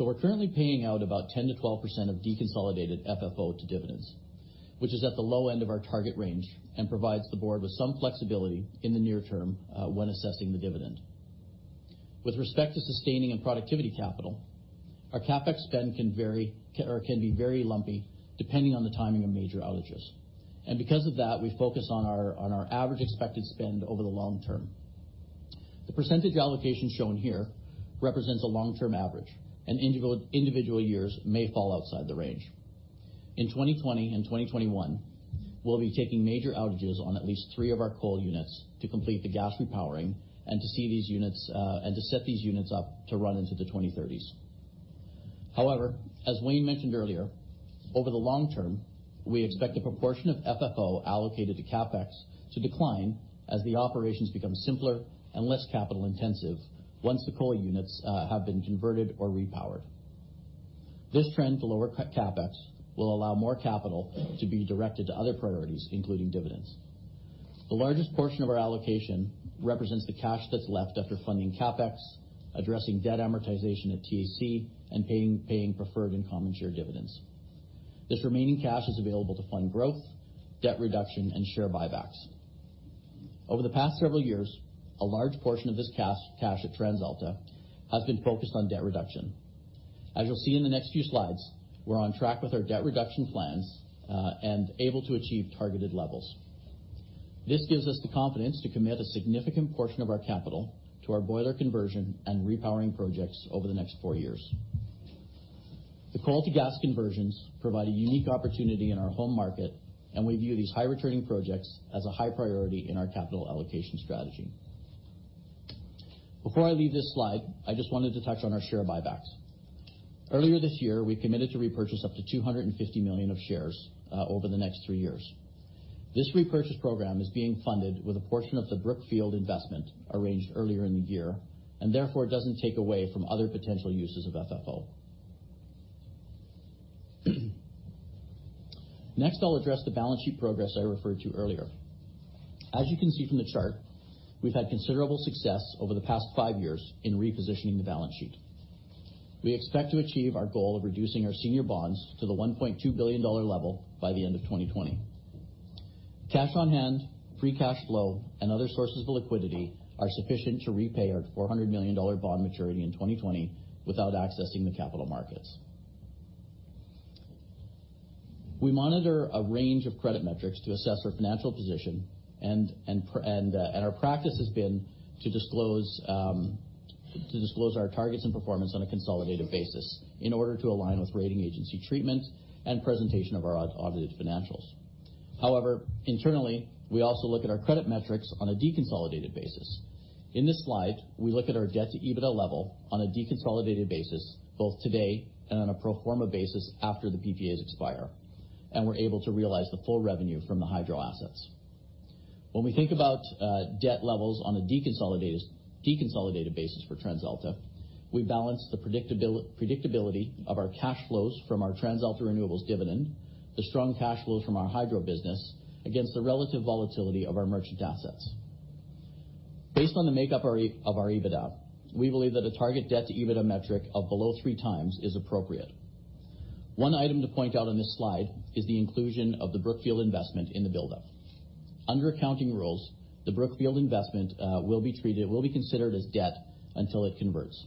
We're currently paying out about 10%-12% of deconsolidated FFO to dividends, which is at the low end of our target range and provides the board with some flexibility in the near term when assessing the dividend. With respect to sustaining and productivity capital, our CapEx spend can be very lumpy, depending on the timing of major outages. Because of that, we focus on our average expected spend over the long term. The % allocation shown here represents a long-term average, and individual years may fall outside the range. In 2020 and 2021, we'll be taking major outages on at least three of our coal units to complete the gas repowering and to set these units up to run into the 2030s. However, as Wayne mentioned earlier, over the long term, we expect the proportion of FFO allocated to CapEx to decline as the operations become simpler and less capital-intensive once the coal units have been converted or repowered. This trend to lower CapEx will allow more capital to be directed to other priorities, including dividends. The largest portion of our allocation represents the cash that's left after funding CapEx, addressing debt amortization of TAC, and paying preferred and common share dividends. This remaining cash is available to fund growth, debt reduction, and share buybacks. Over the past several years, a large portion of this cash at TransAlta has been focused on debt reduction. As you'll see in the next few slides, we're on track with our debt reduction plans, and able to achieve targeted levels. This gives us the confidence to commit a significant portion of our capital to our boiler conversion and repowering projects over the next four years. The coal-to-gas conversions provide a unique opportunity in our home market, and we view these high-returning projects as a high priority in our capital allocation strategy. Before I leave this slide, I just wanted to touch on our share buybacks. Earlier this year, we committed to repurchase up to 250 million of shares over the next three years. This repurchase program is being funded with a portion of the Brookfield investment arranged earlier in the year, and therefore, doesn't take away from other potential uses of FFO. Next, I'll address the balance sheet progress I referred to earlier. As you can see from the chart, we've had considerable success over the past five years in repositioning the balance sheet. We expect to achieve our goal of reducing our senior bonds to the 1.2 billion dollar level by the end of 2020. Cash on hand, free cash flow, and other sources of liquidity are sufficient to repay our 400 million dollar bond maturity in 2020 without accessing the capital markets. We monitor a range of credit metrics to assess our financial position, and our practice has been to disclose our targets and performance on a consolidated basis in order to align with rating agency treatment and presentation of our audited financials. However, internally, we also look at our credit metrics on a deconsolidated basis. In this slide, we look at our debt-to-EBITDA level on a deconsolidated basis, both today and on a pro forma basis after the PPAs expire, and we're able to realize the full revenue from the hydro assets. When we think about debt levels on a deconsolidated basis for TransAlta, we balance the predictability of our cash flows from our TransAlta Renewables dividend, the strong cash flows from our hydro business against the relative volatility of our merchant assets. Based on the makeup of our EBITDA, we believe that a target debt-to-EBITDA metric of below 3x is appropriate. One item to point out on this slide is the inclusion of the Brookfield investment in the buildup. Under accounting rules, the Brookfield investment will be considered as debt until it converts.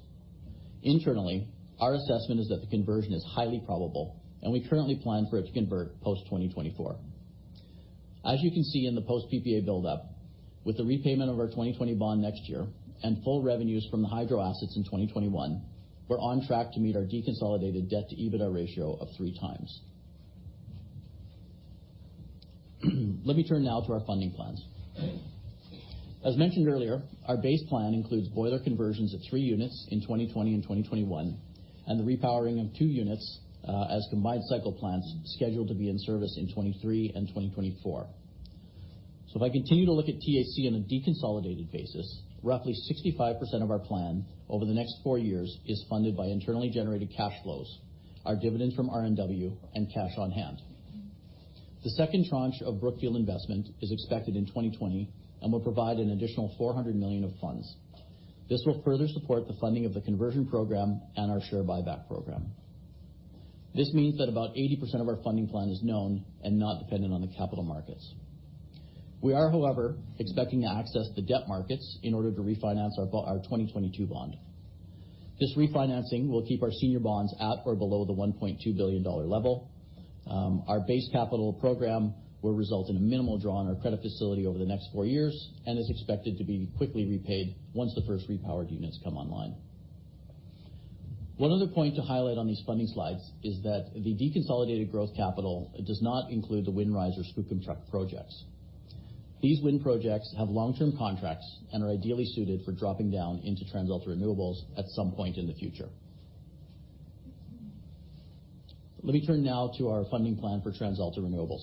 Internally, our assessment is that the conversion is highly probable, and we currently plan for it to convert post-2024. As you can see in the post-PPA buildup, with the repayment of our 2020 bond next year and full revenues from the hydro assets in 2021, we're on track to meet our deconsolidated debt-to-EBITDA ratio of 3x. Let me turn now to our funding plans. As mentioned earlier, our base plan includes boiler conversions of three units in 2020 and 2021, and the repowering of two units as combined cycle plants scheduled to be in service in 2023 and 2024. If I continue to look at TAC on a deconsolidated basis, roughly 65% of our plan over the next four years is funded by internally generated cash flows, our dividends from RNW, and cash on hand. The second tranche of Brookfield investment is expected in 2020 and will provide an additional 400 million of funds. This will further support the funding of the conversion program and our share buyback program. This means that about 80% of our funding plan is known and not dependent on the capital markets. We are, however, expecting to access the debt markets in order to refinance our 2022 bond. This refinancing will keep our senior bonds at or below the 1.2 billion dollar level. Our base capital program will result in a minimal draw on our credit facility over the next 4 years and is expected to be quickly repaid once the first repowered units come online. One other point to highlight on these funding slides is that the deconsolidated growth capital does not include the Windrise Skookumchuck projects. These wind projects have long-term contracts and are ideally suited for dropping down into TransAlta Renewables at some point in the future. Let me turn now to our funding plan for TransAlta Renewables.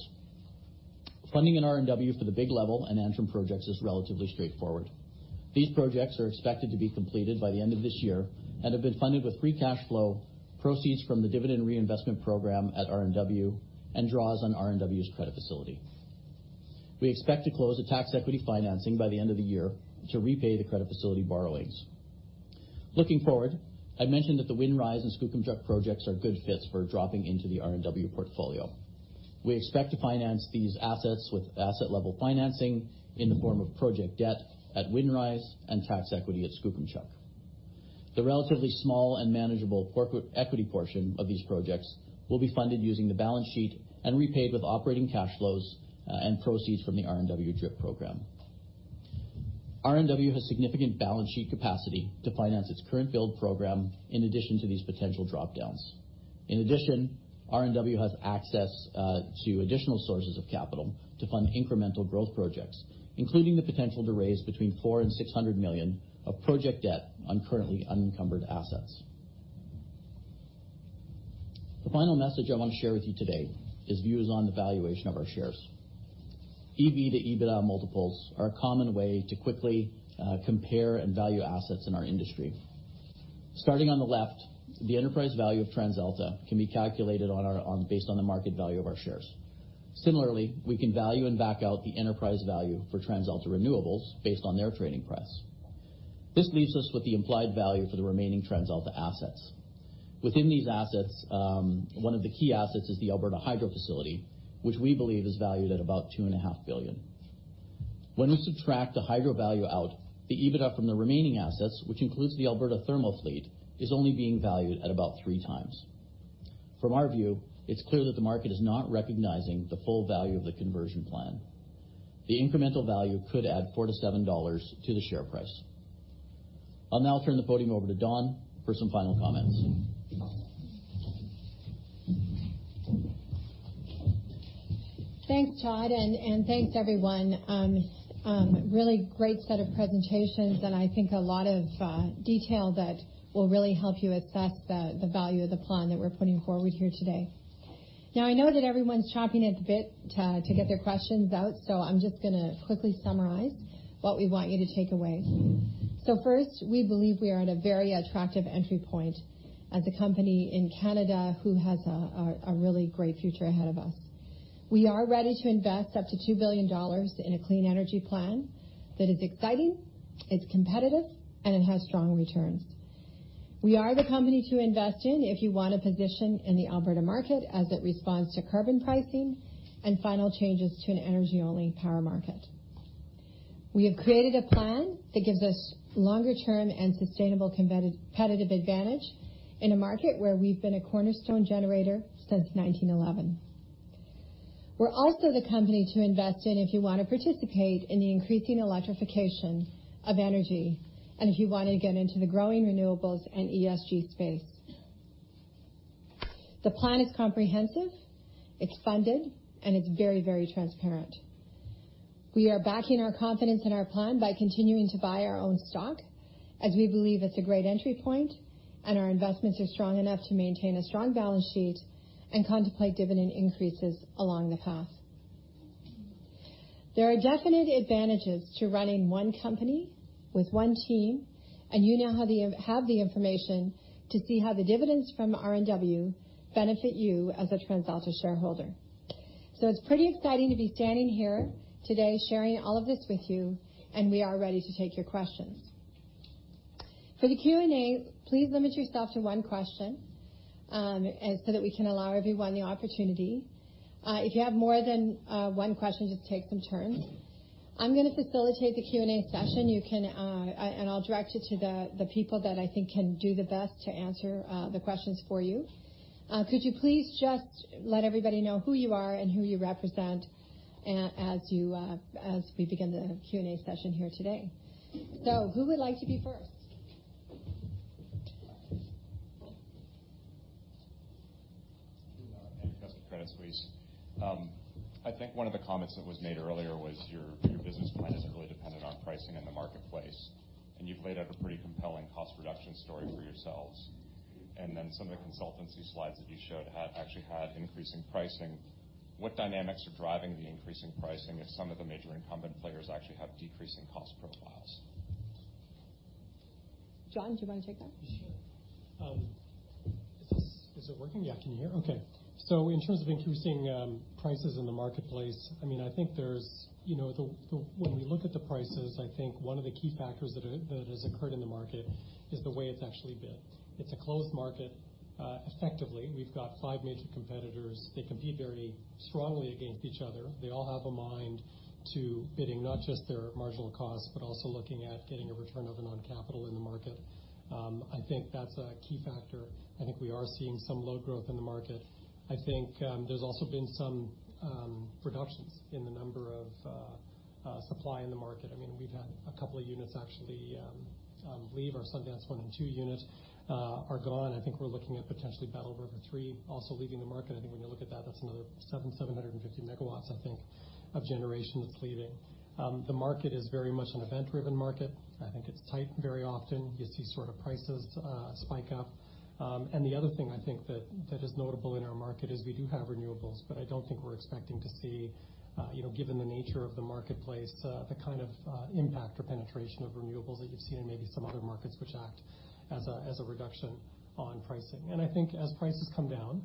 Funding in RNW for the Big Level and Antrim projects is relatively straightforward. These projects are expected to be completed by the end of this year and have been funded with free cash flow proceeds from the dividend reinvestment program at RNW and draws on RNW's credit facility. We expect to close a tax equity financing by the end of the year to repay the credit facility borrowings. Looking forward, I mentioned that the Windrise and Skookumchuck projects are good fits for dropping into the RNW portfolio. We expect to finance these assets with asset-level financing in the form of project debt at Windrise and tax equity at Skookumchuck. The relatively small and manageable equity portion of these projects will be funded using the balance sheet and repaid with operating cash flows and proceeds from the RNW DRIP program. RNW has significant balance sheet capacity to finance its current build program in addition to these potential drop-downs. RNW has access to additional sources of capital to fund incremental growth projects, including the potential to raise between 4 million and 600 million of project debt on currently unencumbered assets. The final message I want to share with you today is views on the valuation of our shares. EV to EBITDA multiples are a common way to quickly compare and value assets in our industry. Starting on the left, the enterprise value of TransAlta can be calculated based on the market value of our shares. Similarly, we can value and back out the enterprise value for TransAlta Renewables based on their trading price. This leaves us with the implied value for the remaining TransAlta assets. Within these assets, one of the key assets is the Alberta Hydro facility, which we believe is valued at about two and a half billion. When we subtract the hydro value out, the EBITDA from the remaining assets, which includes the Alberta thermal fleet, is only being valued at about 3x. From our view, it's clear that the market is not recognizing the full value of the conversion plan. The incremental value could add 4-7 dollars to the share price. I'll now turn the podium over to Dawn for some final comments. Thanks, Todd, and thanks, everyone. Really great set of presentations and I think a lot of detail that will really help you assess the value of the plan that we're putting forward here today. I know that everyone's chomping at the bit to get their questions out, I'm just going to quickly summarize what we want you to take away. First, we believe we are at a very attractive entry point as a company in Canada who has a really great future ahead of us. We are ready to invest up to 2 billion dollars in a clean energy plan that is exciting, it's competitive, and it has strong returns. We are the company to invest in if you want a position in the Alberta market as it responds to carbon pricing and final changes to an energy-only power market. We have created a plan that gives us longer-term and sustainable competitive advantage in a market where we've been a cornerstone generator since 1911. We're also the company to invest in if you want to participate in the increasing electrification of energy and if you want to get into the growing renewables and ESG space. The plan is comprehensive, it's funded, and it's very transparent. We are backing our confidence in our plan by continuing to buy our own stock as we believe it's a great entry point and our investments are strong enough to maintain a strong balance sheet and contemplate dividend increases along the path. There are definite advantages to running one company with one team. You now have the information to see how the dividends from RNW benefit you as a TransAlta shareholder. It's pretty exciting to be standing here today sharing all of this with you, and we are ready to take your questions. For the Q&A, please limit yourself to one question, so that we can allow everyone the opportunity. If you have more than one question, just take some turns. I'm going to facilitate the Q&A session, and I'll direct you to the people that I think can do the best to answer the questions for you. Could you please just let everybody know who you are and who you represent as we begin the Q&A session here today. Who would like to be first? Andrew Kuske, Credit Suisse. I think one of the comments that was made earlier was your business plan is really dependent on pricing in the marketplace, and you've laid out a pretty compelling cost reduction story for yourselves. Some of the consultancy slides that you showed actually had increasing pricing. What dynamics are driving the increasing pricing if some of the major incumbent players actually have decreasing cost profiles? John, do you want to take that? Sure. Is it working? Yeah. Can you hear? Okay. In terms of increasing prices in the marketplace, when we look at the prices, I think one of the key factors that has occurred in the market is the way it's actually been. It's a closed market. Effectively, we've got five major competitors. They compete very strongly against each other. They all have a mind to bidding not just their marginal cost, but also looking at getting a return of non-capital in the market. I think that's a key factor. I think we are seeing some load growth in the market. I think there's also been some reductions in the number of supply in the market. We've had a couple of units actually leave. Our Sundance 1 and 2 unit are gone. I think we're looking at potentially Battle River 3 also leaving the market. That's another 750 megawatts, I think, of generation that's leaving. The market is very much an event-driven market. I think it's tight very often. You see prices spike up. The other thing I think that is notable in our market is we do have renewables, but I don't think we're expecting to see, given the nature of the marketplace, the kind of impact or penetration of renewables that you've seen in maybe some other markets, which act as a reduction on pricing. I think as prices come down,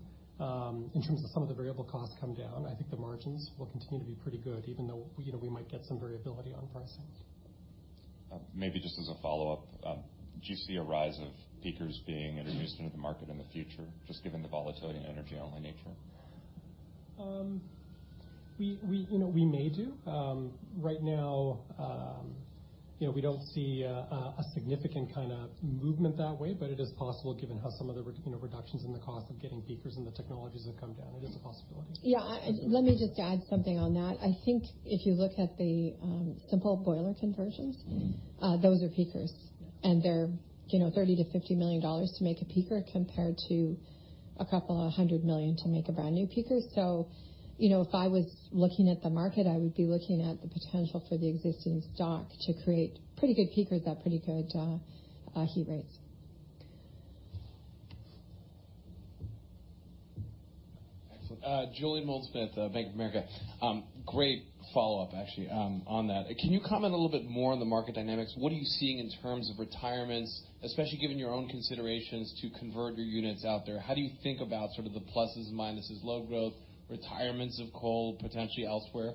in terms of some of the variable costs come down, I think the margins will continue to be pretty good, even though we might get some variability on pricing. Maybe just as a follow-up, do you see a rise of peakers being introduced into the market in the future, just given the volatility and energy-only nature? We may do. Right now, we don't see a significant kind of movement that way. It is possible given how some of the reductions in the cost of getting peakers and the technologies have come down. It is a possibility. Yeah. Let me just add something on that. I think if you look at the simple boiler conversions, those are peakers. They're 30 million-50 million dollars to make a peaker compared to CAD a couple of hundred million to make a brand-new peaker. If I was looking at the market, I would be looking at the potential for the existing stock to create pretty good peakers at pretty good heat rates. Excellent. Julien Dumoulin-Smith, Bank of America. Great follow-up, actually, on that. Can you comment a little bit more on the market dynamics? What are you seeing in terms of retirements, especially given your own considerations to convert your units out there? How do you think about the pluses and minuses, load growth, retirements of coal, potentially elsewhere?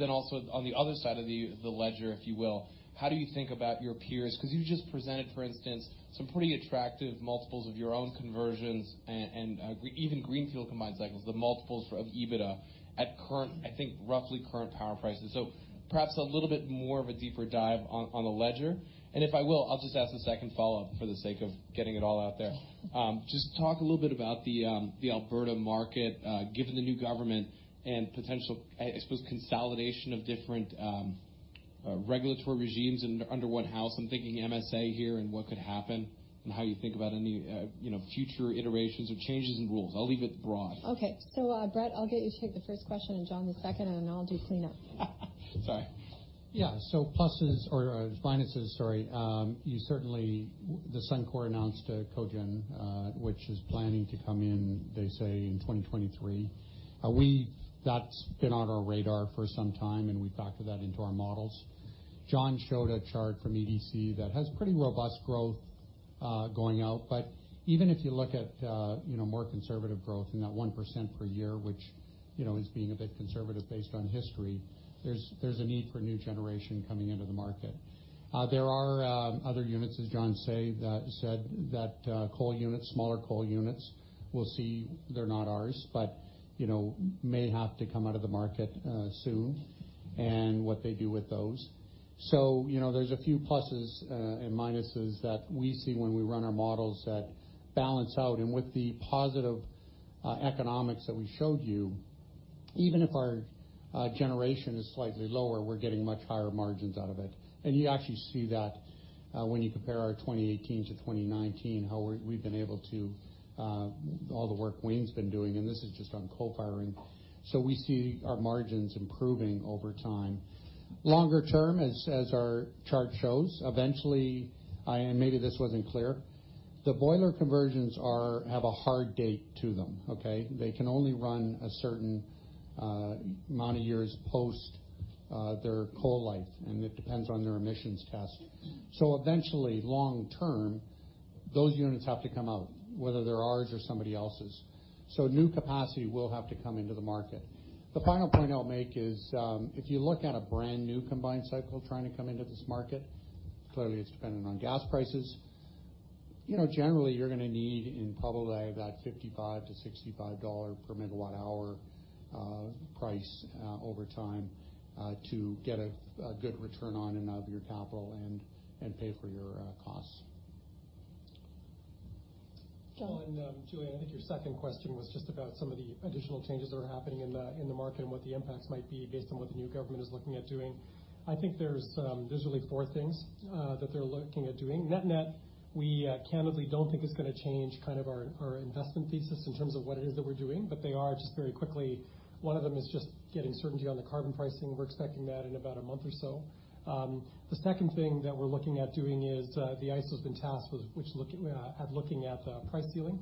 Also on the other side of the ledger, if you will, how do you think about your peers? You just presented, for instance, some pretty attractive multiples of your own conversions and even greenfield combined cycles, the multiples of EBITDA at, I think, roughly current power prices. Perhaps a little bit more of a deeper dive on the ledger. If I will, I'll just ask a second follow-up for the sake of getting it all out there. Just talk a little bit about the Alberta market, given the new government and potential, I suppose, consolidation of different regulatory regimes under one house. I'm thinking MSA here and what could happen, and how you think about any future iterations or changes in rules. I'll leave it broad. Okay. Brett, I'll get you to take the first question and John the second, and then I'll do cleanup. Sorry. Yeah. Pluses or minuses, sorry. Certainly, the Suncor announced a cogen, which is planning to come in, they say, in 2023. That's been on our radar for some time, and we factor that into our models. John showed a chart from EDC that has pretty robust growth going out. Even if you look at more conservative growth in that 1% per year, which is being a bit conservative based on history, there's a need for new generation coming into the market. There are other units, as John said, coal units, smaller coal units, we'll see. They're not ours, may have to come out of the market soon, and what they do with those. There's a few pluses and minuses that we see when we run our models that balance out. With the positive economics that we showed you, even if our generation is slightly lower, we're getting much higher margins out of it. You actually see that when you compare our 2018-2019. All the work Wayne's been doing, and this is just on co-firing. We see our margins improving over time. Longer term, as our chart shows, eventually, and maybe this wasn't clear, the boiler conversions have a hard date to them. They can only run a certain amount of years post their coal life, and it depends on their emissions test. Eventually, long term, those units have to come out, whether they're ours or somebody else's. New capacity will have to come into the market. The final point I'll make is, if you look at a brand-new combined cycle trying to come into this market, clearly it's dependent on gas prices. Generally, you're going to need in probably that 55-65 dollar per megawatt-hour price over time to get a good return on and out of your capital and pay for your costs. Julien, I think your second question was just about some of the additional changes that are happening in the market and what the impacts might be based on what the new government is looking at doing. I think there's really four things that they're looking at doing. Net net, we candidly don't think it's going to change our investment thesis in terms of what it is that we're doing. They are, just very quickly, one of them is just getting certainty on the carbon pricing. We're expecting that in about a month or so. The second thing that we're looking at doing is the ISO's been tasked with looking at the price ceiling,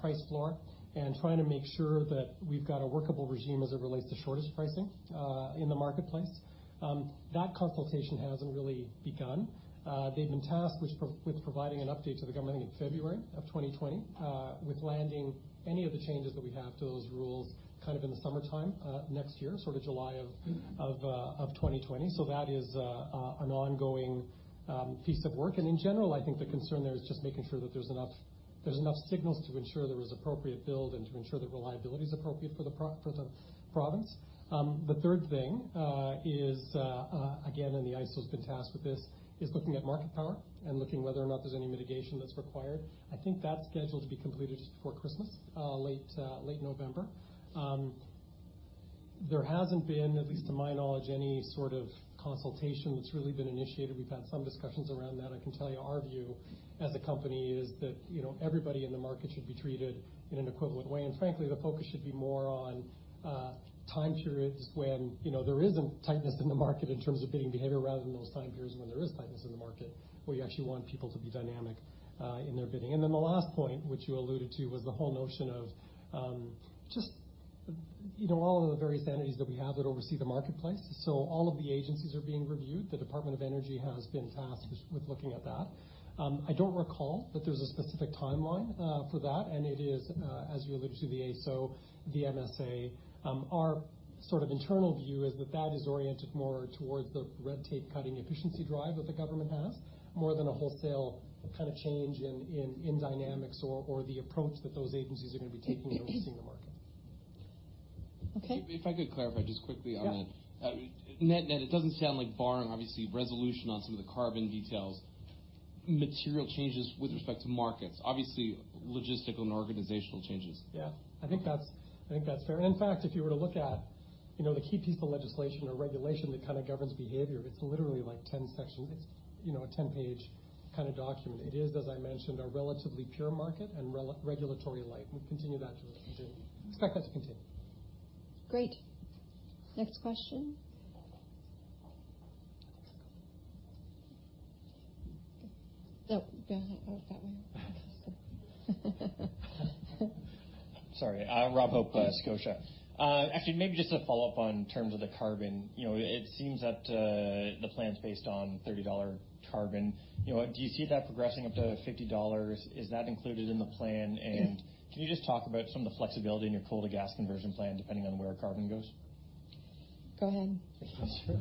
price floor, and trying to make sure that we've got a workable regime as it relates to shortage pricing in the marketplace. That consultation hasn't really begun. They've been tasked with providing an update to the government, I think, in February of 2020 with landing any of the changes that we have to those rules in the summertime next year, July of 2020. That is an ongoing piece of work. In general, I think the concern there is just making sure that there's enough signals to ensure there is appropriate build and to ensure that reliability is appropriate for the province. The third thing is, again, the ISO's been tasked with this, is looking at market power and looking whether or not there's any mitigation that's required. I think that's scheduled to be completed just before Christmas, late November. There hasn't been, at least to my knowledge, any sort of consultation that's really been initiated. We've had some discussions around that. I can tell you our view as a company is that everybody in the market should be treated in an equivalent way. Frankly, the focus should be more on time periods when there isn't tightness in the market in terms of bidding behavior, rather than those time periods when there is tightness in the market, where you actually want people to be dynamic in their bidding. The last point, which you alluded to, was the whole notion of just all of the various entities that we have that oversee the marketplace. All of the agencies are being reviewed. The Department of Energy has been tasked with looking at that. I don't recall that there's a specific timeline for that, and it is, as you alluded to, the AESO, the MSA. Our sort of internal view is that that is oriented more towards the red tape-cutting efficiency drive that the government has, more than a wholesale change in dynamics or the approach that those agencies are going to be taking in overseeing the market. Okay. If I could clarify just quickly on that. Yeah. Net-net, it doesn't sound like barring, obviously, resolution on some of the carbon details, material changes with respect to markets, obviously logistical and organizational changes. Yeah. I think that's fair. In fact, if you were to look at the key piece of legislation or regulation that kind of governs behavior, it's literally a 10-page document. It is, as I mentioned, a relatively pure market and regulatory light. We expect that to continue. Great. Next question? Oh, go that way. Sorry. Robert Hope, Scotiabank. Actually, maybe just to follow up on terms of the carbon. It seems that the plan's based on 30 dollar carbon. Do you see that progressing up to 50 dollars? Is that included in the plan? Can you just talk about some of the flexibility in your coal-to-gas conversion plan, depending on where carbon goes? Go ahead. Sure.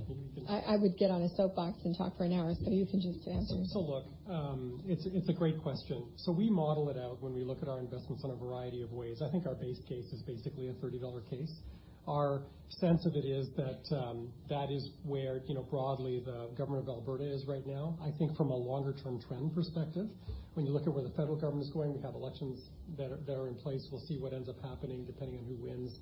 I would get on a soapbox and talk for an hour, so you can just answer. Look, it's a great question. We model it out when we look at our investments in a variety of ways. I think our base case is basically a 30 dollar case. Our sense of it is that is where, broadly, the government of Alberta is right now. I think from a longer-term trend perspective, when you look at where the federal government is going, we have elections that are in place. We'll see what ends up happening depending on who wins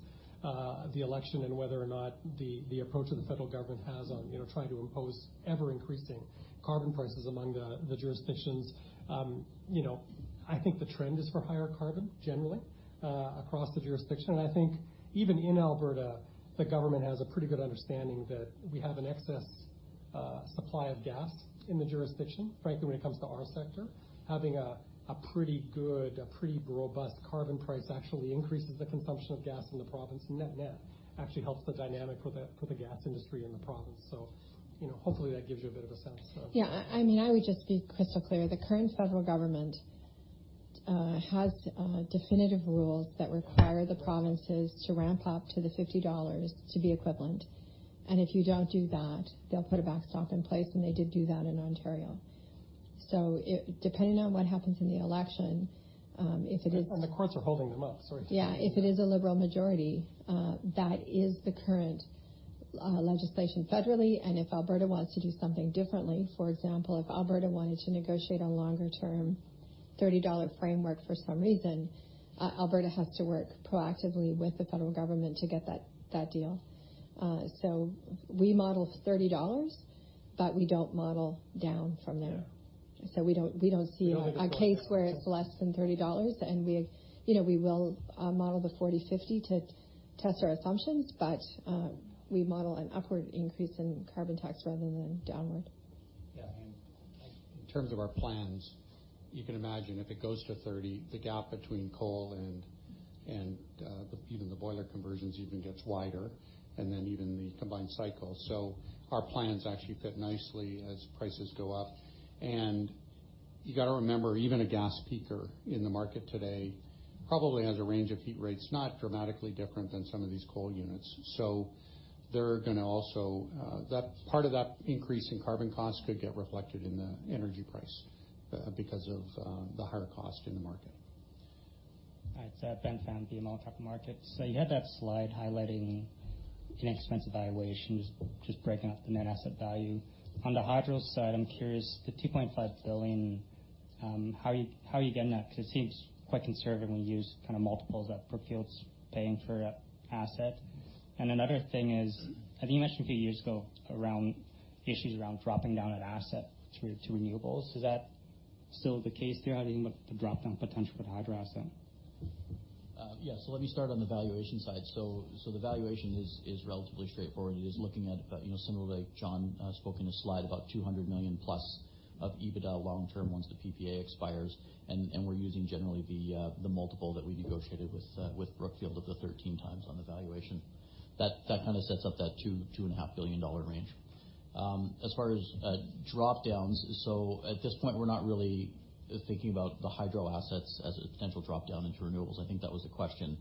the election and whether or not the approach that the federal government has on trying to impose ever-increasing carbon prices among the jurisdictions. I think the trend is for higher carbon, generally, across the jurisdiction. I think even in Alberta, the government has a pretty good understanding that we have an excess supply of gas in the jurisdiction. Frankly, when it comes to our sector, having a pretty good, a pretty robust carbon price actually increases the consumption of gas in the province. Net-net, actually helps the dynamic for the gas industry in the province. Hopefully, that gives you a bit of a sense. Yeah. I would just be crystal clear. The current federal government has definitive rules that require the provinces to ramp up to the 50 dollars to be equivalent. If you don't do that, they'll put a backstop in place, and they did do that in Ontario. Depending on what happens in the election, if it is- The courts are holding them up. Sorry. Yeah. If it is a liberal majority, that is the current legislation federally, and if Alberta wants to do something differently, for example, if Alberta wanted to negotiate a longer-term 30 dollar framework for some reason, Alberta has to work proactively with the Federal Government to get that deal. We model 30 dollars, but we don't model down from there. Yeah. We don't see a case where it's less than 30 dollars, and we will model the 40, 50 to test our assumptions. We model an upward increase in carbon tax rather than downward. In terms of our plans, you can imagine if it goes to 30, the gap between coal and even the boiler conversions even gets wider, and then even the combined cycle. Our plans actually fit nicely as prices go up. You got to remember, even a gas peaker in the market today probably has a range of heat rates, not dramatically different than some of these coal units. Part of that increase in carbon costs could get reflected in the energy price because of the higher cost in the market. It's Ben Pham, BMO Capital Markets. You had that slide highlighting inexpensive valuation, just breaking up the net asset value. On the hydros side, I'm curious, the 2.5 billion, how are you getting that? Because it seems quite conservative when you use multiples that Brookfield's paying for that asset. Another thing is, I think you mentioned a few years ago around issues around dropping down an asset to renewables. Is that still the case throughout, the drop-down potential for the hydro asset? Yeah. Let me start on the valuation side. The valuation is relatively straightforward. It is looking at, similar to John spoke in his slide, about 200 million-plus of EBITDA long term once the PPA expires. We're using generally the multiple that we negotiated with Brookfield of the 13x on the valuation. That kind of sets up that 2 billion-2.5 billion dollar range. As far as drop-downs, so at this point, we're not really thinking about the hydro assets as a potential drop-down into renewables. I think that was the question.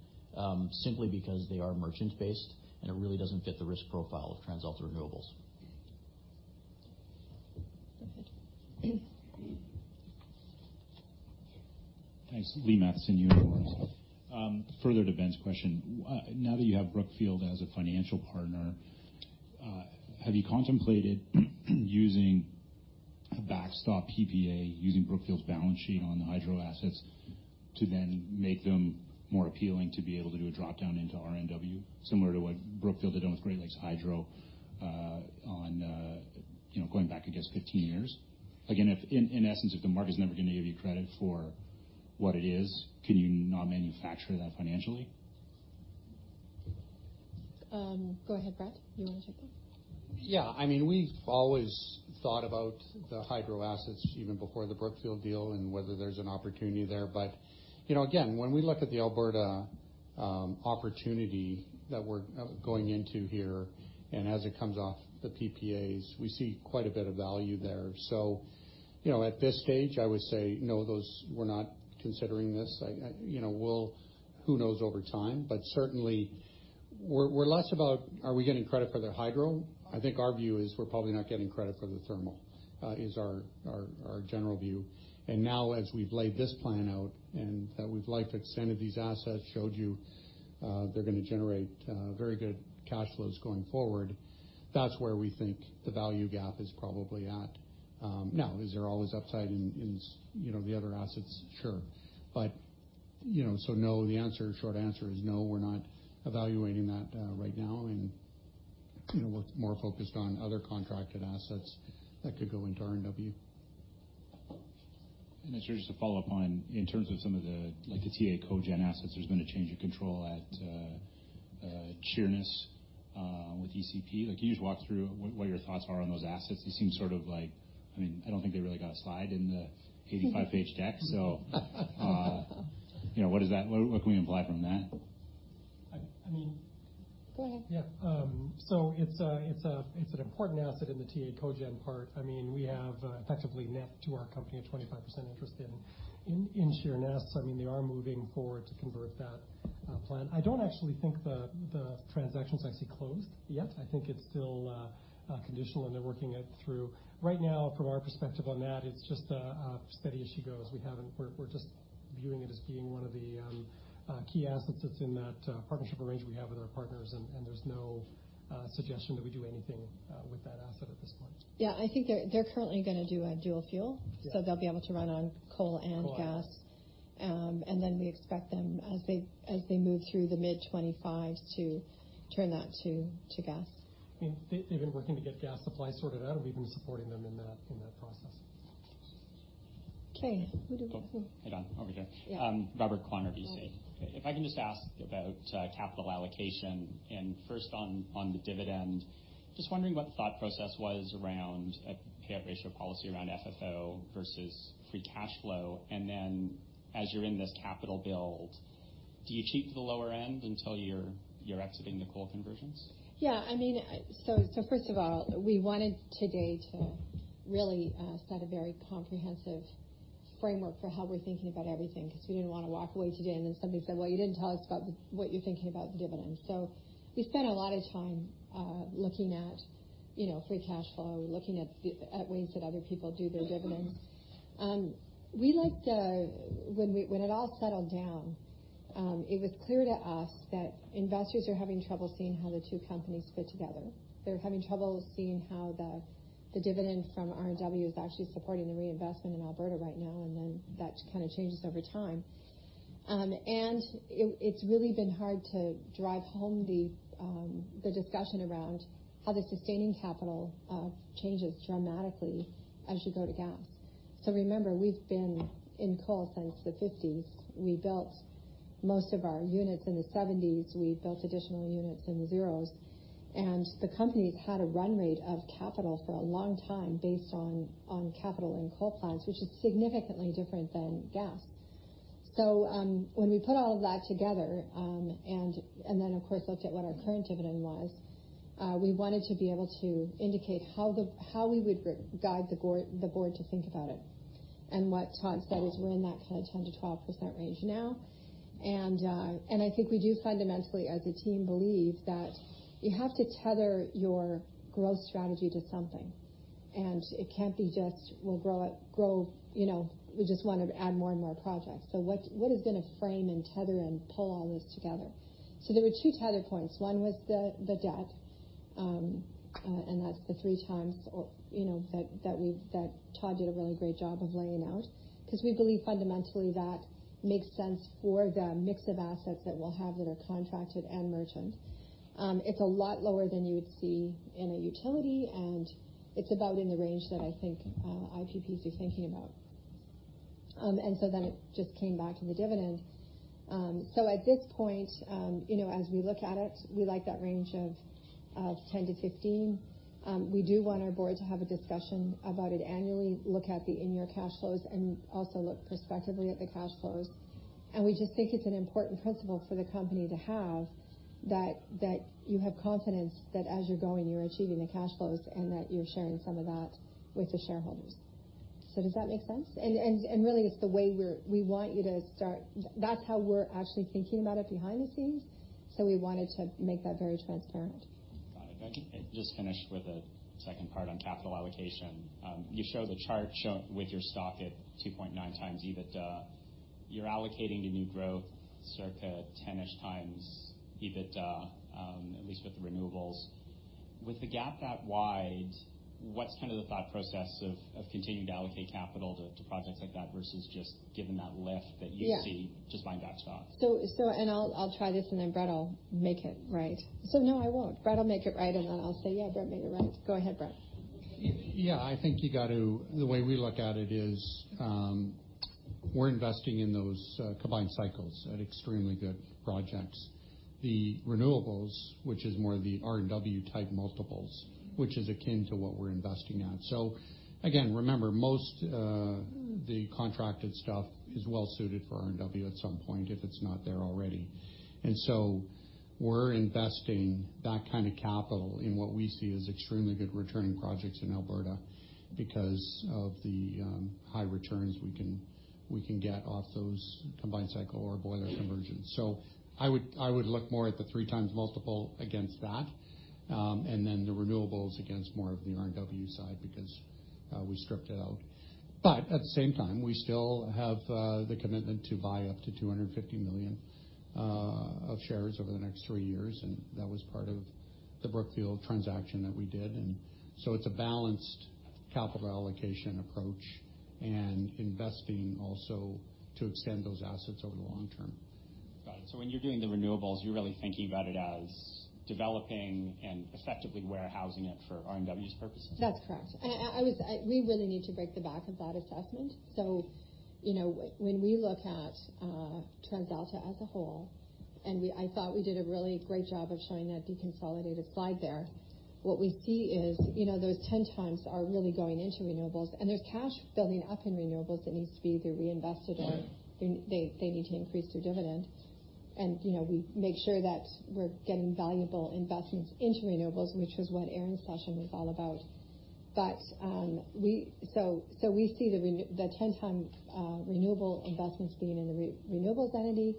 Simply because they are merchant-based, and it really doesn't fit the risk profile of TransAlta Renewables. Go ahead. Thanks. Lee Matheson, UFCW. Further to Ben's question, now that you have Brookfield as a financial partner, have you contemplated using a backstop PPA, using Brookfield's balance sheet on the hydro assets to then make them more appealing to be able to do a drop-down into RNW, similar to what Brookfield did with Great Lakes Hydro going back, I guess, 15 years? In essence, if the market's never going to give you credit for what it is, can you not manufacture that financially? Go ahead, Brett. You want to take that? Yeah. We've always thought about the hydro assets even before the Brookfield deal and whether there's an opportunity there. Again, when we look at the Alberta opportunity that we're going into here, and as it comes off the PPAs, we see quite a bit of value there. At this stage, I would say, no, we're not considering this. Who knows over time? Certainly, we're less about are we getting credit for their hydro. I think our view is we're probably not getting credit for the thermal. Is our general view. Now, as we've laid this plan out and that we've liked the extent of these assets, showed you they're going to generate very good cash flows going forward. That's where we think the value gap is probably at. Now, is there always upside in the other assets? Sure. No, the short answer is no, we're not evaluating that right now, and we're more focused on other contracted assets that could go into RNW. Just to follow up on, in terms of some of the TA Cogen assets, there's been a change of control at Sheerness with ECP. Can you just walk through what your thoughts are on those assets? They seem sort of like, I don't think they really got a slide in the 85-page deck. What can we imply from that? I mean. Go ahead. Yeah. It's an important asset in the TA Cogen part. We have effectively net to our company a 25% interest in Sheerness. They are moving forward to convert that plant. I don't actually think the transaction's actually closed yet. I think it's still conditional, and they're working it through. Right now, from our perspective on that, it's just steady as she goes. We're just viewing it as being one of the key assets that's in that partnership arrangement we have with our partners, and there's no suggestion that we do anything with that asset at this point. Yeah, I think they're currently going to do a dual fuel. Yeah. They'll be able to run on coal and gas. Coal and gas. We expect them, as they move through the mid-2025, to turn that to gas. They've been working to get gas supply sorted out, and we've been supporting them in that process. Okay. Who do we Hey, Dawn. Over here. Yeah. Robert Quanner, VC. Okay. If I can just ask about capital allocation, first on the dividend, just wondering what the thought process was around a payout ratio policy around FFO versus free cash flow. Then as you're in this capital build, do you cheat to the lower end until you're exiting the coal conversions? Yeah. First of all, we wanted today to really set a very comprehensive framework for how we're thinking about everything, because we didn't want to walk away today and then somebody said, "Well, you didn't tell us about what you're thinking about the dividend." We spent a lot of time looking at free cash flow, looking at ways that other people do their dividends. When it all settled down, it was clear to us that investors are having trouble seeing how the two companies fit together. They're having trouble seeing how the dividend from RNW is actually supporting the reinvestment in Alberta right now, and then that changes over time. It's really been hard to drive home the discussion around how the sustaining capital changes dramatically as you go to gas. Remember, we've been in coal since the '50s. We built most of our units in the '70s. We built additional units in the zeros. The company's had a run rate of capital for a long time based on capital in coal plants, which is significantly different than gas. When we put all of that together, and then, of course, looked at what our current dividend was, we wanted to be able to indicate how we would guide the board to think about it. What Todd said is we're in that 10%-12% range now. I think we do fundamentally, as a team, believe that you have to tether your growth strategy to something. It can't be just, we just want to add more and more projects. What is going to frame and tether and pull all this together? There were two tether points. One was the debt, and that's the 3x that Todd Stack did a really great job of laying out, because we believe fundamentally that makes sense for the mix of assets that we'll have that are contracted and merchant. It's a lot lower than you would see in a utility, and it's about in the range that I think IPPs are thinking about. It just came back to the dividend. At this point, as we look at it, we like that range of 10%-15%. We do want our board to have a discussion about it annually, look at the in-year cash flows, and also look prospectively at the cash flows. We just think it's an important principle for the company to have that you have confidence that as you're going, you're achieving the cash flows and that you're sharing some of that with the shareholders. Does that make sense? Really, it's the way we want you to start. That's how we're actually thinking about it behind the scenes. We wanted to make that very transparent. Got it. I think just finish with a second part on capital allocation. You show the chart with your stock at 2.9x EBITDA. You're allocating the new growth circa 10-ish times EBITDA, at least with the renewables. With the gap that wide, what's the thought process of continuing to allocate capital to projects like that versus just giving that lift that you see just buying back stock? I'll try this, and then Brett will make it right. No, I won't. Brett will make it right, and then I'll say, "Yeah, Brett made it right." Go ahead, Brett. The way we look at it is, we're investing in those combined cycles at extremely good projects. The renewables, which is more the RNW type multiples, which is akin to what we're investing at. Again, remember, most of the contracted stuff is well-suited for RNW at some point, if it's not there already. We're investing that kind of capital in what we see as extremely good returning projects in Alberta because of the high returns we can get off those combined cycle or boiler conversions. I would look more at the 3x multiple against that. The renewables against more of the RNW side, because we stripped it out. At the same time, we still have the commitment to buy up to 250 million of shares over the next three years, and that was part of the Brookfield transaction that we did. It's a balanced capital allocation approach and investing also to extend those assets over the long term. Got it. When you're doing the renewables, you're really thinking about it as developing and effectively warehousing it for RNW's purposes? That's correct. We really need to break the back of that assessment. When we look at TransAlta as a whole, I thought we did a really great job of showing that deconsolidated slide there. What we see is, those 10x are really going into renewables, and there's cash building up in renewables that needs to be either reinvested or they need to increase their dividend. We make sure that we're getting valuable investments into renewables, which was what Aron's session was all about. We see the 10x renewable investments being in the renewables entity.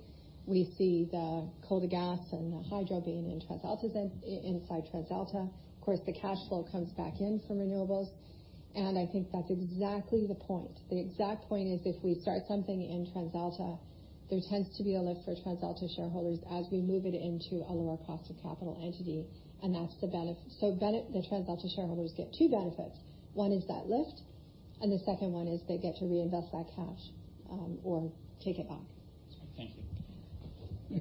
We see the coal to gas and the hydro being inside TransAlta. Of course, the cash flow comes back in from renewables, and I think that's exactly the point. The exact point is if we start something in TransAlta, there tends to be a lift for TransAlta shareholders as we move it into a lower cost of capital entity, and that's the benefit. The TransAlta shareholders get two benefits. One is that lift, and the second one is they get to reinvest that cash, or take it back. Thank you.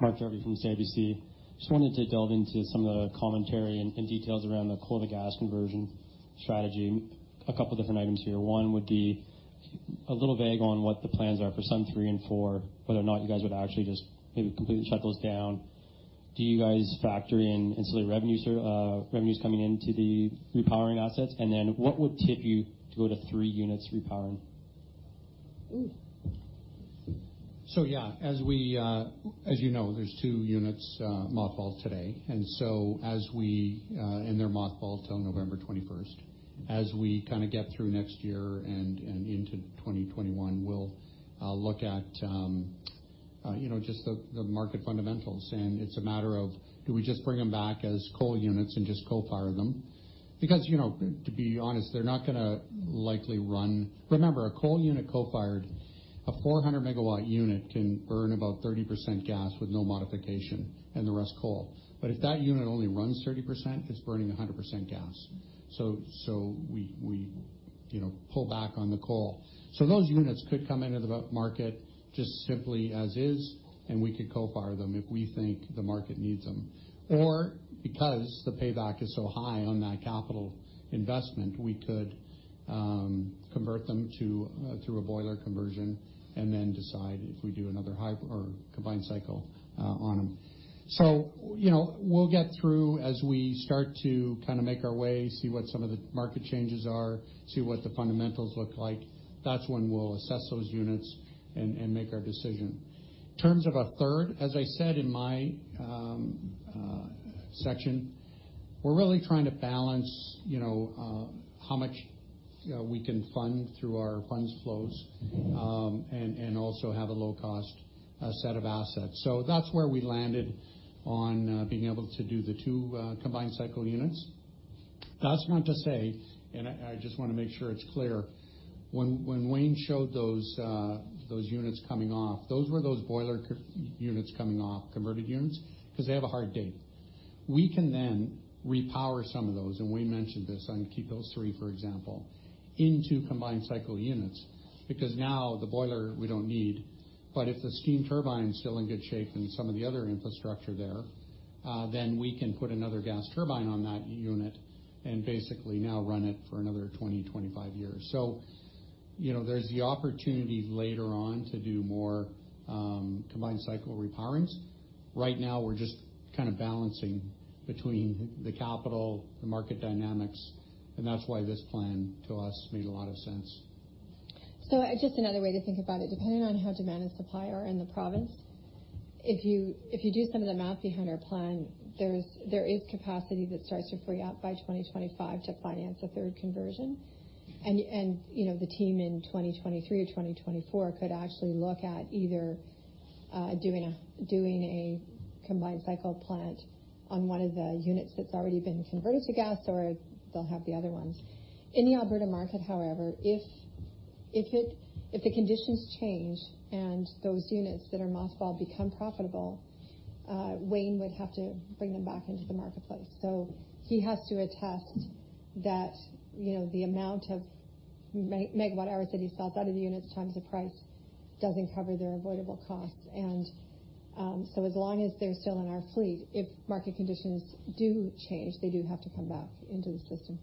Mark Jarvi from CIBC. Just wanted to delve into some of the commentary and details around the coal to gas conversion strategy. A couple of different items here. One would be a little vague on what the plans are for Sundance three and four, whether or not you guys would actually just maybe completely shut those down. Do you guys factor in insulated revenues coming into the repowering assets? What would tip you to go to three units repowering? Yeah, as you know, there's 2 units mothballed today, and they're mothballed till November 21st, 2020. As we get through next year and into 2021, we'll look at just the market fundamentals, it's a matter of do we just bring them back as coal units and just co-fire them? To be honest, they're not going to likely run. Remember, a coal unit co-fired, a 400-megawatt unit can burn about 30% gas with no modification, and the rest coal. If that unit only runs 30%, it's burning 100% gas. We pull back on the coal. Those units could come into the market just simply as is, and we could co-fire them if we think the market needs them. Because the payback is so high on that capital investment, we could convert them through a boiler conversion and then decide if we do another combined cycle on them. We'll get through as we start to make our way, see what some of the market changes are, see what the fundamentals look like. That's when we'll assess those units and make our decision. In terms of a third, as I said in my section, we're really trying to balance how much we can fund through our funds flows, and also have a low-cost set of assets. That's where we landed on being able to do the two combined cycle units. That's not to say, and I just want to make sure it's clear, when Wayne showed those units coming off, those were those boiler units coming off, converted units, because they have a hard date. We can then repower some of those, and we mentioned this, on Keephills 3, for example, into combined cycle units, because now the boiler we don't need. If the steam turbine's still in good shape and some of the other infrastructure there, then we can put another gas turbine on that unit and basically now run it for another 20-25 years. There's the opportunity later on to do more combined cycle repowerings. Right now, we're just balancing between the capital, the market dynamics, and that's why this plan, to us, made a lot of sense. Just another way to think about it, depending on how demand and supply are in the province, if you do some of the math behind our plan, there is capacity that starts to free up by 2025 to finance a third conversion. The team in 2023 or 2024 could actually look at either doing a combined cycle plant on one of the units that's already been converted to gas, or they'll have the other ones. In the Alberta market, however, if the conditions change and those units that are mothballed become profitable, Wayne would have to bring them back into the marketplace. He has to attest that the amount of megawatt hours that he's fell out of the units times the price doesn't cover their avoidable costs. As long as they're still in our fleet, if market conditions do change, they do have to come back into the system.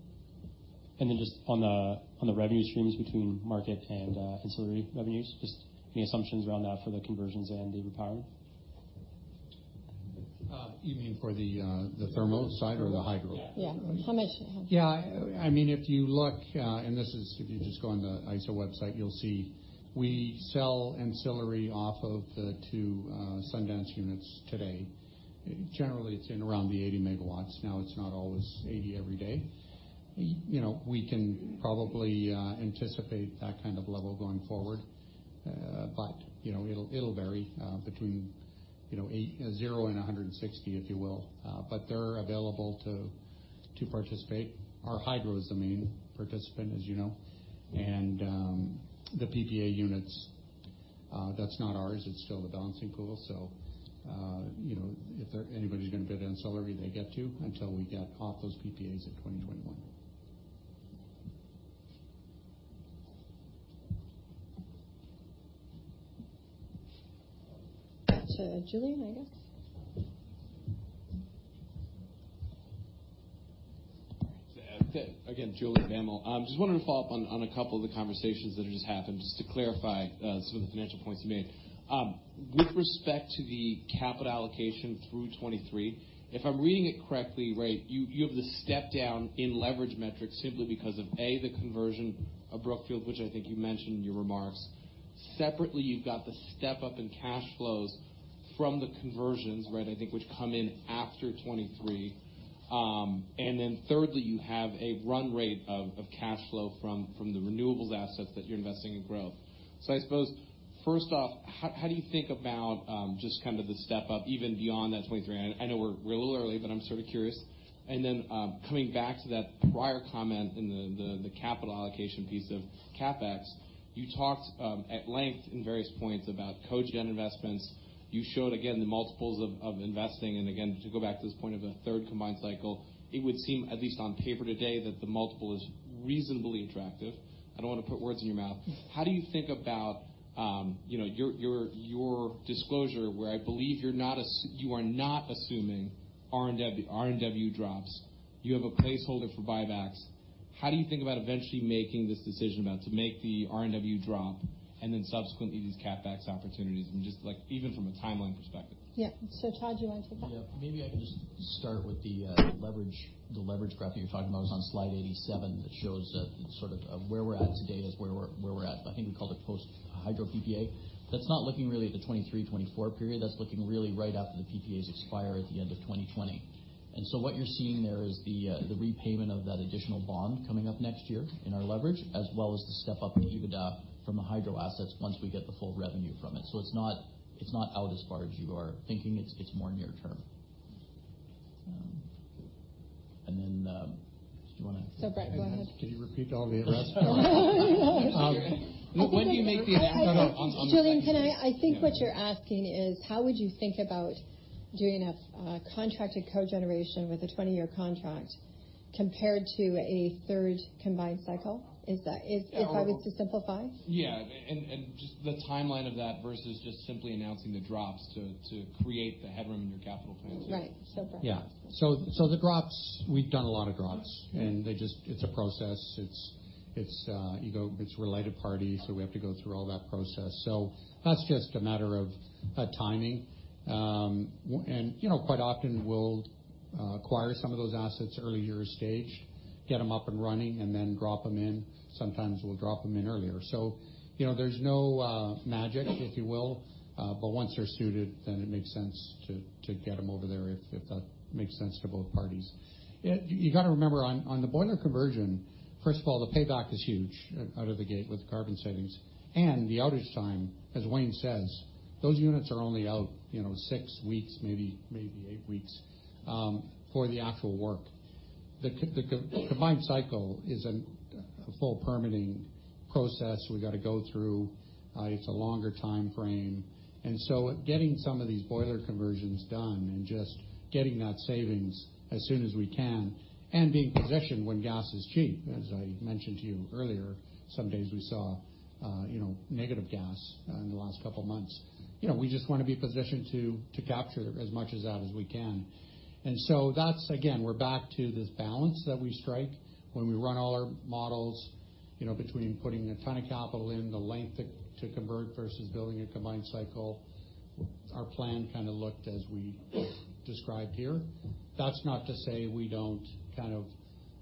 Then just on the revenue streams between market and ancillary revenues, just any assumptions around that for the conversions and beaver power? You mean for the thermal side or the hydro? Yeah. How much they have. If you look, this is if you just go on the ISO website, you will see we sell ancillary off of the two Sundance units today. Generally, it is in around the 80 megawatts. It is not always 80 every day. We can probably anticipate that kind of level going forward. It will vary between zero and 160, if you will. They are available to participate. Our hydro is the main participant, as you know. The PPA units, that is not ours, it is still the Balancing Pool. If there anybody is going to bid ancillary, they get to, until we get off those PPAs in 2021. To Julien, I guess. Again, Julian Smith. Just wanted to follow up on a couple of the conversations that have just happened, just to clarify some of the financial points you made. With respect to the capital allocation through 2023, if I'm reading it correctly, right, you have the step down in leverage metrics simply because of, A, the conversion of Brookfield, which I think you mentioned in your remarks. Separately, you've got the step up in cash flows from the conversions, right? I think, which come in after 2023. Thirdly, you have a run rate of cash flow from the renewables assets that you're investing in growth. I suppose, first off, how do you think about, just the step up even beyond that 2023? I know we're a little early, but I'm sort of curious. Coming back to that prior comment in the capital allocation piece of CapEx, you talked at length in various points about cogen investments. You showed again, the multiples of investing, and again, to go back to this point of a third combined cycle, it would seem, at least on paper today, that the multiple is reasonably attractive. I don't want to put words in your mouth. How do you think about your disclosure, where I believe you are not assuming RNW drops, you have a placeholder for buybacks. How do you think about eventually making this decision about, to make the RNW drop and then subsequently these CapEx opportunities and just, even from a timeline perspective? Yeah. Todd, do you want to take that? Maybe I can just start with the leverage graph that you're talking about is on slide 87 that shows sort of where we're at today as where we're at, I think we call it post-hydro PPA. That's not looking really at the 2023, 2024 period. That's looking really right after the PPAs expire at the end of 2020. What you're seeing there is the repayment of that additional bond coming up next year in our leverage, as well as the step up in EBITDA from the hydro assets once we get the full revenue from it. It's not out as far as you are thinking. It's more near-term. Do you want to Brett, go ahead. Can you repeat all the graphs? When do you make? Julien, I think what you're asking is how would you think about doing a contracted cogeneration with a 20-year contract compared to a third combined cycle? I was to simplify. Yeah. Just the timeline of that versus just simply announcing the drops to create the headroom in your capital plans. Right. Brett. Yeah. The drops, we've done a lot of drops, and it's a process. It's related parties, so we have to go through all that process. That's just a matter of timing. Quite often we'll acquire some of those assets earlier stage, get them up and running, and then drop them in. Sometimes we'll drop them in earlier. There's no magic, if you will. Once they're suited, then it makes sense to get them over there if that makes sense to both parties. You got to remember on the boiler conversion, first of all, the payback is huge out of the gate with carbon savings. The outage time, as Wayne says, those units are only out six weeks, maybe eight weeks, for the actual work. The combined cycle is a full permitting process we got to go through. It's a longer timeframe. Getting some of these boiler conversions done and just getting that savings as soon as we can and being positioned when gas is cheap, as I mentioned to you earlier, some days we saw negative gas in the last couple of months. We just want to be positioned to capture as much as that as we can. That's, again, we're back to this balance that we strike when we run all our models between putting a ton of capital in the length to convert versus building a combined cycle. Our plan kind of looked as we described here. That's not to say we don't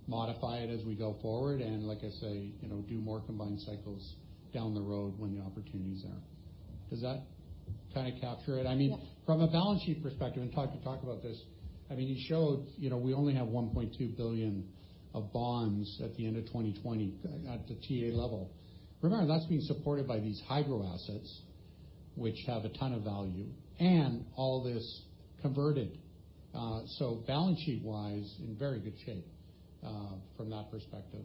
modify it as we go forward and like I say, do more combined cycles down the road when the opportunity is there. Does that kind of capture it? Yeah. From a balance sheet perspective, Todd can talk about this. He showed we only have 1.2 billion of bonds at the end of 2020 at the TA level. Remember, that's being supported by these hydro assets, which have a ton of value and all this converted. Balance sheet-wise, in very good shape from that perspective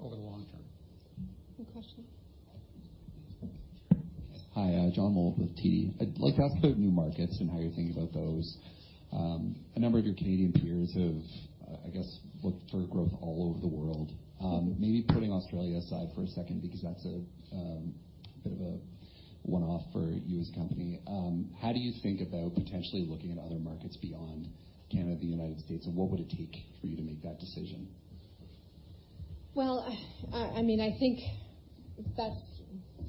over the long term. One question. Hi, John Mould with TD. I'd like to ask about new markets and how you're thinking about those. A number of your Canadian peers have, I guess, looked for growth all over the world. Maybe putting Australia aside for a second because that's a bit of a one-off for you as a company. How do you think about potentially looking at other markets beyond Canada, the U.S., what would it take for you to make that decision? Well, I think that's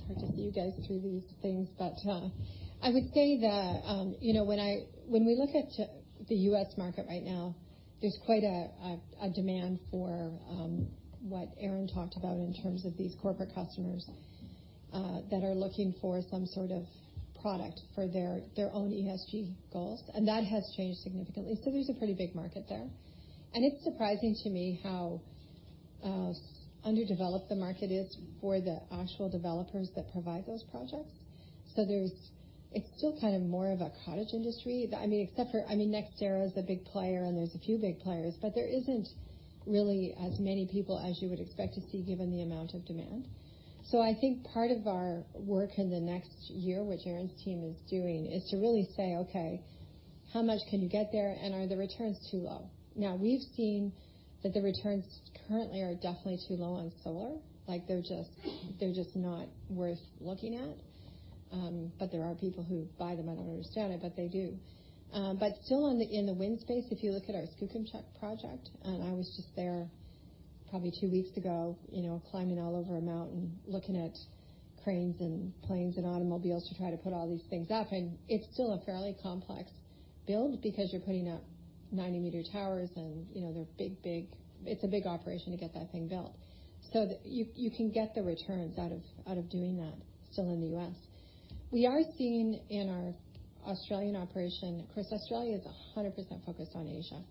hard to see you guys through these things. I would say that when we look at the U.S. market right now, there's quite a demand for what Aron talked about in terms of these corporate customers that are looking for some sort of product for their own ESG goals. That has changed significantly. There's a pretty big market there. It's surprising to me how underdeveloped the market is for the actual developers that provide those projects. It's still more of a cottage industry. Except for NextEra is a big player, and there's a few big players, but there isn't really as many people as you would expect to see given the amount of demand. I think part of our work in the next year, which Aron's team is doing, is to really say, okay, how much can you get there, and are the returns too low? We've seen that the returns currently are definitely too low on solar. They're just not worth looking at. There are people who buy them. I don't understand it, but they do. Still in the wind space, if you look at our Skookumchuck project, and I was just there probably two weeks ago, climbing all over a mountain, looking at cranes and planes and automobiles to try to put all these things up. It's still a fairly complex build because you're putting up 90-meter towers, and it's a big operation to get that thing built. You can get the returns out of doing that still in the U.S. We are seeing in our Australian operation, of course, Australia is 100% focused on Asia.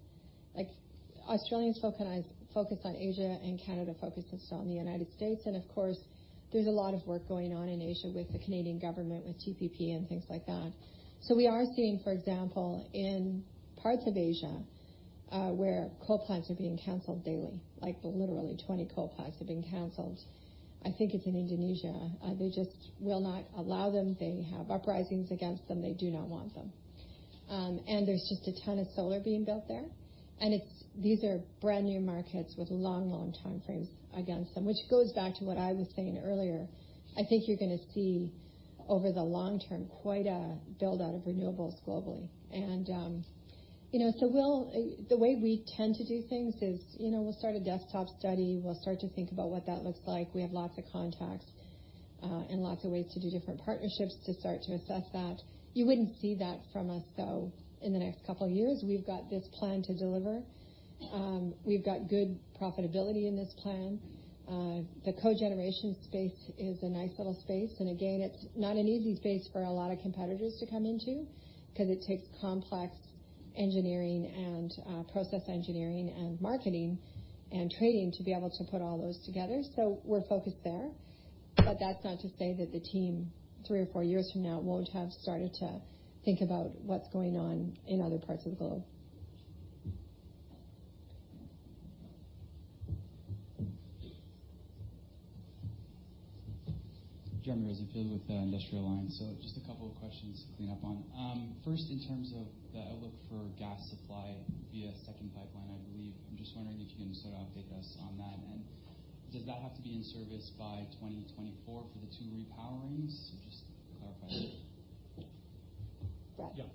Australians focus on Asia, Canada focuses on the United States. Of course, there's a lot of work going on in Asia with the Canadian government, with TPP, and things like that. We are seeing, for example, in parts of Asia, where coal plants are being canceled daily. Literally 20 coal plants have been canceled. I think it's in Indonesia. They just will not allow them. They have uprisings against them. They do not want them. There's just a ton of solar being built there. These are brand-new markets with long time frames against them, which goes back to what I was saying earlier. I think you're going to see over the long term, quite a build-out of renewables globally. The way we tend to do things is we'll start a desktop study. We'll start to think about what that looks like. We have lots of contacts and lots of ways to do different partnerships to start to assess that. You wouldn't see that from us, though, in the next couple of years. We've got this plan to deliver. We've got good profitability in this plan. The cogeneration space is a nice little space. Again, it's not an easy space for a lot of competitors to come into because it takes complex engineering and process engineering and marketing and trading to be able to put all those together. We're focused there. That's not to say that the team, three or four years from now, won't have started to think about what's going on in other parts of the globe. Jeremy Rosenfield with Industrial Alliance. Just a couple of questions to clean up on. First, in terms of the outlook for gas supply via second pipeline, I believe. I'm just wondering if you can sort of update us on that. Does that have to be in service by 2024 for the two repowerings? Just to clarify that. Brett? Yeah.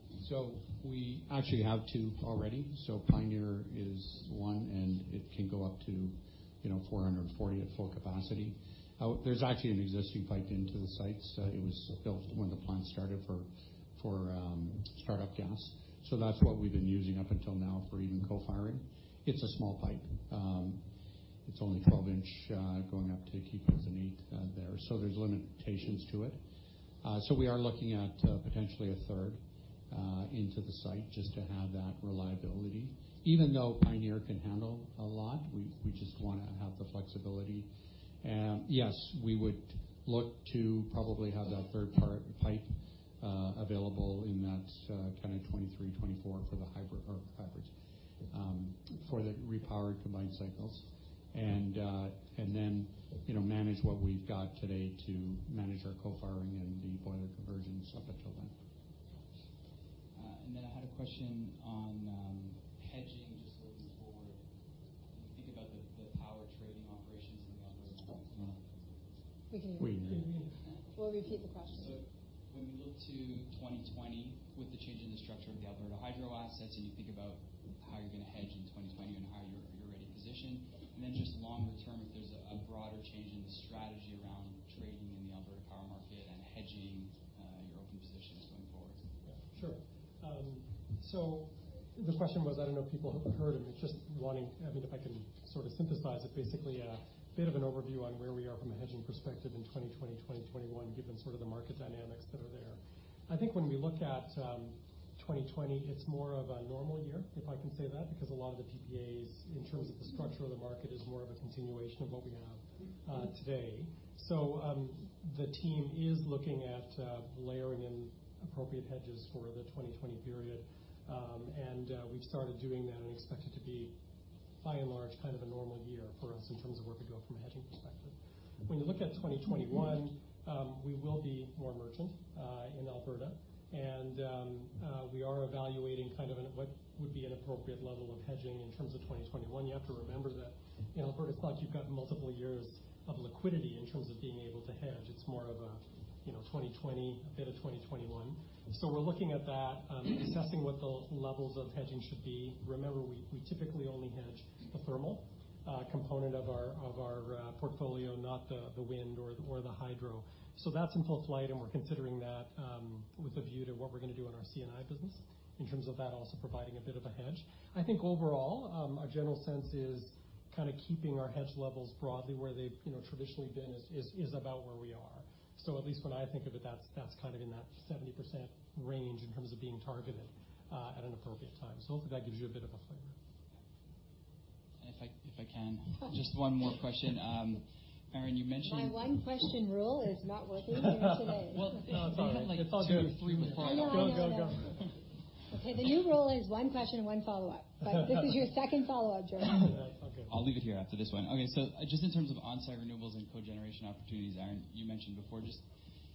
We actually have two already. Pioneer is one, and it can go up to 440 at full capacity. There's actually an existing pipe into the site. It was built when the plant started for startup gas. That's what we've been using up until now for even co-firing. It's a small pipe. It's only 12-inch going up to I keep hearing it's an eight there. There's limitations to it. We are looking at potentially a third into the site just to have that reliability. Even though Pioneer can handle a lot, we just want to have the flexibility. Yes, we would look to probably have that third-part pipe available in that kind of 2023, 2024 for the hybrid, or not hybrids, for the repowered combined cycles. Then manage what we've got today to manage our co-firing and the boiler conversions up until then. I had a question on hedging just looking forward. When you think about the power trading operations in the Alberta market. We can hear you. We can hear you. We'll repeat the question. When we look to 2020 with the change in the structure of the Alberta Hydro assets, and you think about how you're going to hedge in 2020 and how you're already positioned. Just longer term, if there's a broader change in the strategy around trading in the Alberta power market and hedging your open positions going forward. Yeah, sure. The question was, I don't know if people heard, and it's just wanting, I mean, if I can sort of synthesize it, basically a bit of an overview on where we are from a hedging perspective in 2020, 2021, given sort of the market dynamics that are there. I think when we look at 2020, it's more of a normal year, if I can say that, because a lot of the PPAs, in terms of the structure of the market, is more of a continuation of what we have today. The team is looking at layering in appropriate hedges for the 2020 period. We've started doing that and expect it to be by and large, a normal year for us in terms of where we go from a hedging perspective. When you look at 2021, we will be more merchant in Alberta, and we are evaluating what would be an appropriate level of hedging in terms of 2021. You have to remember that in Alberta, it's not like you've got multiple years of liquidity in terms of being able to hedge. It's more of a 2020, a bit of 2021. We're looking at that, assessing what the levels of hedging should be. Remember, we typically only hedge the thermal component of our portfolio, not the wind or the hydro. That's in full flight, and we're considering that with a view to what we're going to do in our C&I business in terms of that also providing a bit of a hedge. I think overall, our general sense is keeping our hedge levels broadly where they've traditionally been is about where we are. At least when I think of it, that's in that 70% range in terms of being targeted at an appropriate time. Hopefully, that gives you a bit of a flavor. If I can, just one more question. Aron, you mentioned- My one-question rule is not working here today. Well, it's only like two, three more follow-ups. I know. Go. Okay. The new rule is one question, one follow-up. This is your second follow-up, Jeremy. I'll leave it here after this one. Okay, just in terms of on-site renewables and cogeneration opportunities, Aron, you mentioned before, just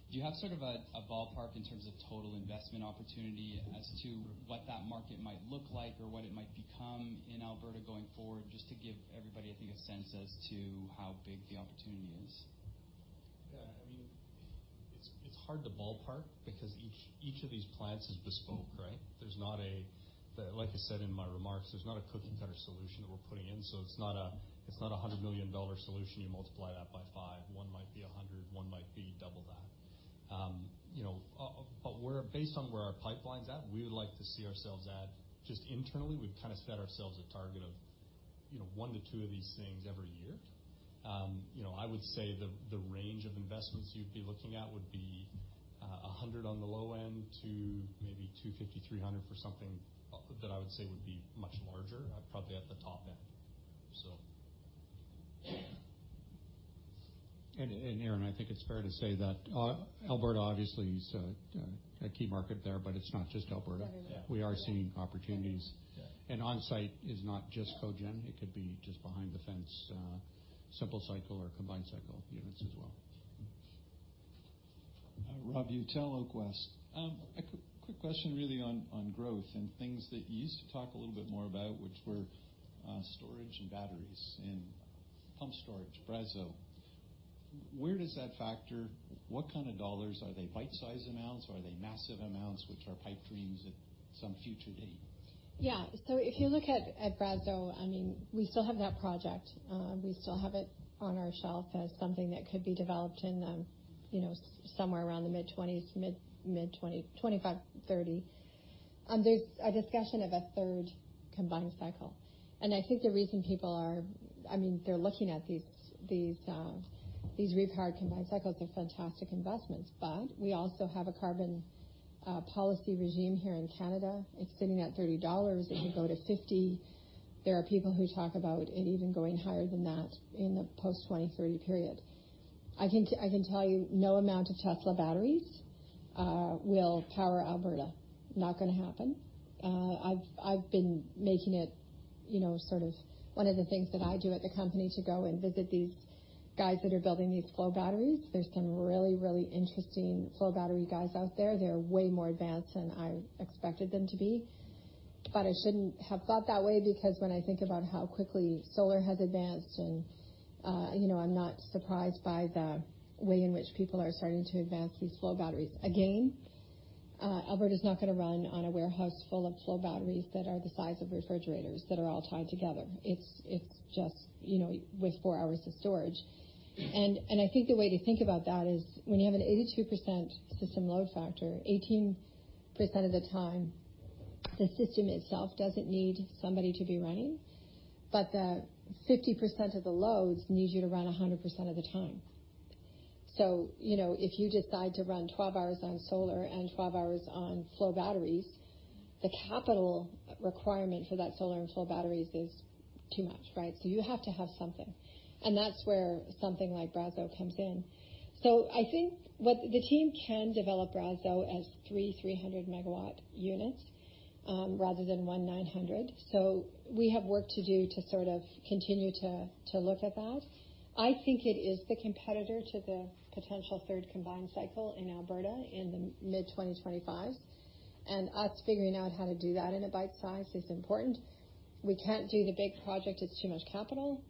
do you have sort of a ballpark in terms of total investment opportunity as to what that market might look like or what it might become in Alberta going forward, just to give everybody, I think, a sense as to how big the opportunity is? Yeah. It's hard to ballpark because each of these plants is bespoke, right? Like I said in my remarks, there's not a cookie-cutter solution that we're putting in. It's not a 100 million dollar solution, you multiply that by five. One might be 100, one might be double that. Based on where our pipeline's at, we would like to see ourselves add, just internally, we've set ourselves a target of one to two of these things every year. I would say the range of investments you'd be looking at would be 100 on the low end to maybe 250-300 for something that I would say would be much larger, probably at the top end. Aron, I think it's fair to say that Alberta obviously is a key market there, but it's not just Alberta. Yeah. We are seeing opportunities. Yeah. On-site is not just cogen. It could be just behind-the-fence, simple cycle or combined cycle units as well. Rob Utell, Oak West. A quick question really on growth and things that you used to talk a little bit more about, which were storage and batteries and pump storage, Brazeau. Where does that factor? What kind of dollars? Are they bite-size amounts, or are they massive amounts, which are pipe dreams at some future date? Yeah. If you look at Brazeau, we still have that project. We still have it on our shelf as something that could be developed in somewhere around the mid 2020s, mid 2025-2030. There's a discussion of a third combined cycle. I think the reason people are looking at these repowered combined cycles, they're fantastic investments. We also have a carbon policy regime here in Canada. It's sitting at 30 dollars. It could go to 50. There are people who talk about it even going higher than that in the post-2030 period. I can tell you, no amount of Tesla batteries will power Alberta. Not going to happen. I've been making it one of the things that I do at the company to go and visit these guys that are building these flow batteries. There's some really interesting flow battery guys out there. They're way more advanced than I expected them to be. I shouldn't have thought that way, because when I think about how quickly solar has advanced, I'm not surprised by the way in which people are starting to advance these flow batteries. Again, Alberta is not going to run on a warehouse full of flow batteries that are the size of refrigerators that are all tied together. It's just with four hours of storage. I think the way to think about that is when you have an 82% system load factor, 18% of the time, the system itself doesn't need somebody to be running, but the 50% of the loads need you to run 100% of the time. If you decide to run 12 hours on solar and 12 hours on flow batteries, the capital requirement for that solar and flow batteries is too much, right? You have to have something. That's where something like Brazeau comes in. I think what the team can develop Brazeau as three 300-megawatt units, rather than one 900. We have work to do to sort of continue to look at that. I think it is the competitor to the potential third combined cycle in Alberta in the mid-2025. Us figuring out how to do that in a bite size is important. We can't do the big project. It's too much capital.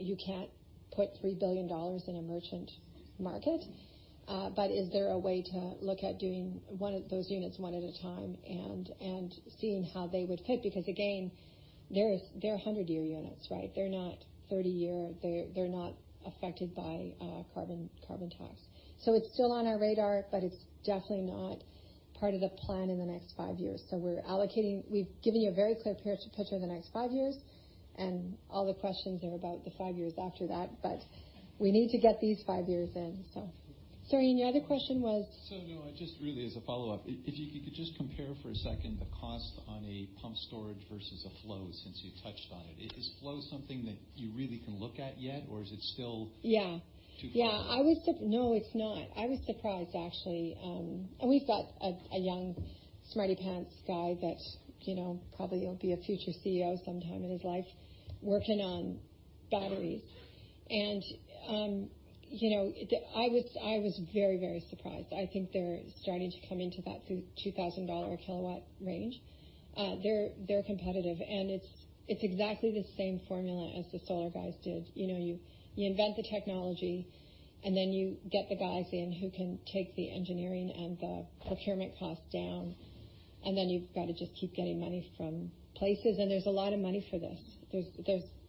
You can't put 3 billion dollars in a merchant market. Is there a way to look at doing those units one at a time and seeing how they would fit? Because again, they're 100-year units, right? They're not 30-year. They're not affected by carbon tax. It's still on our radar, but it's definitely not part of the plan in the next five years. We've given you a very clear picture of the next five years, and all the questions are about the five years after that, but we need to get these five years in. Sorry, and the other question was? No, just really as a follow-up. If you could just compare for a second the cost on a pump storage versus a flow, since you touched on it. Is flow something that you really can look at yet or is it still too far out? Yeah. No, it's not. I was surprised, actually. We've got a young smarty pants guy that probably will be a future CEO sometime in his life, working on batteries. I was very surprised. I think they're starting to come into that 2,000 dollar a kilowatt range. They're competitive, it's exactly the same formula as the solar guys did. You invent the technology, you get the guys in who can take the engineering and the procurement costs down, you've got to just keep getting money from places. There's a lot of money for this.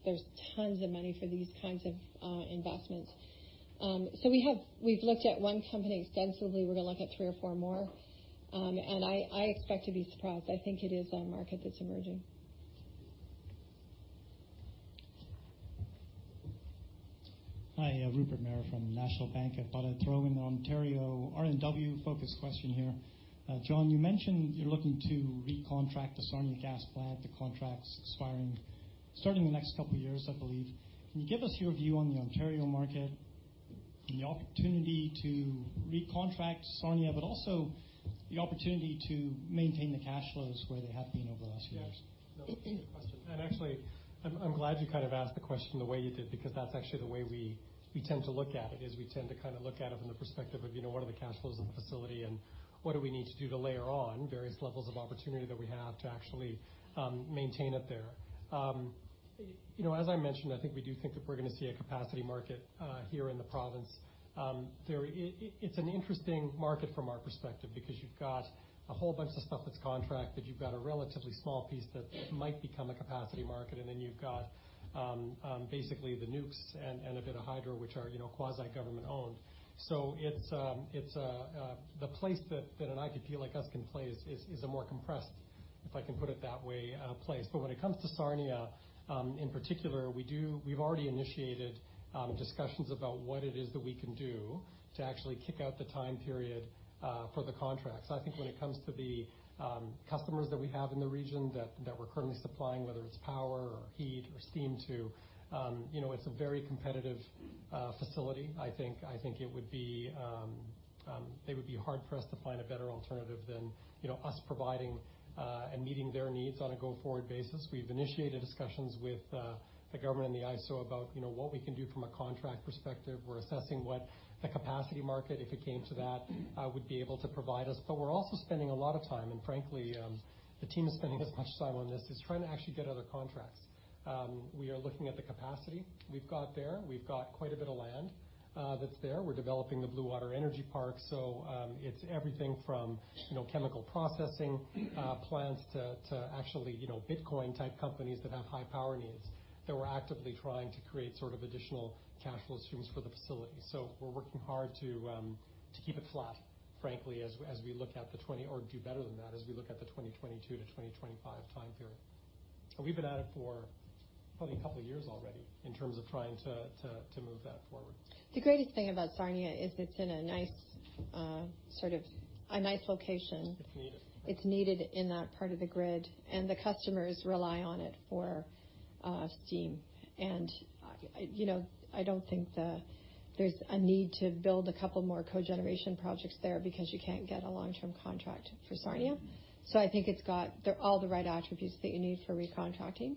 There's tons of money for these kinds of investments. We've looked at one company extensively. We're going to look at three or four more. I expect to be surprised. I think it is a market that's emerging. Hi, Rupert Merer from National Bank. I thought I'd throw in an Ontario RNW-focused question here. John, you mentioned you're looking to recontract the Sarnia gas plant, the contract's expiring starting in the next couple of years, I believe. Can you give us your view on the Ontario market and the opportunity to recontract Sarnia, but also the opportunity to maintain the cash flows where they have been over the last few years? Yes. No, it's a good question. Actually, I'm glad you asked the question the way you did, because that's actually the way we tend to look at it, is we tend to look at it from the perspective of what are the cash flows of the facility and what do we need to do to layer on various levels of opportunity that we have to actually maintain it there. As I mentioned, I think we do think that we're going to see a capacity market here in the province. It's an interesting market from our perspective because you've got a whole bunch of stuff that's contracted. You've got a relatively small piece that might become a capacity market, then you've got basically the nukes and a bit of hydro, which are quasi government-owned. The place that an IPP like us can play is a more compressed, if I can put it that way, place. When it comes to Sarnia, in particular, we've already initiated discussions about what it is that we can do to actually kick out the time period for the contracts. I think when it comes to the customers that we have in the region that we're currently supplying, whether it's power or heat or steam to, it's a very competitive facility. I think it would be hard-pressed to find a better alternative than us providing and meeting their needs on a go-forward basis. We've initiated discussions with the government and the ISO about what we can do from a contract perspective. We're assessing what the capacity market, if it came to that, would be able to provide us. We're also spending a lot of time, and frankly, the team is spending as much time on this, is trying to actually get other contracts. We are looking at the capacity we've got there. We've got quite a bit of land that's there. We're developing the Bluewater Energy Park. It's everything from chemical processing plants to actually Bitcoin-type companies that have high power needs, that we're actively trying to create additional cash flow streams for the facility. We're working hard to keep it flat, frankly, or do better than that as we look at the 2022 to 2025 time period. We've been at it for probably a couple of years already in terms of trying to move that forward. The greatest thing about Sarnia is it's in a nice location. It's needed. It's needed in that part of the grid, the customers rely on it for steam. I don't think there's a need to build a couple more cogeneration projects there because you can't get a long-term contract for Sarnia. I think it's got all the right attributes that you need for recontracting.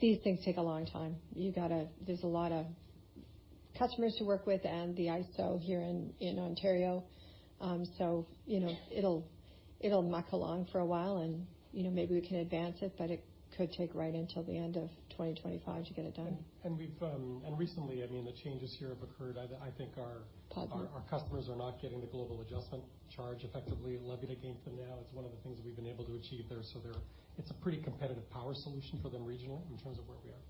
These things take a long time. There's a lot of customers to work with and the ISO here in Ontario. It'll muck along for a while, maybe we can advance it, but it could take right until the end of 2025 to get it done. Recently, the changes here have occurred. Partners our customers are not getting the Global Adjustment charge effectively levied against them now. It's one of the things that we've been able to achieve there. It's a pretty competitive power solution for them regionally, in terms of where we are.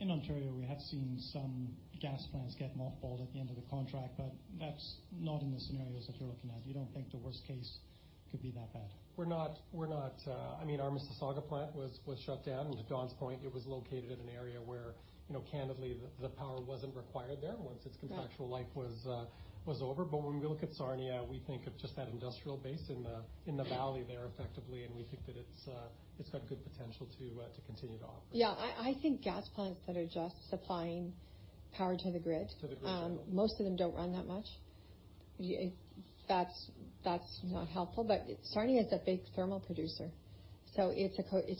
In Ontario, we have seen some gas plants get mothballed at the end of the contract, but that's not in the scenarios that you're looking at. You don't think the worst case could be that bad? Our Mississauga plant was shut down. To Dawn's point, it was located in an area where, candidly, the power wasn't required there once its contractual life was over. When we look at Sarnia, we think of just that industrial base in the valley there effectively, and we think that it's got good potential to continue to operate. Yeah. I think gas plants that are just supplying power to the grid- To the grid level. most of them don't run that much. That's not helpful. Sarnia is a big thermal producer, so it's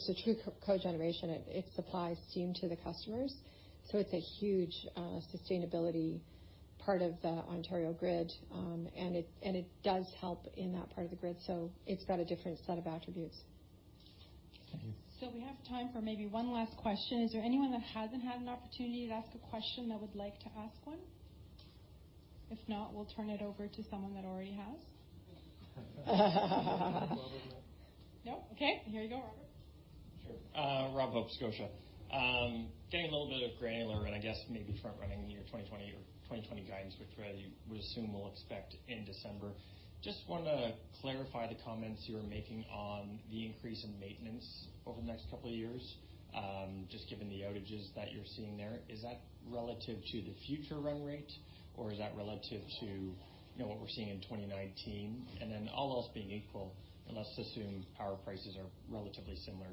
a true cogeneration. It supplies steam to the customers. It's a huge sustainability part of the Ontario grid. It does help in that part of the grid. It's got a different set of attributes. Thank you. We have time for maybe one last question. Is there anyone that hasn't had an opportunity to ask a question that would like to ask one? If not, we'll turn it over to someone that already has. No? Okay. Here you go, Robert. Sure. Robert Hope, Scotiabank. Getting a little bit granular, and I guess maybe front-running your 2020 guidance, which I would assume we'll expect in December. Just want to clarify the comments you were making on the increase in maintenance over the next couple of years, just given the outages that you're seeing there. Is that relative to the future run rate, or is that relative to what we're seeing in 2019? All else being equal, and let's assume power prices are relatively similar,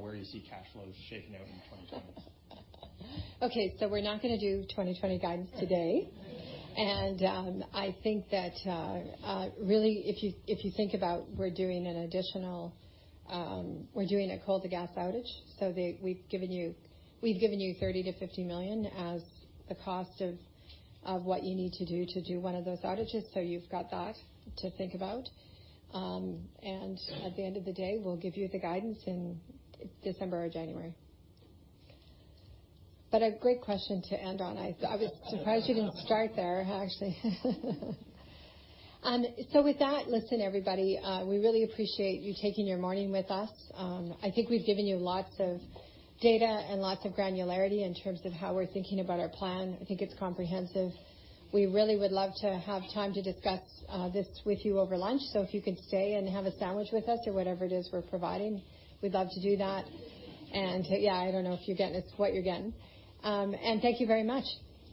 where do you see cash flows shaking out in 2020? Okay, we're not going to do 2020 guidance today. I think that really, if you think about we're doing a coal-to-gas outage, so we've given you 30 million-50 million as the cost of what you need to do one of those outages. At the end of the day, we'll give you the guidance in December or January. A great question to end on. I was surprised you didn't start there, actually. With that, listen, everybody, we really appreciate you taking your morning with us. I think we've given you lots of data and lots of granularity in terms of how we're thinking about our plan. I think it's comprehensive. We really would love to have time to discuss this with you over lunch. If you could stay and have a sandwich with us or whatever it is we're providing, we'd love to do that. Yeah, I don't know if you're getting what you're getting. Thank you very much.